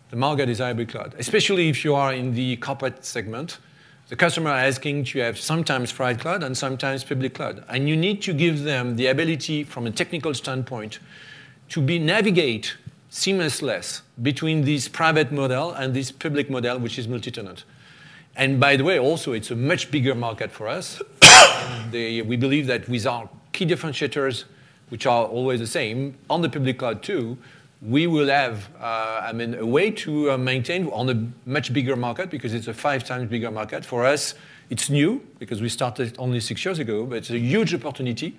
The market is hybrid cloud, especially if you are in the corporate segment. The customer is asking to have sometimes private cloud and sometimes public cloud, and you need to give them the ability, from a technical standpoint, to navigate seamlessly between this private model and this public model, which is multi-tenant. By the way, also, it's a much bigger market for us. We believe that with our key differentiators, which are always the same on the public cloud too, we will have, I mean, a way to maintain on a much bigger market because it's a five times bigger market. For us, it's new because we started only six years ago, but it's a huge opportunity.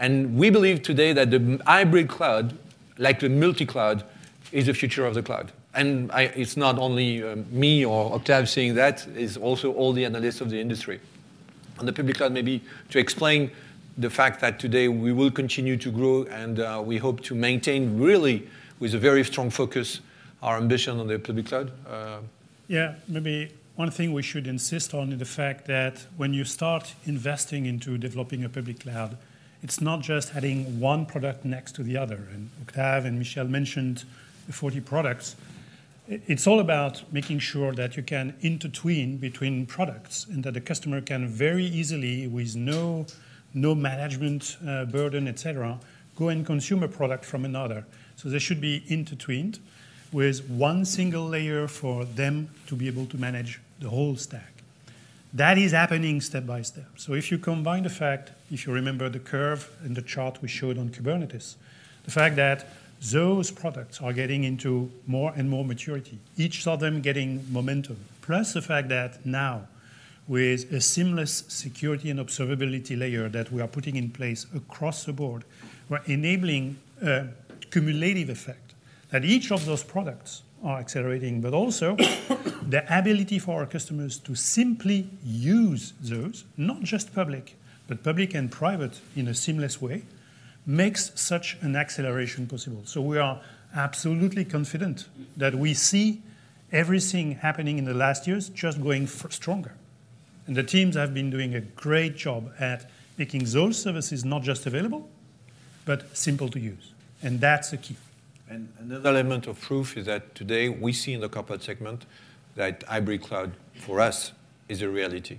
We believe today that the hybrid cloud, like the multi-cloud, is the future of the cloud. It's not only me or Octave saying that; it's also all the analysts of the industry. On the Public Cloud, maybe to explain the fact that today we will continue to grow, and we hope to maintain really, with a very strong focus, our ambition on the Public Cloud. Yeah, maybe one thing we should insist on is the fact that when you start investing into developing a public cloud, it's not just adding one product next to the other. Octave and Michel mentioned the 40 products. It's all about making sure that you can intertwine between products, and that the customer can very easily, with no, no management burden, et cetera, go and consume a product from another. So they should be intertwined with one single layer for them to be able to manage the whole stack. That is happening step by step. So if you combine the fact, if you remember the curve and the chart we showed on Kubernetes, the fact that those products are getting into more and more maturity, each of them getting momentum, plus the fact that now, with a seamless security and observability layer that we are putting in place across the board, we're enabling a cumulative effect, that each of those products are accelerating. But also, the ability for our customers to simply use those, not just public, but public and private in a seamless way, makes such an acceleration possible. So we are absolutely confident that we see everything happening in the last years just going stronger. And the teams have been doing a great job at making those services not just available, but simple to use, and that's the key. Another element of proof is that today, we see in the corporate segment that Hybrid Cloud, for us, is a reality.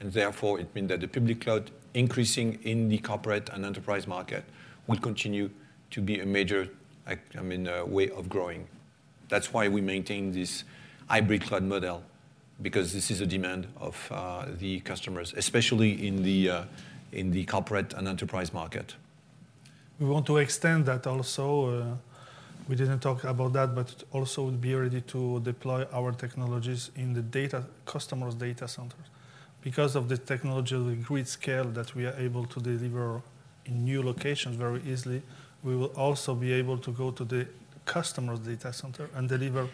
Therefore, it means that the Public Cloud increasing in the corporate and enterprise market will continue to be a major, like, I mean, way of growing. That's why we maintain this Hybrid Cloud model, because this is a demand of the customers, especially in the in the corporate and enterprise market. We want to extend that also. We didn't talk about that, but also we'll be ready to deploy our technologies in the customer's data centers. Because of the technology, the gridscale that we are able to deliver in new locations very easily, we will also be able to go to the customer's data center and deliver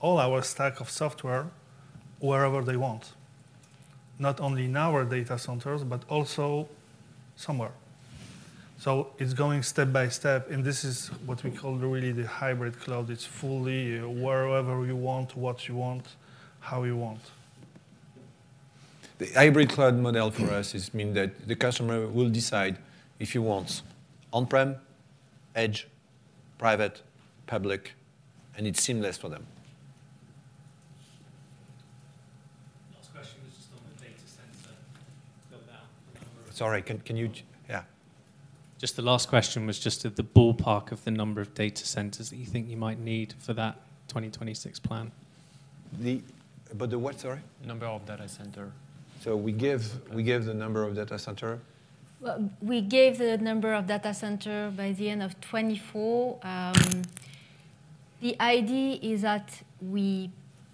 all our stack of software wherever they want. Not only in our data centers, but also somewhere. So it's going step by step, and this is what we call really the hybrid cloud. It's fully wherever you want, what you want, how you want. The hybrid cloud model for us means that the customer will decide if he wants on-prem, edge, private, public, and it's seamless for them. Last question was just on the data center, build out number- Sorry, can you-- Yeah. Just the last question was just at the ballpark of the number of data centers that you think you might need for that 2026 plan. But the what, sorry? Number of data center. We gave the number of data centers. Well, we gave the number of data center by the end of 2024. The idea is that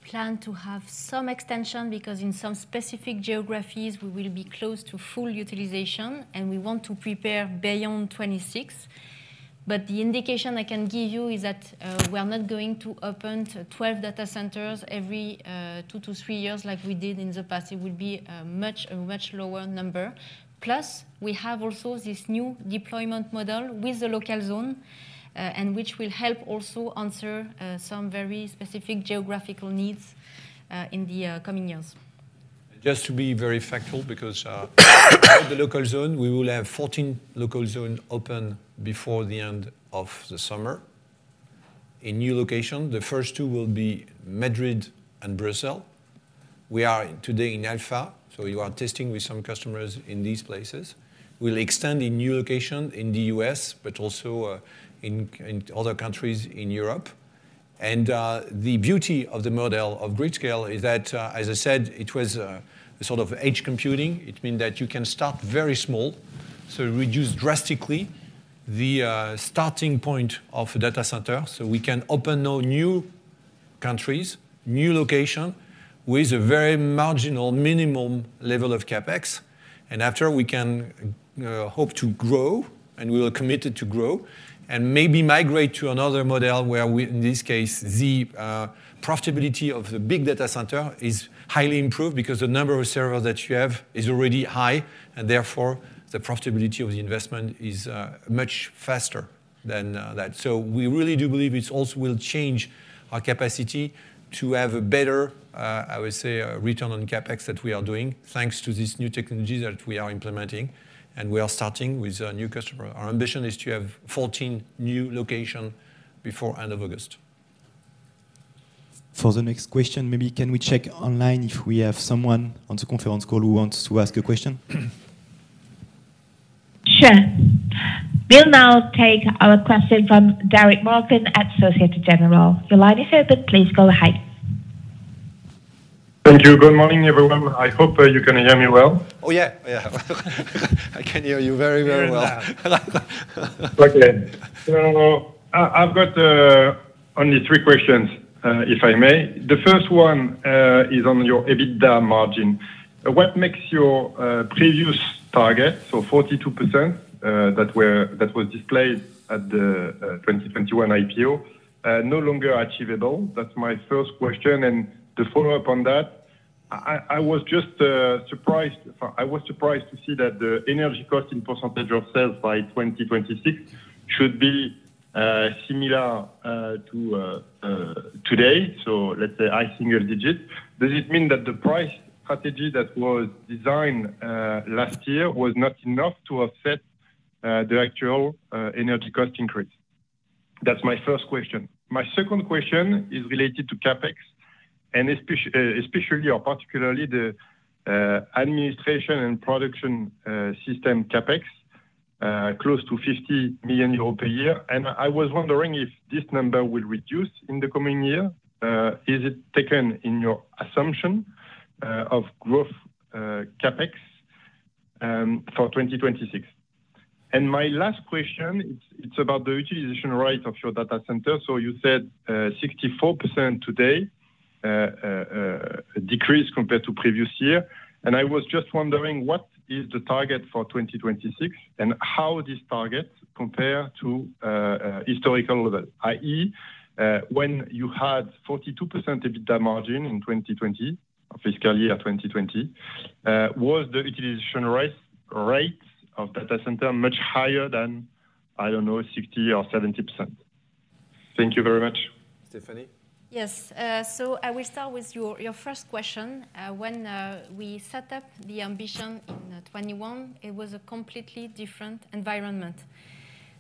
we plan to have some extension, because in some specific geographies we will be close to full utilization, and we want to prepare beyond 2026. But the indication I can give you is that, we are not going to open 12 data centers every, two to 3 years like we did in the past. It will be a much, a much lower number. Plus, we have also this new deployment model with the local zone, and which will help also answer, some very specific geographical needs, in the, coming years. Just to be very factual, because the Local Zones, we will have 14 Local Zones open before the end of the summer. In new location, the first two will be Madrid and Brazil. We are today in alpha, so we are testing with some customers in these places. We'll extend in new location in the U.S., but also in other countries in Europe. And the beauty of the model of gridscale is that, as I said, it was a sort of edge computing. It means that you can start very small, so reduce drastically the starting point of data center, so we can open now new countries, new location, with a very marginal minimum level of CapEx. After, we can hope to grow, and we are committed to grow, and maybe migrate to another model where we, in this case, the profitability of the big data center is highly improved because the number of servers that you have is already high, and therefore, the profitability of the investment is much faster than that. So we really do believe it's also will change our capacity to have a better, I would say, return on CapEx that we are doing, thanks to these new technologies that we are implementing, and we are starting with a new customer. Our ambition is to have 14 new locations before end of August. For the next question, maybe can we check online if we have someone on the conference call who wants to ask a question? Sure. We'll now take a question from Derric Marcon at Société Générale. Your line is open. Please go ahead. Thank you. Good morning, everyone. I hope that you can hear me well. Oh, yeah. Oh, yeah. I can hear you very, very well. Hear me now. Okay. So I've got only three questions, if I may. The first one is on your EBITDA margin. What makes your previous target, so 42%, that was displayed at the 2021 IPO, no longer achievable? That's my first question. And to follow up on that, I was just surprised... I was surprised to see that the energy cost in percentage of sales by 2026 should be similar to today, so let's say high single digit. Does it mean that the price strategy that was designed last year was not enough to offset the actual energy cost increase? That's my first question. My second question is related to CapEx, and especially or particularly the administration and production system CapEx close to 50 million euros per year. And I was wondering if this number will reduce in the coming year. Is it taken in your assumption of growth CapEx for 2026? And my last question, it's about the utilization rate of your data center. So you said 64% today, a decrease compared to previous year. And I was just wondering, what is the target for 2026, and how this target compare to historical level, i.e., when you had 42% EBITDA margin in 2020, or fiscal year 2020, was the utilization rate of data center much higher than, I don't know, 60% or 70%? Thank you very much. Stephanie? Yes. So I will start with your, your first question. When we set up the ambition in 2021, it was a completely different environment.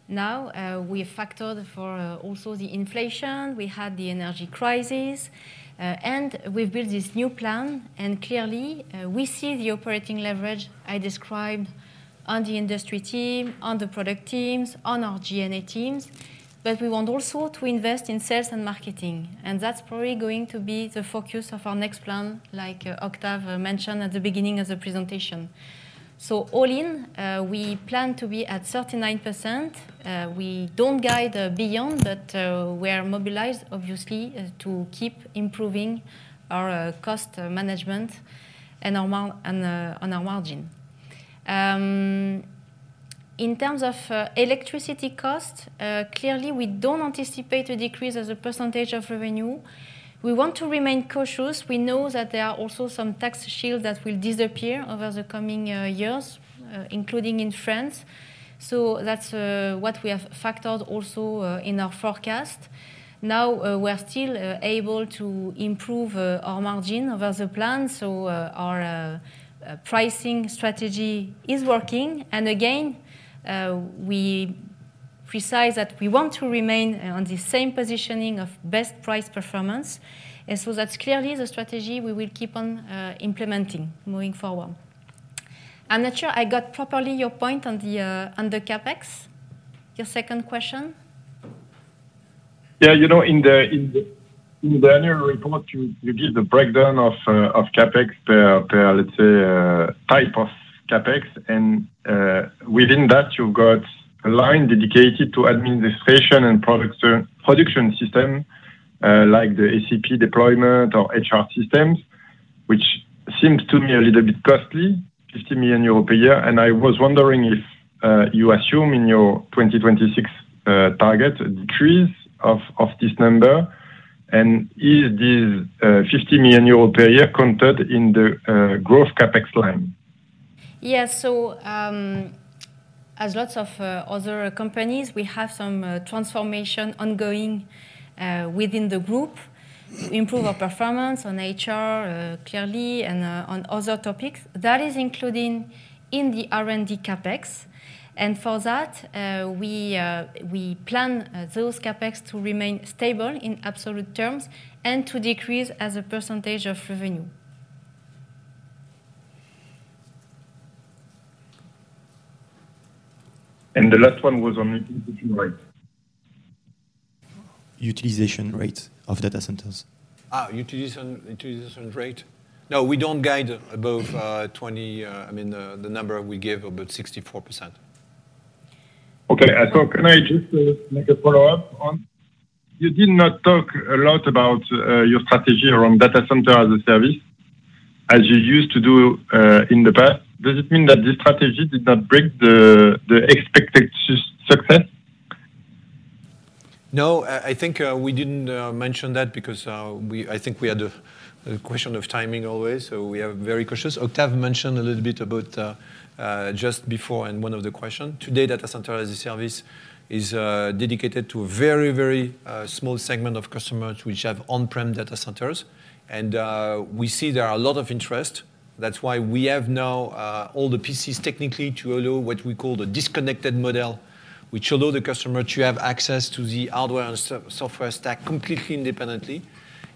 Now we've factored for also the inflation. We had the energy crisis, and we've built this new plan, and clearly we see the operating leverage I described on the industry team, on the product teams, on our G&A teams. But we want also to invest in sales and marketing, and that's probably going to be the focus of our next plan, like Octave mentioned at the beginning of the presentation. So all in, we plan to be at 39%. We don't guide beyond, but we are mobilized, obviously, to keep improving our cost management and our margin. In terms of electricity costs, clearly, we don't anticipate a decrease as a percentage of revenue. We want to remain cautious. We know that there are also some tax shield that will disappear over the coming years, including in France. So that's what we have factored also in our forecast. Now, we're still able to improve our margin over the plan, so our pricing strategy is working. And again, we precise that we want to remain on the same positioning of best price performance. And so that's clearly the strategy we will keep on implementing moving forward. I'm not sure I got properly your point on the CapEx, your second question. Yeah, you know, in the annual report, you give the breakdown of CapEx per, per, let's say, type of CapEx, and within that, you've got a line dedicated to administration and production system, like the SAP deployment or HR systems, which seems to me a little bit costly, 50 million euro per year. And I was wondering if you assume in your 2026 target, a decrease of this number, and is this 50 million euro per year counted in the growth CapEx line? Yes. So, as lots of other companies, we have some transformation ongoing within the group to improve our performance on HR clearly, and on other topics. That is including in the R&D CapEx, and for that, we plan those CapEx to remain stable in absolute terms and to decrease as a percentage of revenue. The last one was on utilization rate. Utilization rate of data centers. Utilization, utilization rate. No, we don't guide above 20. I mean, the number we gave, about 64%. Okay, may I just make a follow-up on? You did not talk a lot about your strategy around data center as a service, as you used to do in the past. Does it mean that this strategy did not bring the expected success? No, I think, we didn't mention that because, I think we had a question of timing always, so we are very cautious. Octave mentioned a little bit about, just before in one of the question. Today, data center as a service is dedicated to a very, very small segment of customers which have on-prem data centers. And, we see there are a lot of interest. That's why we have now, all the pieces technically to allow what we call the disconnected model, which allow the customer to have access to the hardware and software stack completely independently.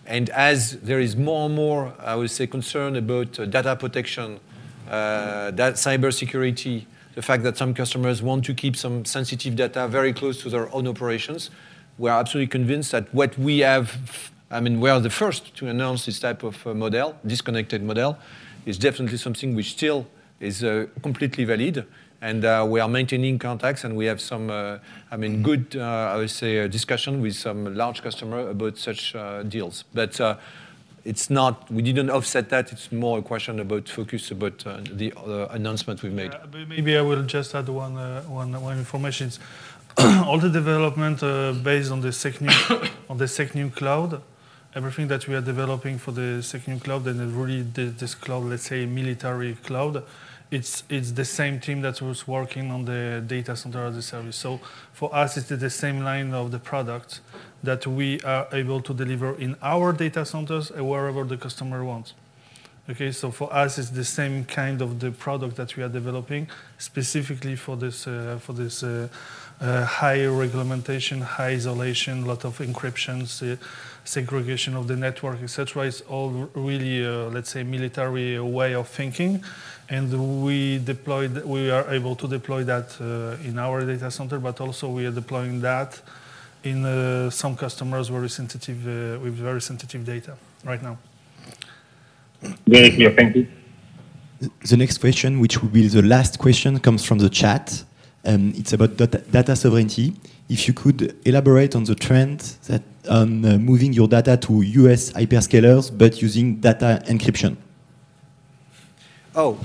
And as there is more and more, I would say, concern about data protection, that cybersecurity, the fact that some customers want to keep some sensitive data very close to their own operations, we are absolutely convinced that what we have... I mean, we are the first to announce this type of model. Disconnected model is definitely something which still is completely valid, and we are maintaining contacts, and we have some, I mean, good, I would say, discussion with some large customer about such deals. But it's not. We didn't offset that. It's more a question about focus, about the announcement we made. Yeah. Maybe I will just add one information. All the development based on the SecNumCloud, on the SecNumCloud, everything that we are developing for the SecNumCloud, and it really this, this cloud, let's say, military cloud, it's the same team that was working on the data center as a service. So for us, it's the same line of the product that we are able to deliver in our data centers and wherever the customer wants. Okay, so for us, it's the same kind of the product that we are developing specifically for this, for this high regulation, high isolation, lot of encryptions, segregation of the network, et cetera. It's all really, let's say, military way of thinking, and we deploy that... We are able to deploy that in our data center, but also we are deploying that in some customers very sensitive with very sensitive data right now. Very clear. Thank you. The next question, which will be the last question, comes from the chat, and it's about data sovereignty. If you could elaborate on the trend that moving your data to U.S. hyperscalers, but using data encryption? Oh,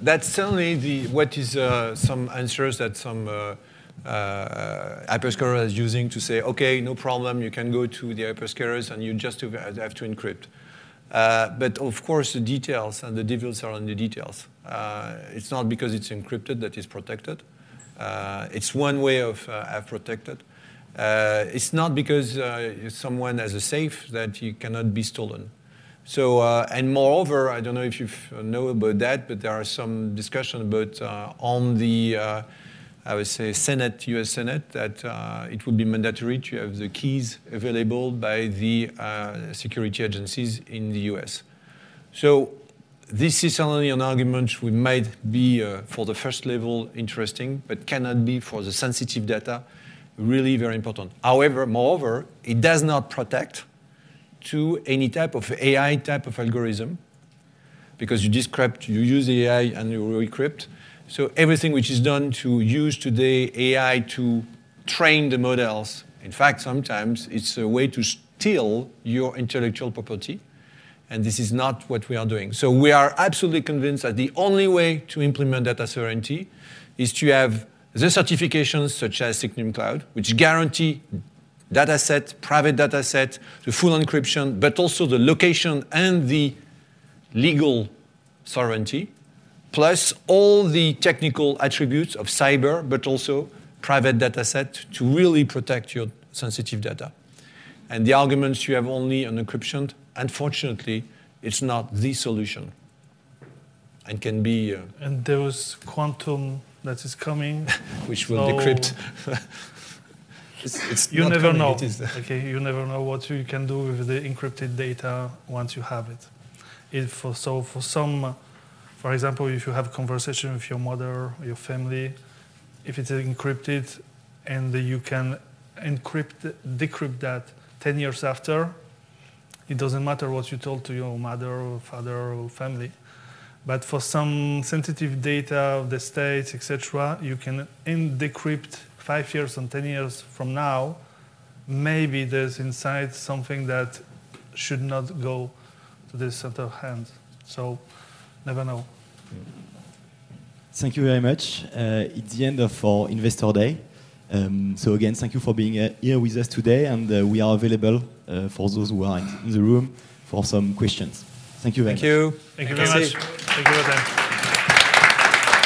that's certainly the what is some answers that some hyperscaler is using to say, "Okay, no problem, you can go to the hyperscalers, and you just have to encrypt." But of course, the details and the devils are in the details. It's not because it's encrypted that it's protected. It's one way of protect it. It's not because someone has a safe that it cannot be stolen. So, and moreover, I don't know if you know about that, but there are some discussion about on the I would say Senate, U.S. Senate, that it would be mandatory to have the keys available by the security agencies in the U.S. So... This is only an argument which might be for the first level, interesting, but cannot be for the sensitive data, really very important. However, moreover, it does not protect to any type of AI type of algorithm, because you decrypt, you use the AI, and you re-encrypt. So everything which is done to use today AI to train the models, in fact, sometimes it's a way to steal your intellectual property, and this is not what we are doing. So we are absolutely convinced that the only way to implement data sovereignty is to have the certifications such as SecNumCloud, which guarantee data set, private data set, the full encryption, but also the location and the legal sovereignty, plus all the technical attributes of cyber, but also private data set to really protect your sensitive data. The arguments you have only on encryption, unfortunately, it's not the solution and can be, There is quantum that is coming. Which will decrypt. It's not coming, it is- You never know. Okay? You never know what you can do with the encrypted data once you have it. If for... So for some, for example, if you have a conversation with your mother or your family, if it's encrypted and you can encrypt, decrypt that 10 years after, it doesn't matter what you told to your mother or father or family. But for some sensitive data of the state, et cetera, you can decrypt five years and 10 years from now, maybe there's inside something that should not go to this set of hand. So never know. Thank you very much. It's the end of our Investor Day. So again, thank you for being here with us today, and we are available for those who are in the room for some questions. Thank you very much. Thank you. Thank you very much. Thank you.